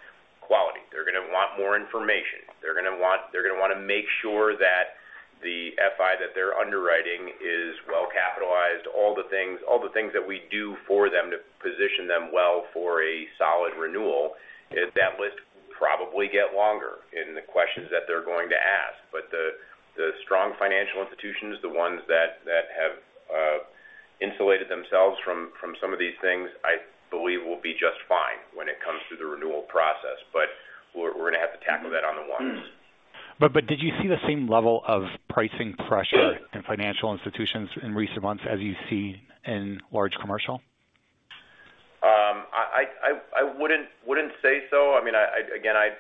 Speaker 3: quality. They're gonna want more information. They're gonna wanna make sure that the FI that they're underwriting is well capitalized. All the things that we do for them to position them well for a solid renewal, is that list probably get longer in the questions that they're going to ask. The strong financial institutions, the ones that have insulated themselves from some of these things, I believe will be just fine when it comes to the renewal process. We're gonna have to tackle that on the ones.
Speaker 17: Did you see the same level of pricing pressure in financial institutions in recent months as you see in large commercial?
Speaker 3: I wouldn't say so. I mean, I again, I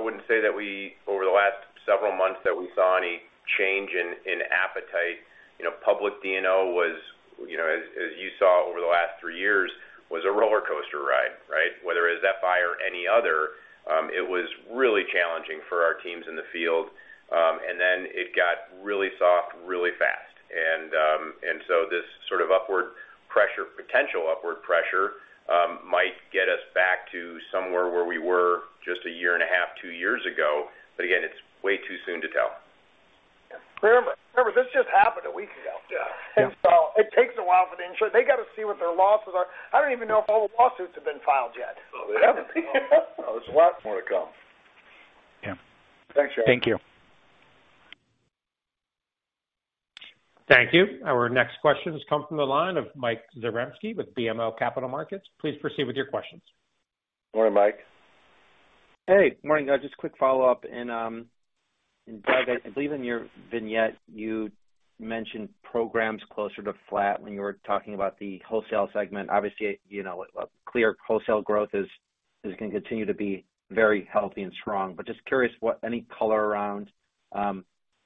Speaker 3: wouldn't say that we over the last several months that we saw any change in appetite. You know, public D&O was, you know, as you saw over the last three years, was a roller coaster ride, right? Whether it was FI or any other, it was really challenging for our teams in the field. It got really soft, really fast. This sort of upward pressure, potential upward pressure, might get us back to somewhere where we were just a year and a half, two years ago. Again, it's way too soon to tell.
Speaker 9: Yeah. Remember, this just happened a week ago.
Speaker 3: Yeah.
Speaker 9: It takes a while for the insurer. They got to see what their losses are. I don't even know if all the lawsuits have been filed yet.
Speaker 3: No, they haven't.
Speaker 2: There's a lot more to come.
Speaker 17: Yeah.
Speaker 9: Thanks, Yaron.
Speaker 17: Thank you.
Speaker 1: Thank you. Our next questions come from the line of Mike Zaremski with BMO Capital Markets. Please proceed with your questions.
Speaker 2: Good morning, Mike.
Speaker 13: Hey, morning, guys. Just a quick follow-up. Doug, I believe in your vignette, you mentioned programs closer to flat when you were talking about the wholesale segment. A clear wholesale growth is going to continue to be very healthy and strong. Just curious what any color around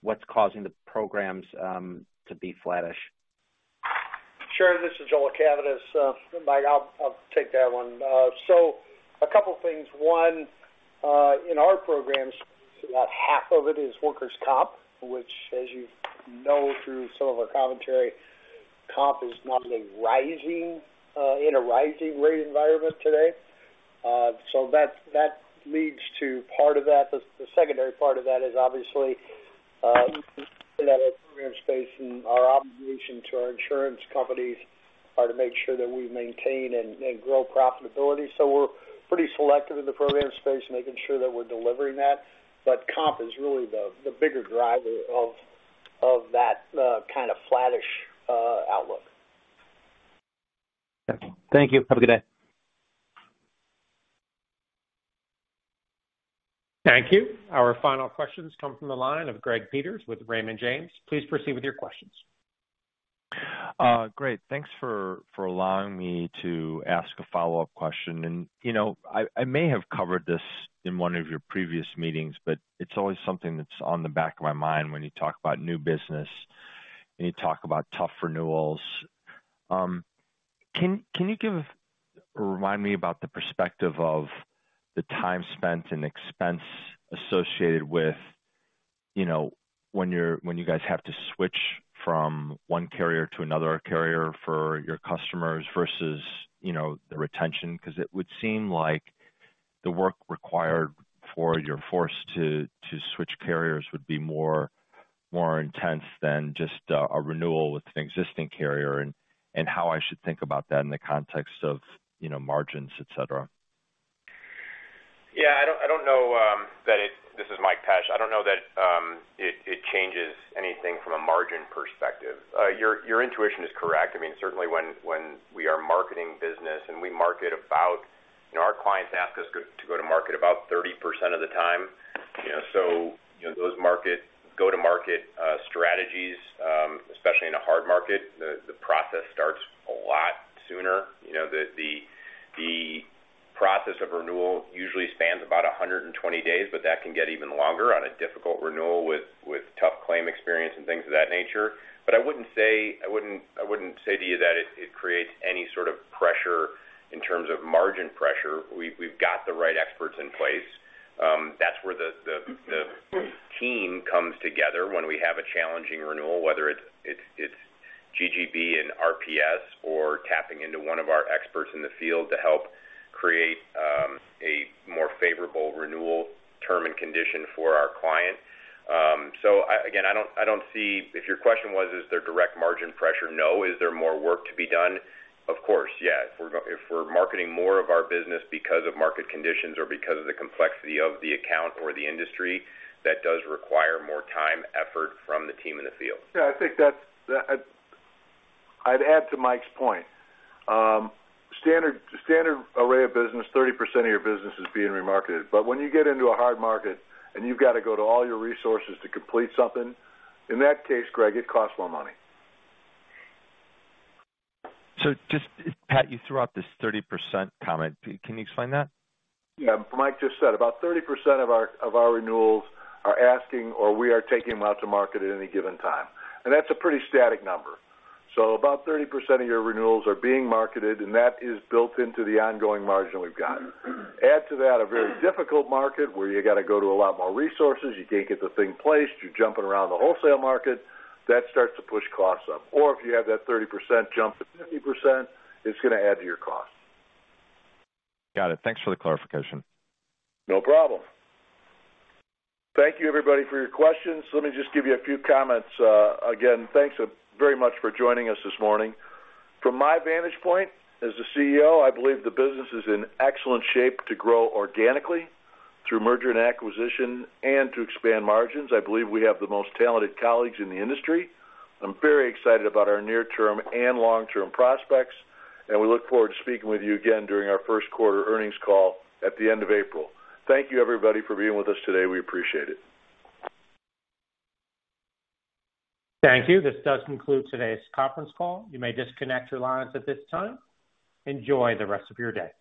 Speaker 13: what's causing the programs to be flattish.
Speaker 5: Sure. This is Joel Cavaness. Mike, I'll take that one. A couple things. One, in our programs, about half of it is workers' comp, which as you know through some of our commentary, comp is not only rising, in a rising rate environment today. That leads to part of that. The secondary part of that is obviously, in that program space and our obligation to our insurance companies are to make sure that we maintain and grow profitability. We're pretty selective in the program space, making sure that we're delivering that. Comp is really the bigger driver of that kind of flattish outlook.
Speaker 13: Okay. Thank you. Have a good day.
Speaker 1: Thank you. Our final questions come from the line of Greg Peters with Raymond James. Please proceed with your questions.
Speaker 12: Great. Thanks for allowing me to ask a follow-up question. You know, I may have covered this in one of your previous meetings, but it's always something that's on the back of my mind when you talk about new business, and you talk about tough renewals. Can you give or remind me about the perspective of the time spent and expense associated with, you know, when you guys have to switch from one carrier to another carrier for your customers versus, you know, the retention? 'Cause it would seem like the work required for your force to switch carriers would be more intense than just a renewal with an existing carrier and how I should think about that in the context of, you know, margins, et cetera.
Speaker 3: I don't know that. This is Mike Pesch. I don't know that it changes anything from a margin perspective. Your intuition is correct. I mean, certainly when we are marketing business and we market about, you know, our clients ask us to go to market about 30% of the time, you know. You know, those market, go-to-market strategies, especially in a hard market, the process starts a lot sooner. You know, the process of renewal usually spans about 120 days, but that can get even longer on a difficult renewal with tough claim experience and things of that nature. I wouldn't say to you that it creates any sort of pressure in terms of margin pressure. We've got the right experts in place. That's where the team comes together when we have a challenging renewal, whether it's GGB and RPS or tapping into one of our experts in the field to help create a more favorable renewal term and condition for our client. Again, I don't see if your question was, is there direct margin pressure? No. Is there more work to be done? Of course, yes. If we're marketing more of our business because of market conditions or because of the complexity of the account or the industry, that does require more time, effort from the team in the field.
Speaker 2: Yeah, I think I'd add to Mike's point. standard array of business, 30% of your business is being remarketed. When you get into a hard market, and you've got to go to all your resources to complete something, in that case, Greg, it costs more money.
Speaker 12: Just, Pat, you threw out this 30% comment. Can you explain that?
Speaker 2: Yeah. Mike just said about 30% of our renewals are asking or we are taking them out to market at any given time. That's a pretty static number. About 30% of your renewals are being marketed, and that is built into the ongoing margin we've got. Add to that a very difficult market where you got to go to a lot more resources, you can't get the thing placed, you're jumping around the wholesale market, that starts to push costs up. If you have that 30% jump to 50%, it's going to add to your cost.
Speaker 12: Got it. Thanks for the clarification.
Speaker 2: No problem. Thank you everybody for your questions. Let me just give you a few comments. again, thanks very much for joining us this morning. From my vantage point as the CEO, I believe the business is in excellent shape to grow organically through merger and acquisition and to expand margins. I believe we have the most talented colleagues in the industry. I'm very excited about our near-term and long-term prospects, and we look forward to speaking with you again during our Q1 earnings call at the end of April. Thank you everybody for being with us today. We appreciate it.
Speaker 1: Thank you. This does conclude today's conference call. You may disconnect your lines at this time. Enjoy the rest of your day.